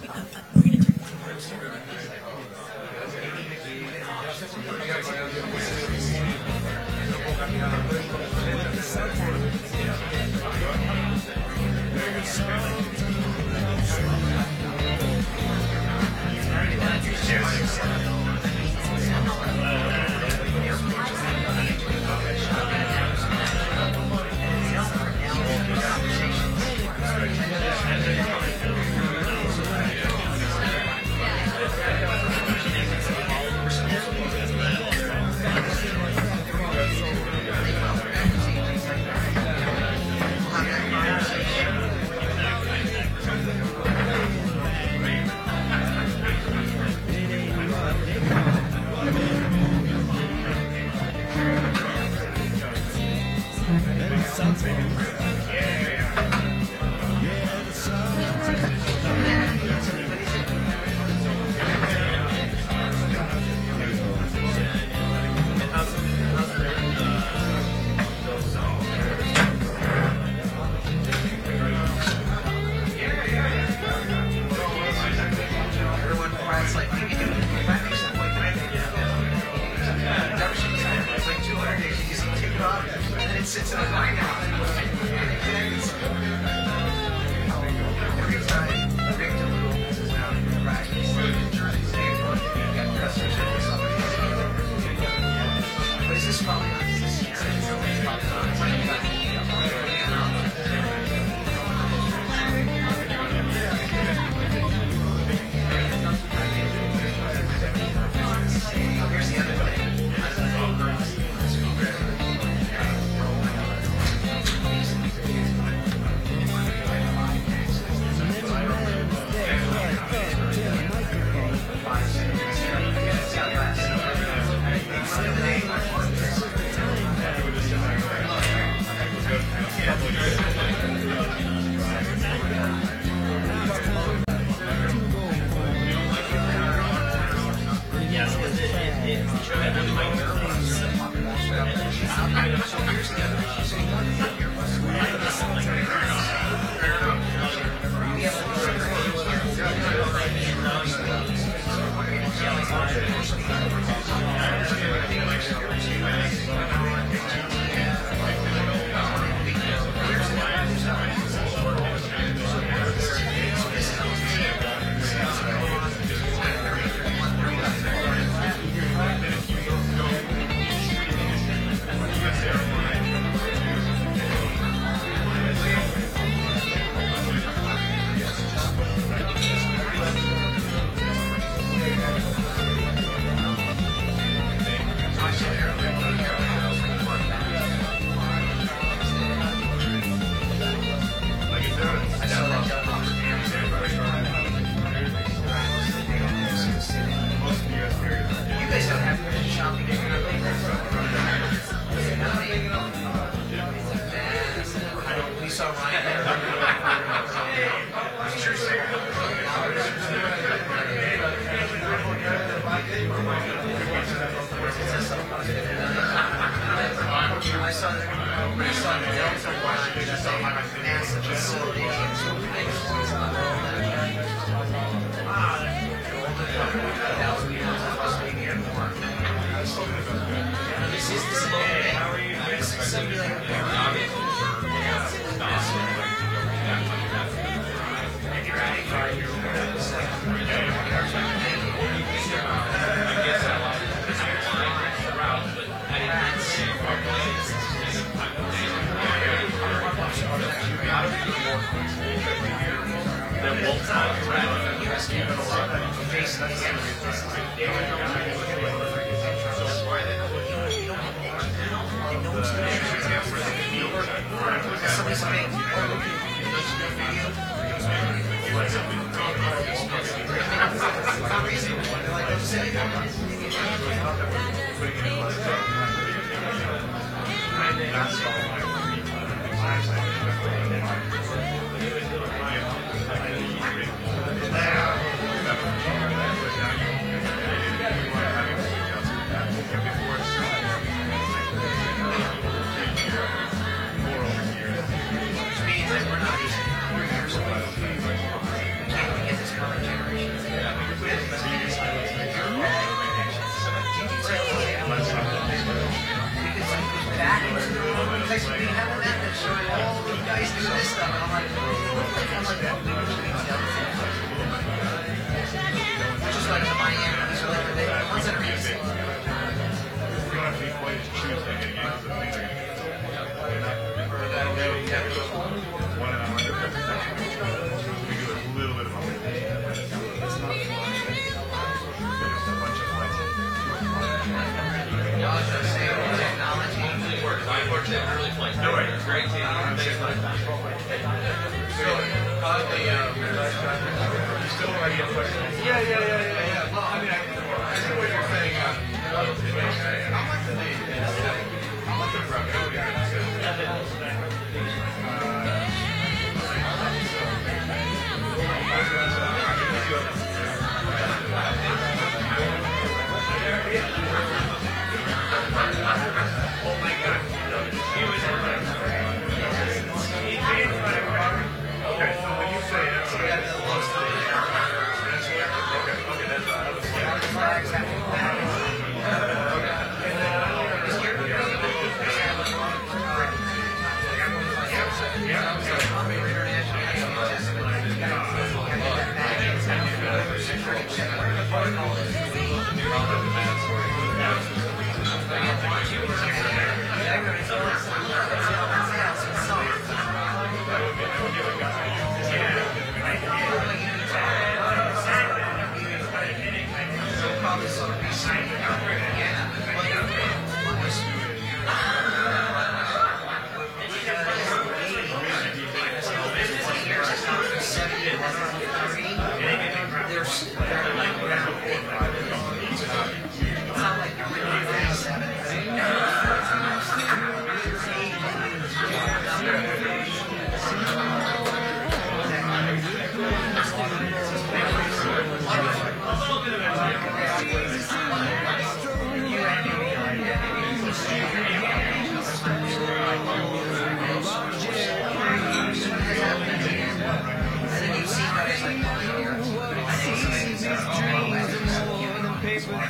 for.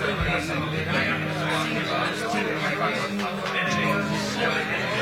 The back.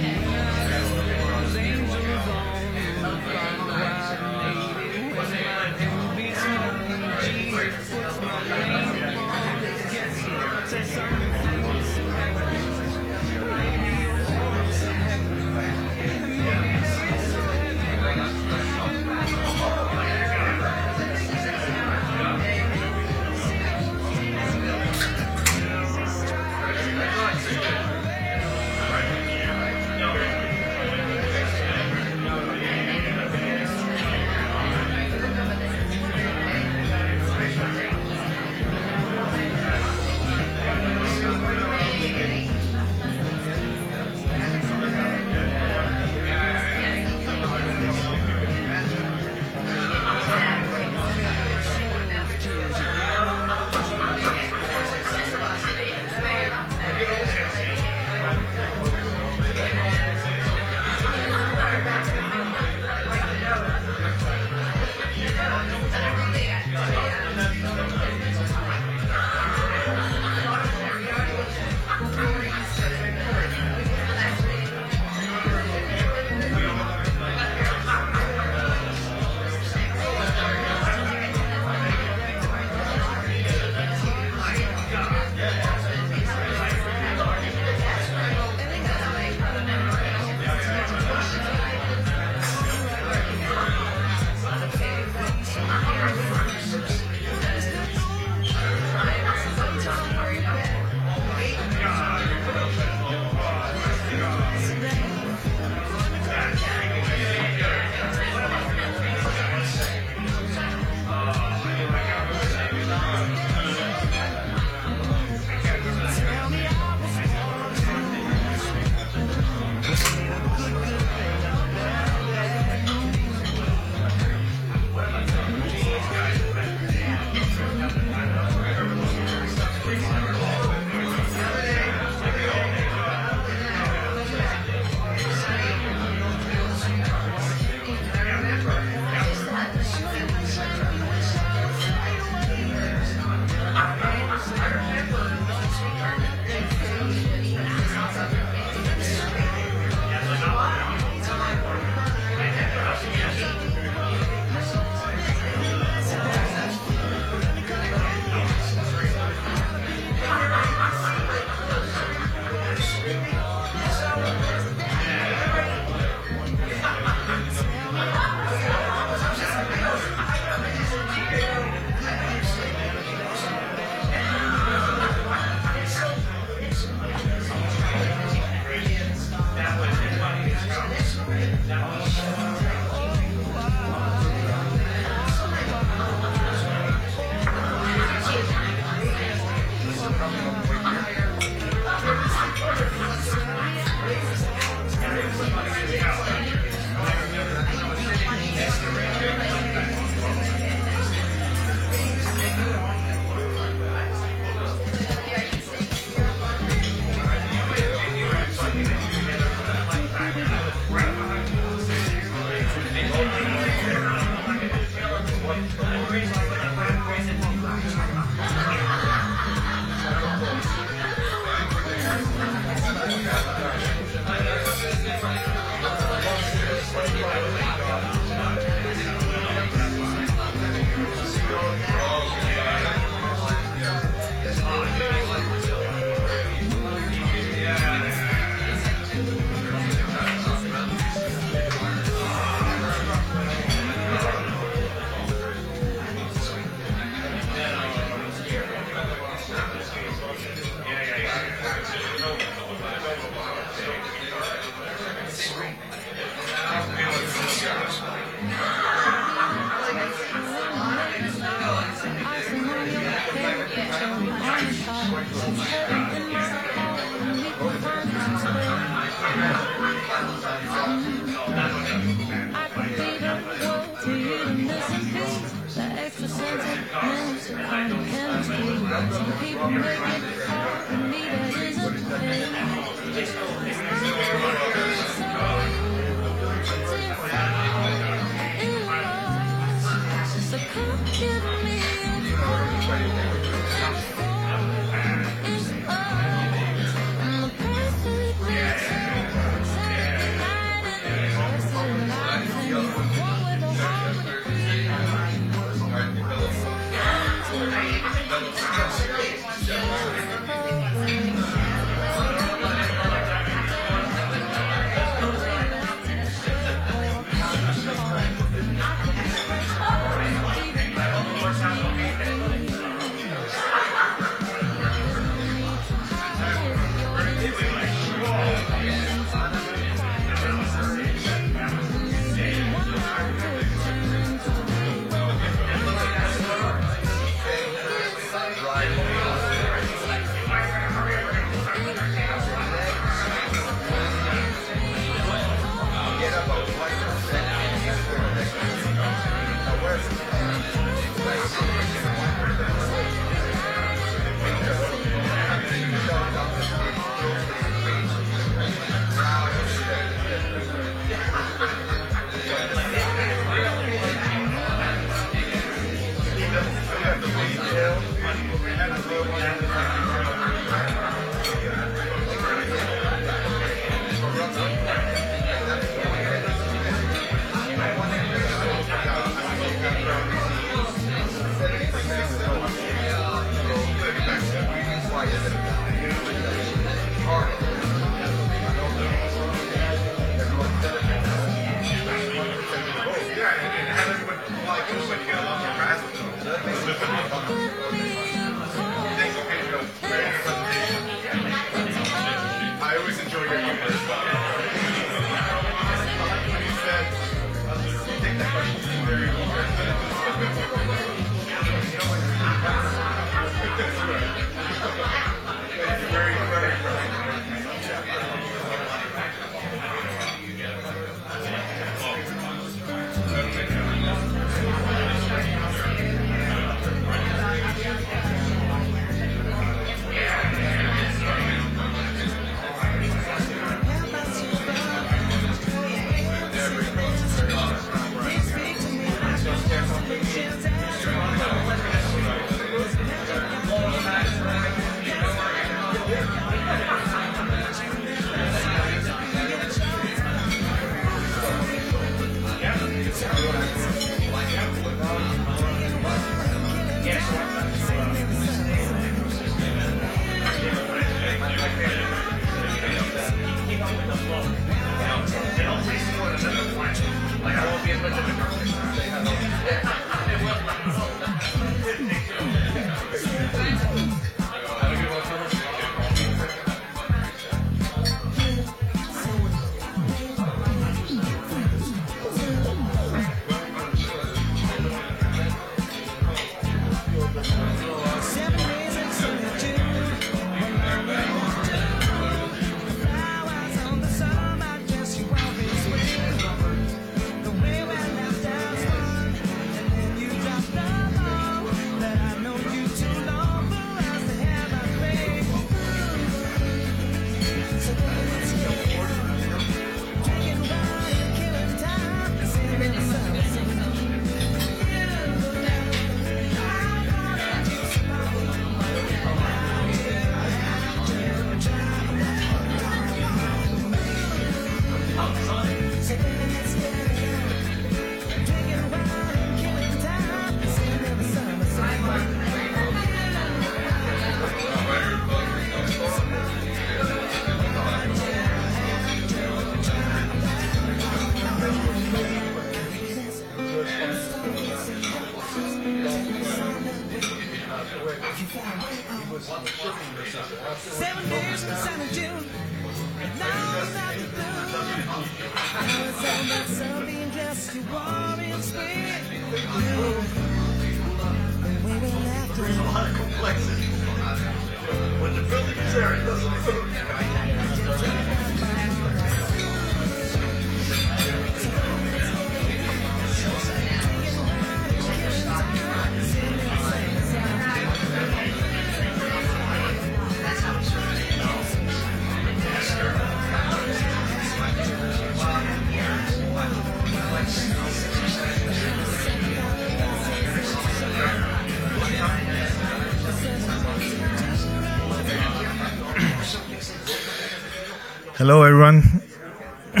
Hello everyone. Good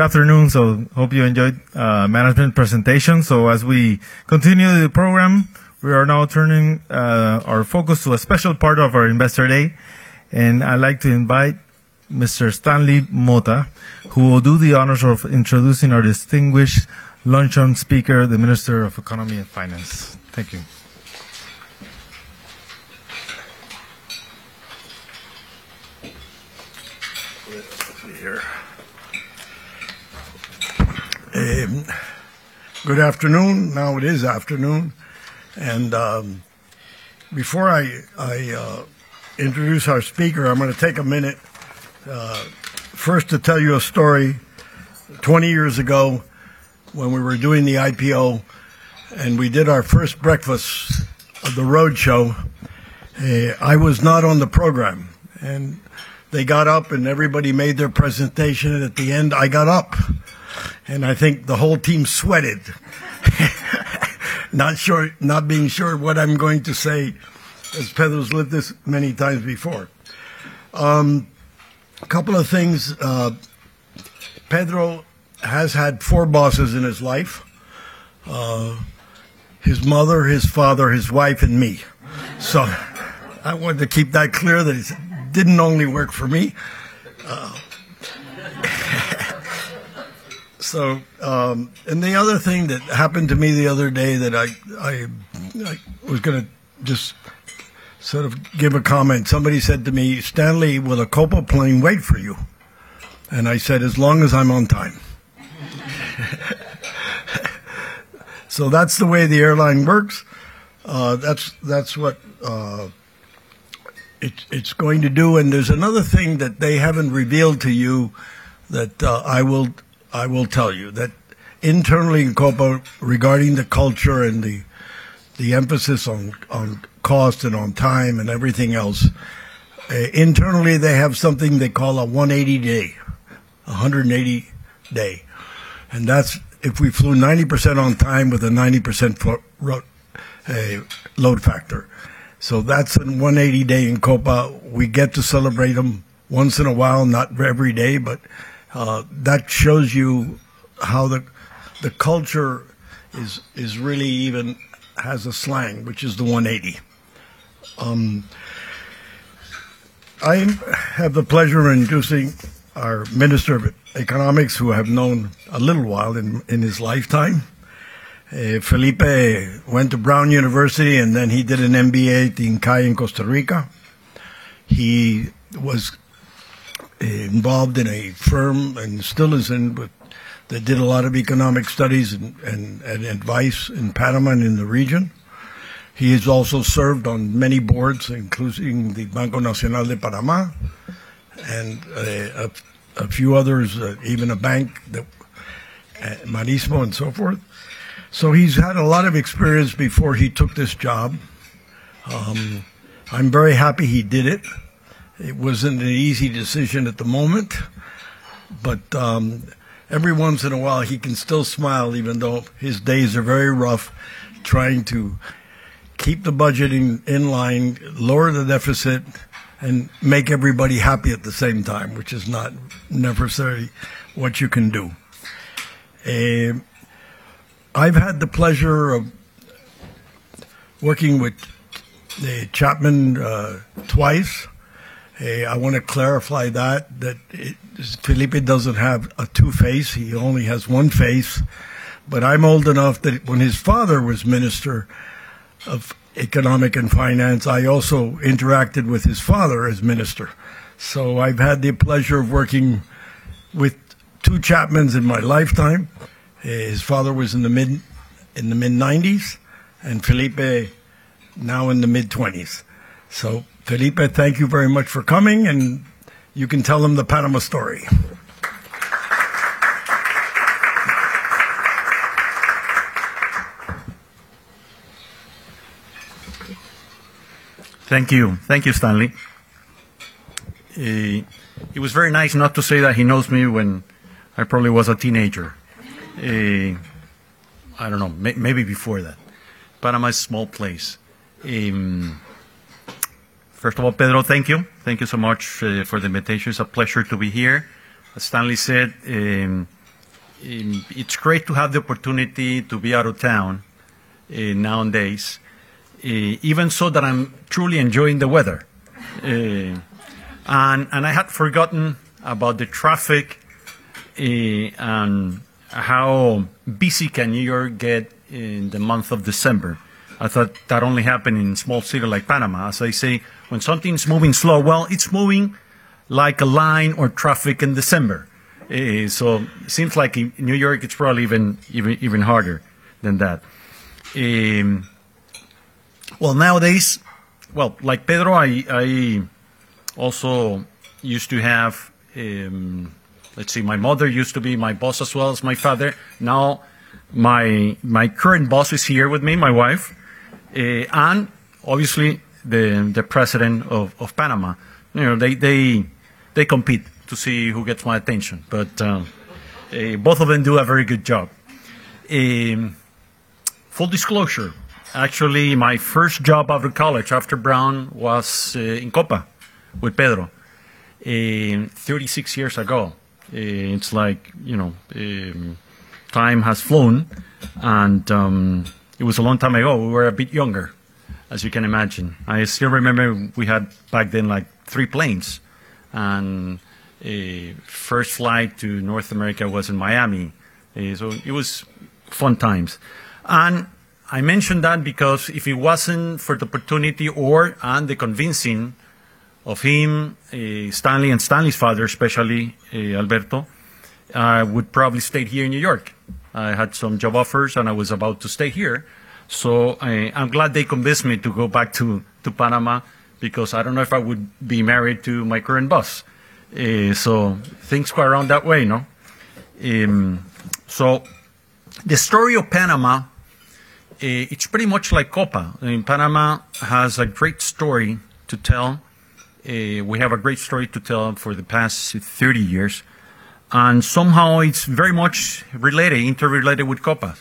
afternoon. So hope you enjoyed the management presentation. So as we continue the program, we are now turning our focus to a special part of our Investor Day, and I'd like to invite Mr. Stanley Motta, who will do the honors of introducing our distinguished lunchtime speaker, the Minister of Economy and Finance. Thank you. Good afternoon. Now it is afternoon, and before I introduce our speaker, I'm going to take a minute first to tell you a story. Twenty years ago, when we were doing the IPO and we did our first breakfast of the roadshow, I was not on the program. They got up and everybody made their presentation, and at the end, I got up. I think the whole team sweated, not being sure what I'm going to say, as Pedro's lived this many times before. A couple of things. Pedro has had four bosses in his life: his mother, his father, his wife, and me. So I wanted to keep that clear that it didn't only work for me. The other thing that happened to me the other day that I was going to just sort of give a comment, somebody said to me, "Stanley, will a Copa plane wait for you?" And I said, "As long as I'm on time." That's the way the airline works. That's what it's going to do. There's another thing that they haven't revealed to you that I will tell you, that internally in Copa, regarding the culture and the emphasis on cost and on time and everything else, internally, they have something they call a 180-day, 180-day. That's if we flew 90% on time with a 90% load factor. So that's a 180-day in Copa. We get to celebrate them once in a while, not every day, but that shows you how the culture really even has a slang, which is the 180. I have the pleasure of introducing our Minister of Economics, who I have known a little while in his lifetime. Felipe went to Brown University and then he did an MBA at the INCAE in Costa Rica. He was involved in a firm and still is in, but they did a lot of economic studies and advice in Panama and in the region. He has also served on many boards, including the Banco Nacional de Panamá and a few others, even a bank, Banistmo, and so forth. So he's had a lot of experience before he took this job. I'm very happy he did it. It wasn't an easy decision at the moment, but every once in a while, he can still smile, even though his days are very rough, trying to keep the budget in line, lower the deficit, and make everybody happy at the same time, which is not necessarily what you can do. I've had the pleasure of working with Chapman twice. I want to clarify that Felipe doesn't have a two-face. He only has one face. But I'm old enough that when his father was Minister of Economy and Finance, I also interacted with his father as Minister. So I've had the pleasure of working with two Chapmans in my lifetime. His father was in the mid-90s and Felipe now in the mid-20s. So Felipe, thank you very much for coming, and you can tell him the Panama story. Thank you. Thank you, Stanley. It was very nice not to say that he knows me when I probably was a teenager. I don't know, maybe before that. Panama is a small place. First of all, Pedro, thank you. Thank you so much for the invitation. It's a pleasure to be here. As Stanley said, it's great to have the opportunity to be out of town nowadays, even so that I'm truly enjoying the weather, and I had forgotten about the traffic and how busy can New York get in the month of December. I thought that only happened in a small city like Panama. As I say, when something's moving slow, well, it's moving like a line or traffic in December, so it seems like in New York, it's probably even harder than that. Nowadays, well, like Pedro, I also used to have, let's see, my mother used to be my boss as well as my father. Now my current boss is here with me, my wife, and obviously the President of Panama. They compete to see who gets my attention, but both of them do a very good job. Full disclosure, actually, my first job out of college after Brown was in Copa with Pedro 36 years ago. It's like time has flown, and it was a long time ago. We were a bit younger, as you can imagine. I still remember we had back then like three planes, and the first flight to North America was in Miami. It was fun times. I mention that because if it wasn't for the opportunity and the convincing of him, Stanley, and Stanley's father, especially Alberto, I would probably stay here in New York. I had some job offers, and I was about to stay here. I'm glad they convinced me to go back to Panama because I don't know if I would be married to my current boss. Things go around that way, no? The story of Panama, it's pretty much like Copa. I mean, Panama has a great story to tell. We have a great story to tell for the past 30 years. Somehow it's very much related, interrelated with Copa.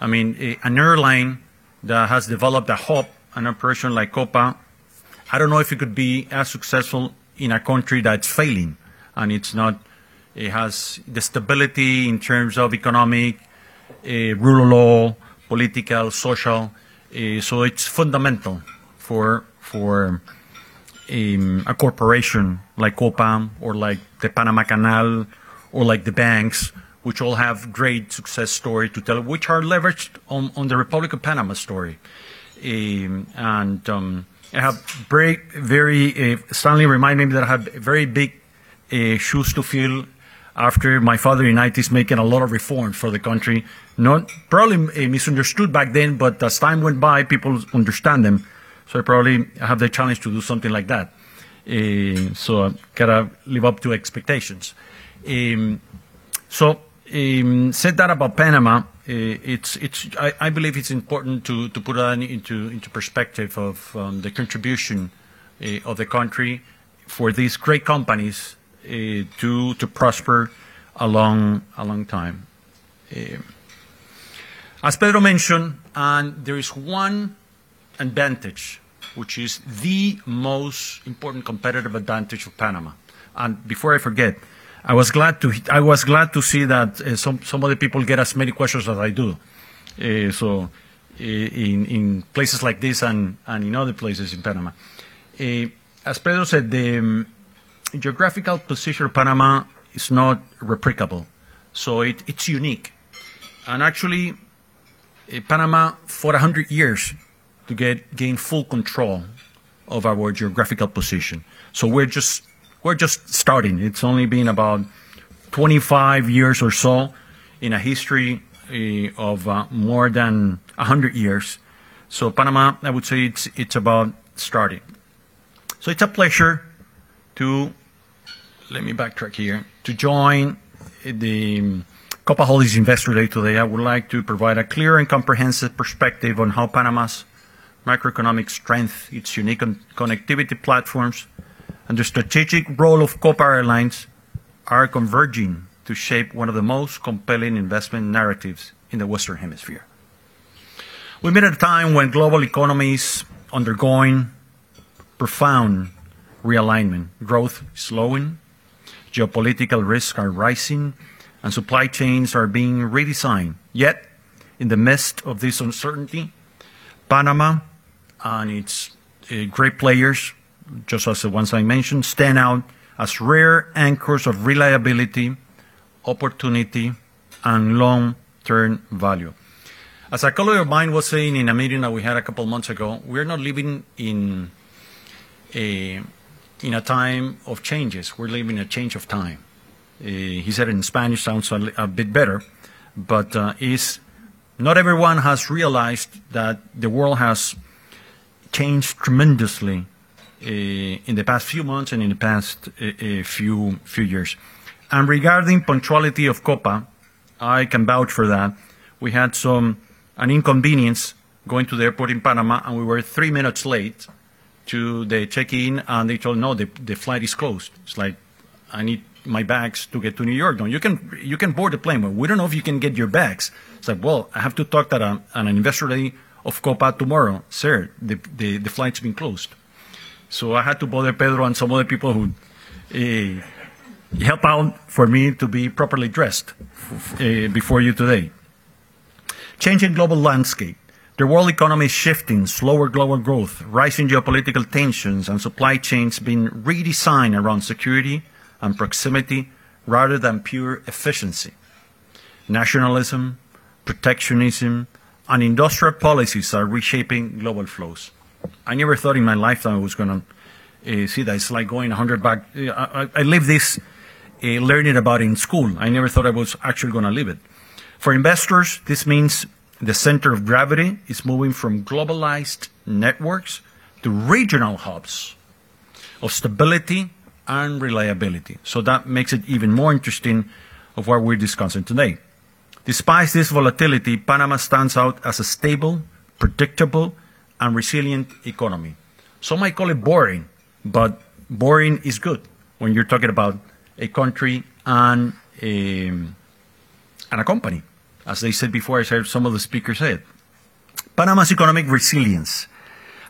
I mean, an airline that has developed a hub and operation like Copa. I don't know if it could be as successful in a country that's failing and has the stability in terms of economic, rule of law, political, social. So it's fundamental for a corporation like Copa or like the Panama Canal or like the banks, which all have great success stories to tell, which are leveraged on the Republic of Panama story, and Stanley reminded me that I had very big shoes to fill after my father in the 1990s making a lot of reforms for the country. Probably misunderstood back then, but as time went by, people understand them. I probably have the challenge to do something like that. I've got to live up to expectations. I said that about Panama. I believe it's important to put that into perspective of the contribution of the country for these great companies to prosper a long time. As Pedro mentioned, there is one advantage, which is the most important competitive advantage of Panama. And before I forget, I was glad to see that some of the people get as many questions as I do. So in places like this and in other places in Panama, as Pedro said, the geographical position of Panama is not replicable. So it's unique. And actually, Panama fought 100 years to gain full control of our geographical position. So we're just starting. It's only been about 25 years or so in a history of more than 100 years. So Panama, I would say it's about starting. So it's a pleasure to let me backtrack here. To join the Copa Holdings Investor Day today, I would like to provide a clear and comprehensive perspective on how Panama's macroeconomic strength, its unique connectivity platforms, and the strategic role of Copa Airlines are converging to shape one of the most compelling investment narratives in the Western Hemisphere. We've been at a time when global economies are undergoing profound realignment. Growth is slowing, geopolitical risks are rising, and supply chains are being redesigned. Yet in the midst of this uncertainty, Panama and its great players, just as the ones I mentioned, stand out as rare anchors of reliability, opportunity, and long-term value. As a colleague of mine was saying in a meeting that we had a couple of months ago, we're not living in a time of changes. We're living in a change of time. He said it in Spanish sounds a bit better, but not everyone has realized that the world has changed tremendously in the past few months and in the past few years. Regarding the punctuality of Copa, I can vouch for that. We had an inconvenience going to the airport in Panama, and we were three minutes late to check in, and they told, "No, the flight is closed." It's like, "I need my bags to get to New York." "No, you can board the plane." "Well, we don't know if you can get your bags." It's like, "Well, I have to talk to an investor of Copa tomorrow." "Sir, the flight's been closed." So I had to bother Pedro and some other people who helped out for me to be properly dressed before you today. Changing global landscape. The world economy is shifting. Slower global growth, rising geopolitical tensions, and supply chains being redesigned around security and proximity rather than pure efficiency. Nationalism, protectionism, and industrial policies are reshaping global flows. I never thought in my lifetime I was going to see that. It's like going 100 back. I lived this learning about it in school. I never thought I was actually going to live it. For investors, this means the center of gravity is moving from globalized networks to regional hubs of stability and reliability. So that makes it even more interesting of what we're discussing today. Despite this volatility, Panama stands out as a stable, predictable, and resilient economy. Some might call it boring, but boring is good when you're talking about a country and a company, as they said before, as some of the speakers said. Panama's economic resilience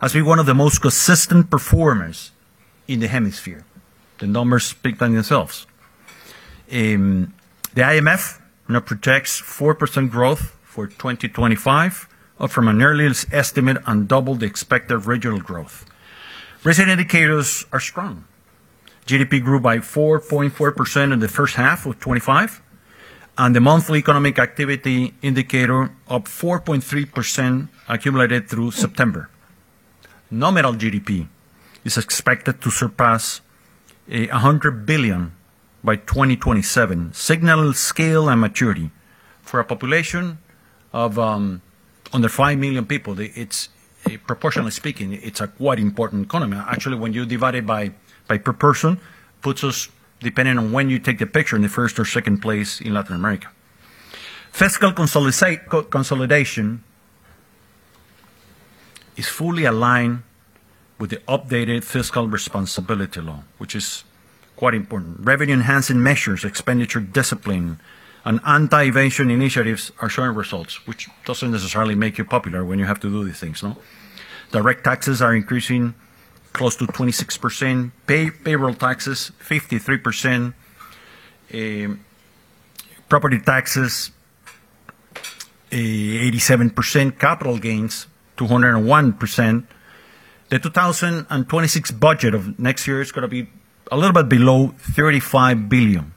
has been one of the most consistent performers in the hemisphere. The numbers speak for themselves. The IMF now projects 4% growth for 2025, up from an earlier estimate and double the expected regional growth. Recent indicators are strong. GDP grew by 4.4% in the first half of 2025, and the monthly economic activity indicator up 4.3% accumulated through September. Nominal GDP is expected to surpass $100 billion by 2027, signaling scale and maturity for a population of under five million people. Proportionally speaking, it's a quite important economy. Actually, when you divide it by per person, it puts us, depending on when you take the picture, in the first or second place in Latin America. Fiscal consolidation is fully aligned with the updated fiscal responsibility law, which is quite important. Revenue-enhancing measures, expenditure discipline, and anti-evasion initiatives are showing results, which doesn't necessarily make you popular when you have to do these things, no? Direct taxes are increasing close to 26%. Payroll taxes, 53%. Property taxes, 87%. Capital gains, 201%. The 2026 budget of next year is going to be a little bit below $35 billion,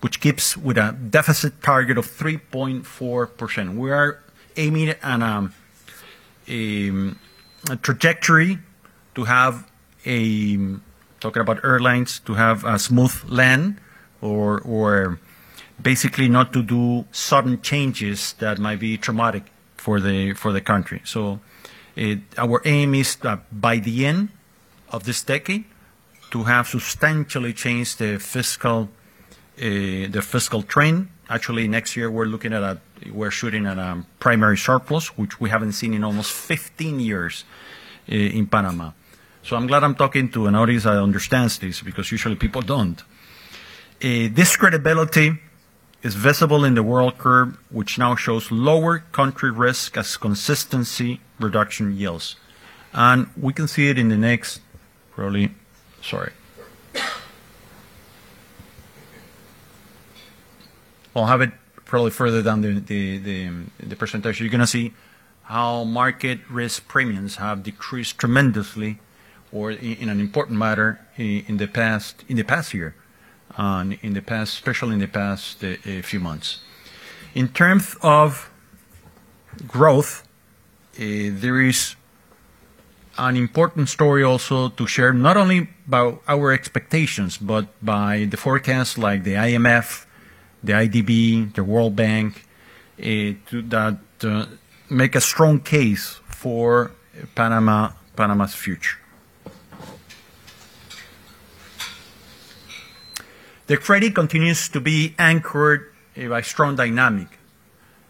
which keeps with a deficit target of 3.4%. We are aiming at a trajectory to have, talking about airlines, to have a smooth landing or basically not to do sudden changes that might be traumatic for the country. Our aim is that by the end of this decade, to have substantially changed the fiscal framework. Actually, next year, we're shooting at a primary surplus, which we haven't seen in almost 15 years in Panama. I'm glad I'm talking to an audience that understands this because usually people don't. Credibility is visible in the yield curve, which now shows lower country risk as consistency reduction yields. We can see it in the next probably sorry. I'll have it probably further down the presentation. You're going to see how market risk premiums have decreased tremendously or in an important matter in the past year, especially in the past few months. In terms of growth, there is an important story also to share, not only about our expectations, but by the forecasts like the IMF, the IDB, the World Bank, that make a strong case for Panama's future. The credit continues to be anchored by strong dynamic,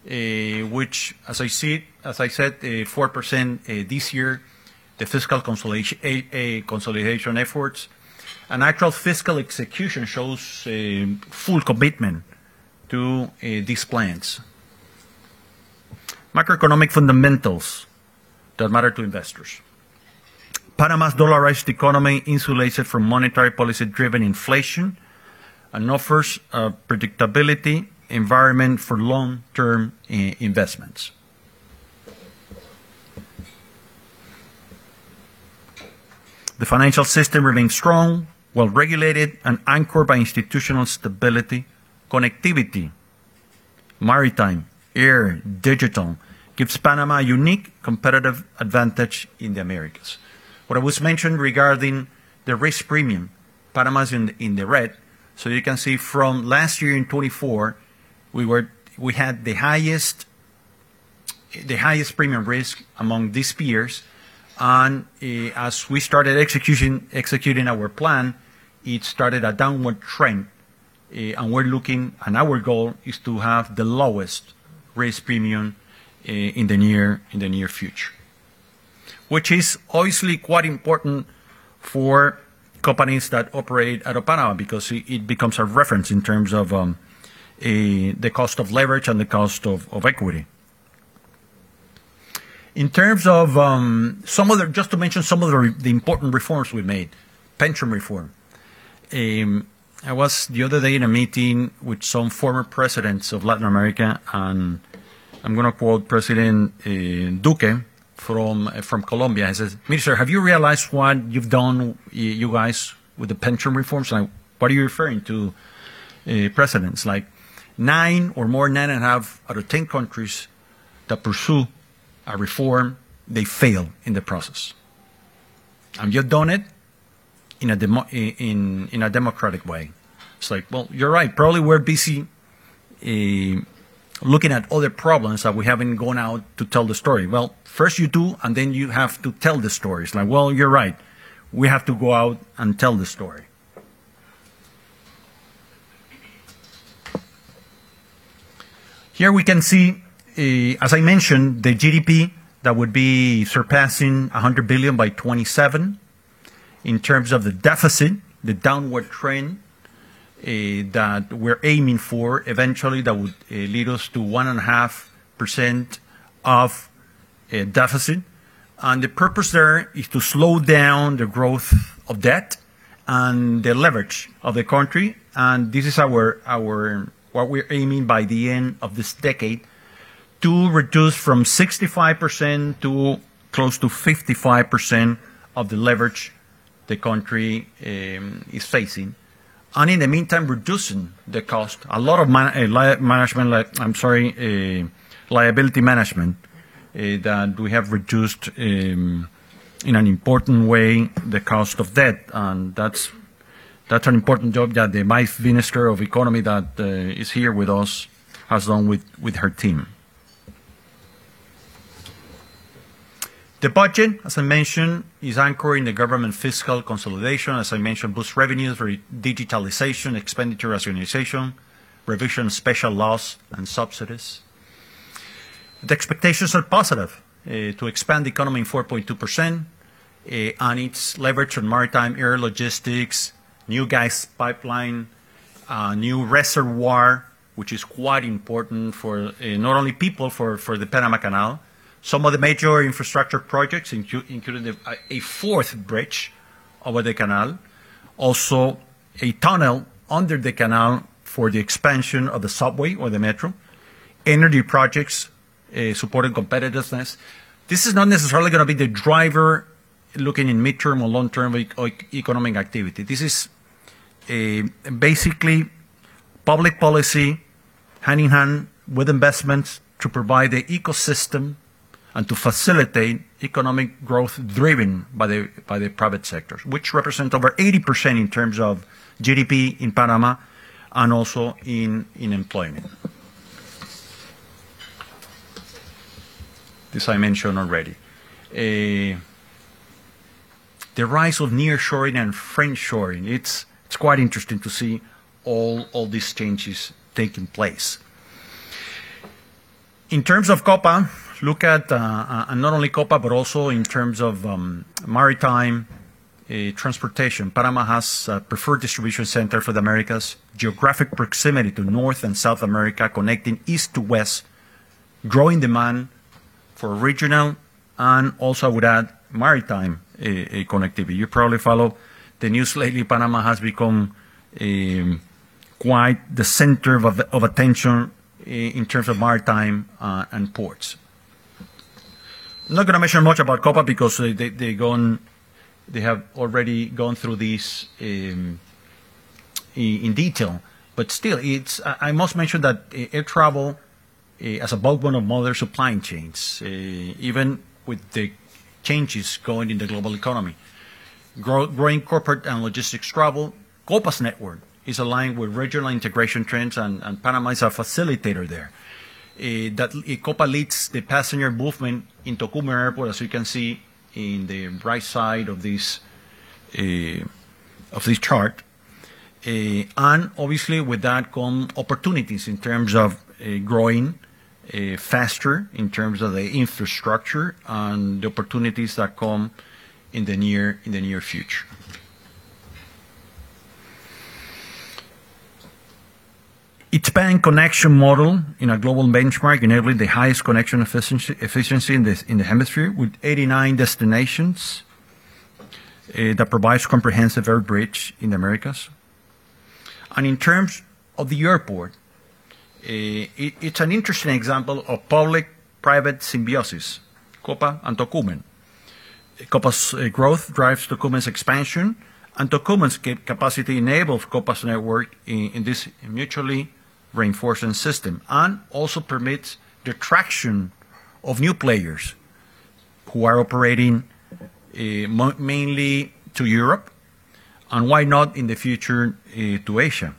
which, as I said, 4% this year, the fiscal consolidation efforts, and actual fiscal execution shows full commitment to these plans. Macroeconomic fundamentals that matter to investors. Panama's dollarized economy insulated from monetary policy-driven inflation and offers a predictability environment for long-term investments. The financial system remains strong, well-regulated, and anchored by institutional stability. Connectivity, maritime, air, digital gives Panama a unique competitive advantage in the Americas. What I was mentioning regarding the risk premium, Panama's in the red, so you can see from last year in 2024, we had the highest premium risk among these peers, and as we started executing our plan, it started a downward trend, and we're looking, and our goal is to have the lowest risk premium in the near future, which is obviously quite important for companies that operate out of Panama because it becomes a reference in terms of the cost of leverage and the cost of equity. In terms of some of the, just to mention some of the important reforms we made, pension reform. I was the other day in a meeting with some former Presidents of Latin America, and I'm going to quote President Duque from Colombia. He says, "Minister, have you realized what you've done, you guys, with the pension reforms?" Like, what are you referring to, Presidents? Like, nine or more, nine and a half out of 10 countries that pursue a reform, they fail in the process. And you've done it in a democratic way. It's like, well, you're right. Probably we're busy looking at other problems that we haven't gone out to tell the story. Well, first you do, and then you have to tell the story. It's like, well, you're right. We have to go out and tell the story. Here we can see, as I mentioned, the GDP that would be surpassing $100 billion by 2027 in terms of the deficit, the downward trend that we're aiming for eventually that would lead us to 1.5% of deficit. And the purpose there is to slow down the growth of debt and the leverage of the country. And this is what we're aiming by the end of this decade to reduce from 65% to close to 55% of the leverage the country is facing. And in the meantime, reducing the cost. A lot of management, I'm sorry, liability management that we have reduced in an important way the cost of debt. And that's an important job that the Vice Minister of Economy that is here with us has done with her team. The budget, as I mentioned, is anchoring the government fiscal consolidation. As I mentioned, boost revenues for digitalization, expenditure optimization, provision of special laws and subsidies. The expectations are positive to expand the economy in 4.2%. It's leveraged on maritime air, logistics, new gas pipeline, new reservoir, which is quite important for not only people, for the Panama Canal. Some of the major infrastructure projects, including a Fourth Bridge over the canal, also a tunnel under the canal for the expansion of the subway or the metro, energy projects supporting competitiveness. This is not necessarily going to be the driver looking in midterm or long-term economic activity. This is basically public policy hand in hand with investments to provide the ecosystem and to facilitate economic growth driven by the private sectors, which represent over 80% in terms of GDP in Panama and also in employment. This I mentioned already. The rise of nearshoring and friendshoring. It's quite interesting to see all these changes taking place. In terms of Copa, look at not only Copa, but also in terms of maritime transportation. Panama has a preferred distribution center for the Americas, geographic proximity to North and South America, connecting East to West, growing demand for regional and also, I would add, maritime connectivity. You probably follow the news lately. Panama has become quite the center of attention in terms of maritime and ports. I'm not going to mention much about Copa because they have already gone through this in detail. But still, I must mention that air travel is about one of modern supply chains, even with the changes going in the global economy. Growing corporate and logistics travel. Copa's network is aligned with regional integration trends, and Panama is a facilitator there. Copa leads the passenger movement into Tocumen International Airport, as you can see in the right side of this chart. And obviously, with that come opportunities in terms of growing faster in terms of the infrastructure and the opportunities that come in the near future. It's been a connection model in a global benchmark, inherently the highest connection efficiency in the hemisphere with 89 destinations that provides comprehensive air bridge in the Americas. And in terms of the airport, it's an interesting example of public-private symbiosis, Copa and Tocumen. Copa's growth drives Tocumen's expansion, and Tocumen's capacity enables Copa's network in this mutually reinforcing system and also permits the attraction of new players who are operating mainly to Europe and why not in the future to Asia.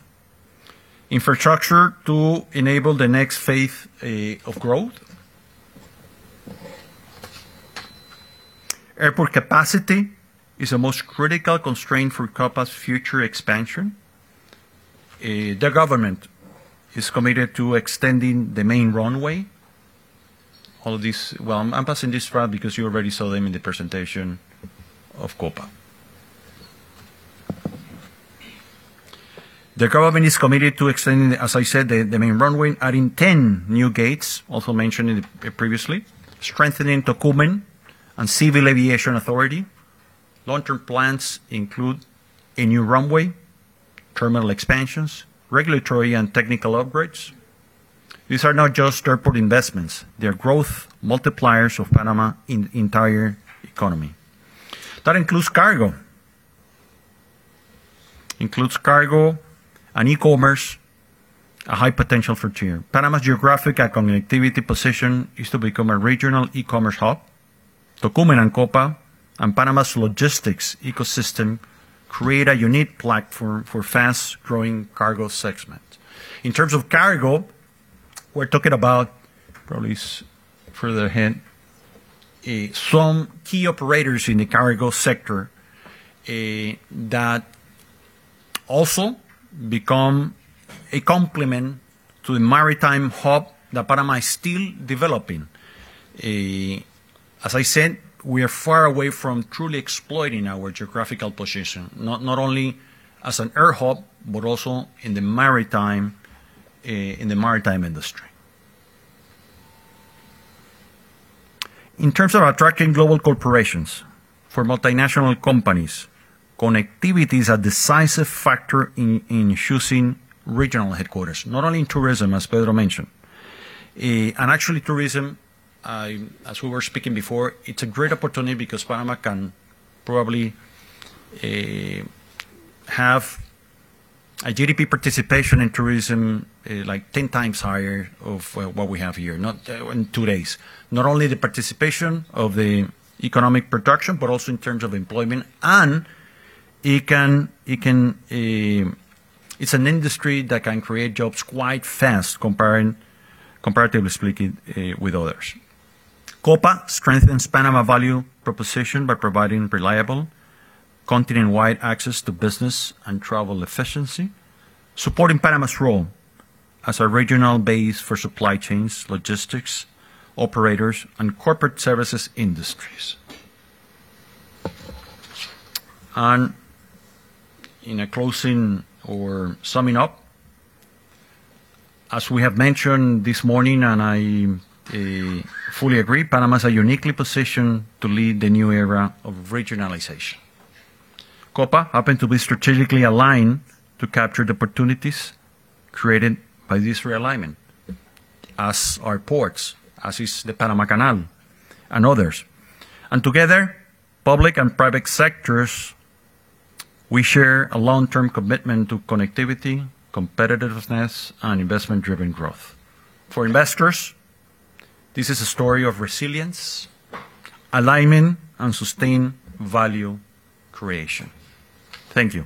Infrastructure to enable the next phase of growth. Airport capacity is the most critical constraint for Copa's future expansion. The government is committed to extending the main runway. All of these, I'm passing this round because you already saw them in the presentation of Copa. The government is committed to extending, as I said, the main runway, adding 10 new gates, also mentioned previously, strengthening Tocumen and Civil Aviation Authority. Long-term plans include a new runway, terminal expansions, regulatory and technical upgrades. These are not just airport investments. They are growth multipliers of Panama's entire economy. That includes cargo, includes cargo and e-commerce, a high potential for tier. Panama's geographic and connectivity position is to become a regional e-commerce hub. Tocumen and Copa and Panama's logistics ecosystem create a unique platform for fast-growing cargo segment. In terms of cargo, we're talking about, probably further ahead, some key operators in the cargo sector that also become a complement to the maritime hub that Panama is still developing. As I said, we are far away from truly exploiting our geographical position, not only as an air hub, but also in the maritime industry. In terms of attracting global corporations for multinational companies, connectivity is a decisive factor in choosing regional headquarters, not only in tourism, as Pedro mentioned, and actually, tourism, as we were speaking before, it's a great opportunity because Panama can probably have a GDP participation in tourism like 10 times higher of what we have here in two days. Not only the participation of the economic production, but also in terms of employment, and it's an industry that can create jobs quite fast, comparatively speaking, with others. Copa strengthens Panama's value proposition by providing reliable continent-wide access to business and travel efficiency, supporting Panama's role as a regional base for supply chains, logistics, operators, and corporate services industries. And in closing or summing up, as we have mentioned this morning, and I fully agree, Panama is uniquely positioned to lead the new era of regionalization. Copa happens to be strategically aligned to capture the opportunities created by this realignment, as are ports, as is the Panama Canal and others. And together, public and private sectors, we share a long-term commitment to connectivity, competitiveness, and investment-driven growth. For investors, this is a story of resilience, alignment, and sustained value creation. Thank you.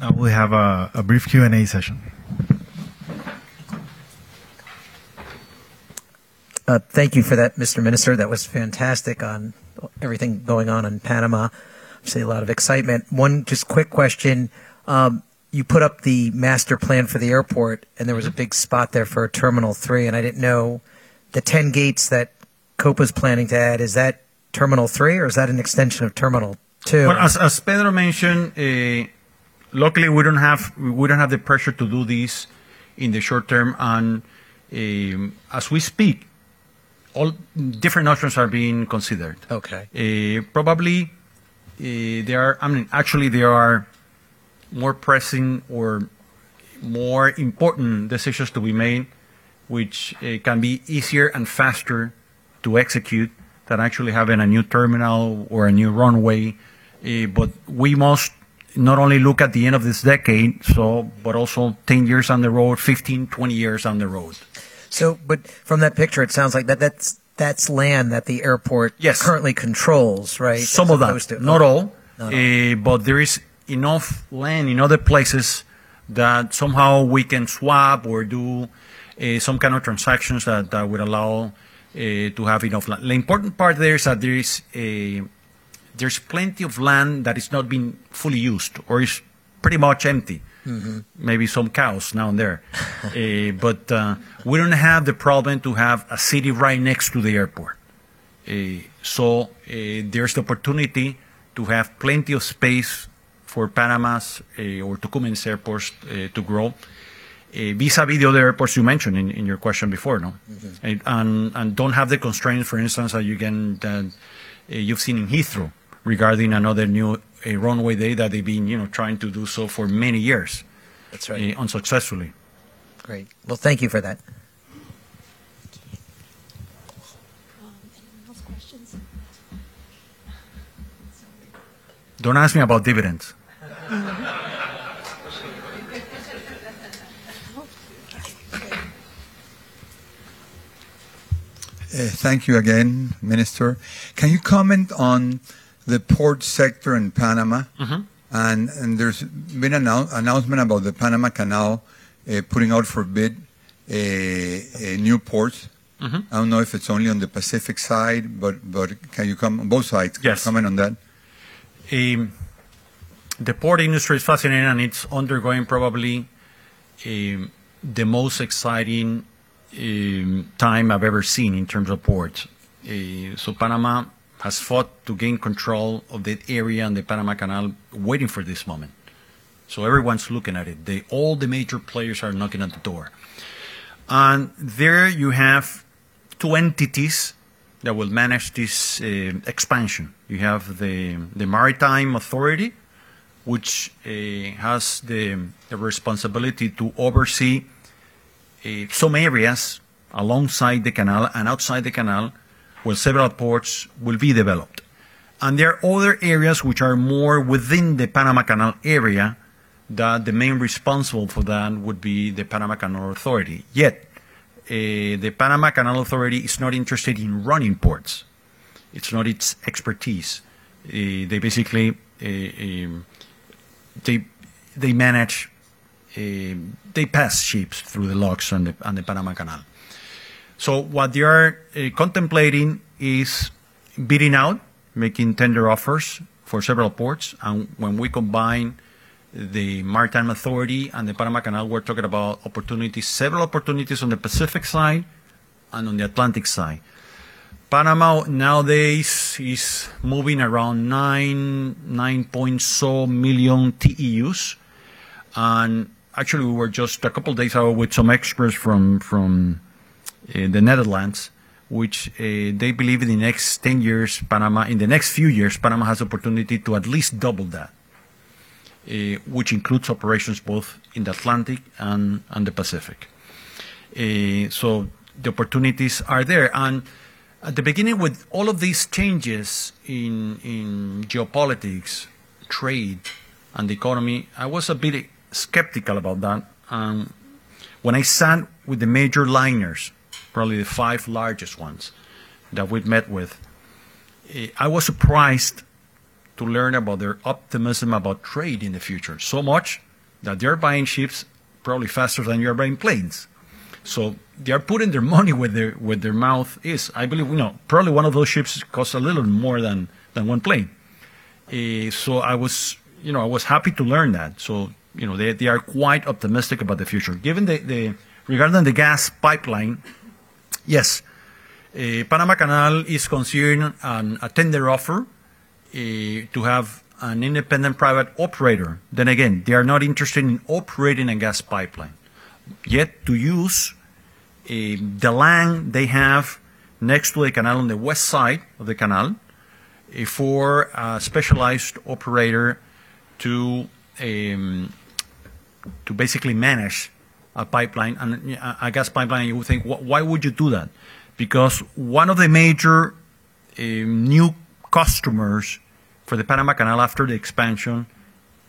Now we have a brief Q&A session. Thank you for that, Mr. Minister. That was fantastic on everything going on in Panama. I see a lot of excitement. One just quick question. You put up the master plan for the airport, and there was a big spot there for Terminal 3. And I didn't know the 10 gates that Copa is planning to add. Is that Terminal 3, or is that an extension of Terminal 2? Well, as Pedro mentioned, luckily, we don't have the pressure to do this in the short term. And as we speak, different options are being considered. Probably, actually, there are more pressing or more important decisions to be made, which can be easier and faster to execute than actually having a new terminal or a new runway. But we must not only look at the end of this decade, but also 10 years down the road, 15, 20 years down the road. But from that picture, it sounds like that's land that the airport currently controls, right? Some of that. Not all, but there is enough land in other places that somehow we can swap or do some kind of transactions that would allow to have enough land. The important part there is that there's plenty of land that is not being fully used or is pretty much empty, maybe some cows now and there. But we don't have the problem to have a city right next to the airport. So there's the opportunity to have plenty of space for Panama's or Tocumen's airports to grow vis-à-vis the other airports you mentioned in your question before, no? And don't have the constraints, for instance, that you've seen in Heathrow regarding another new runway day that they've been trying to do so for many years unsuccessfully. Great. Well, thank you for that. Anyone else have questions? Don't ask me about dividends. Thank you again, Minister. Can you comment on the port sector in Panama? And there's been an announcement about the Panama Canal putting out for bid new ports. I don't know if it's only on the Pacific side, but can you comment on both sides? Can you comment on that? The port industry is fascinating, and it's undergoing probably the most exciting time I've ever seen in terms of ports. So Panama has fought to gain control of the area and the Panama Canal waiting for this moment. So everyone's looking at it. All the major players are knocking at the door. And there you have two entities that will manage this expansion. You have the Maritime Authority, which has the responsibility to oversee some areas alongside the canal and outside the canal where several ports will be developed. And there are other areas which are more within the Panama Canal area that the main responsible for that would be the Panama Canal Authority. Yet the Panama Canal Authority is not interested in running ports. It's not its expertise. They basically manage. They pass ships through the locks on the Panama Canal, so what they are contemplating is bidding out, making tender offers for several ports. When we combine the Maritime Authority and the Panama Canal, we're talking about several opportunities on the Pacific side and on the Atlantic side. Panama nowadays is moving around 9.9 million TEUs. Actually, we were just a couple of days ago with some experts from the Netherlands, which they believe in the next 10 years, in the next few years, Panama has the opportunity to at least double that, which includes operations both in the Atlantic and the Pacific. The opportunities are there. At the beginning, with all of these changes in geopolitics, trade, and the economy, I was a bit skeptical about that. When I sat with the major liners, probably the five largest ones that we've met with, I was surprised to learn about their optimism about trade in the future, so much that they're buying ships probably faster than you're buying planes. They're putting their money where their mouth is. I believe, probably one of those ships costs a little more than one plane. I was happy to learn that. They are quite optimistic about the future. Regarding the gas pipeline, yes. Panama Canal is considering a tender offer to have an independent private operator. Again, they are not interested in operating a gas pipeline, yet to use the land they have next to the canal on the west side of the canal for a specialized operator to basically manage a gas pipeline. You would think, "Why would you do that?" Because one of the major new customers for the Panama Canal after the expansion,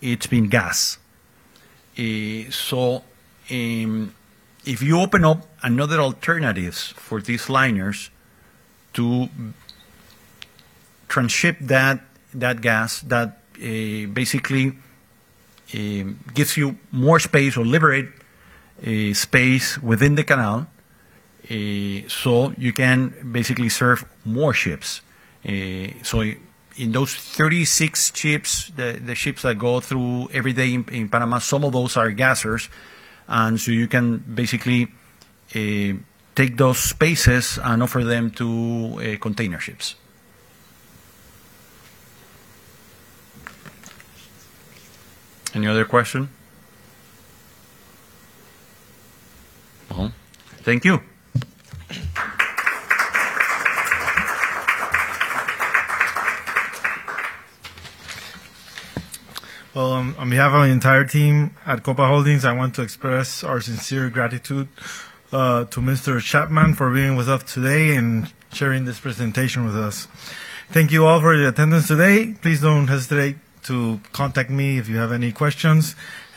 it's been gas. So if you open up another alternative for these liners to transship that gas that basically gives you more space or liberate space within the canal so you can basically serve more ships. So in those 36 ships, the ships that go through every day in Panama, some of those are gassers. And so you can basically take those spaces and offer them to container ships. Any other questions? No? Thank you. On behalf of the entire team at Copa Holdings, I want to express our sincere gratitude to Mr. Chapman for being with us today and sharing this presentation with us. Thank you all for your attendance today. Please don't hesitate to contact me if you have any questions.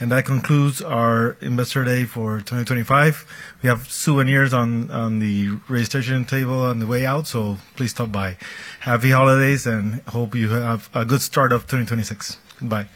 That concludes our Investor Day for 2025. We have souvenirs on the registration table on the way out, so please stop by. Happy holidays, and hope you have a good start of 2026. Goodbye.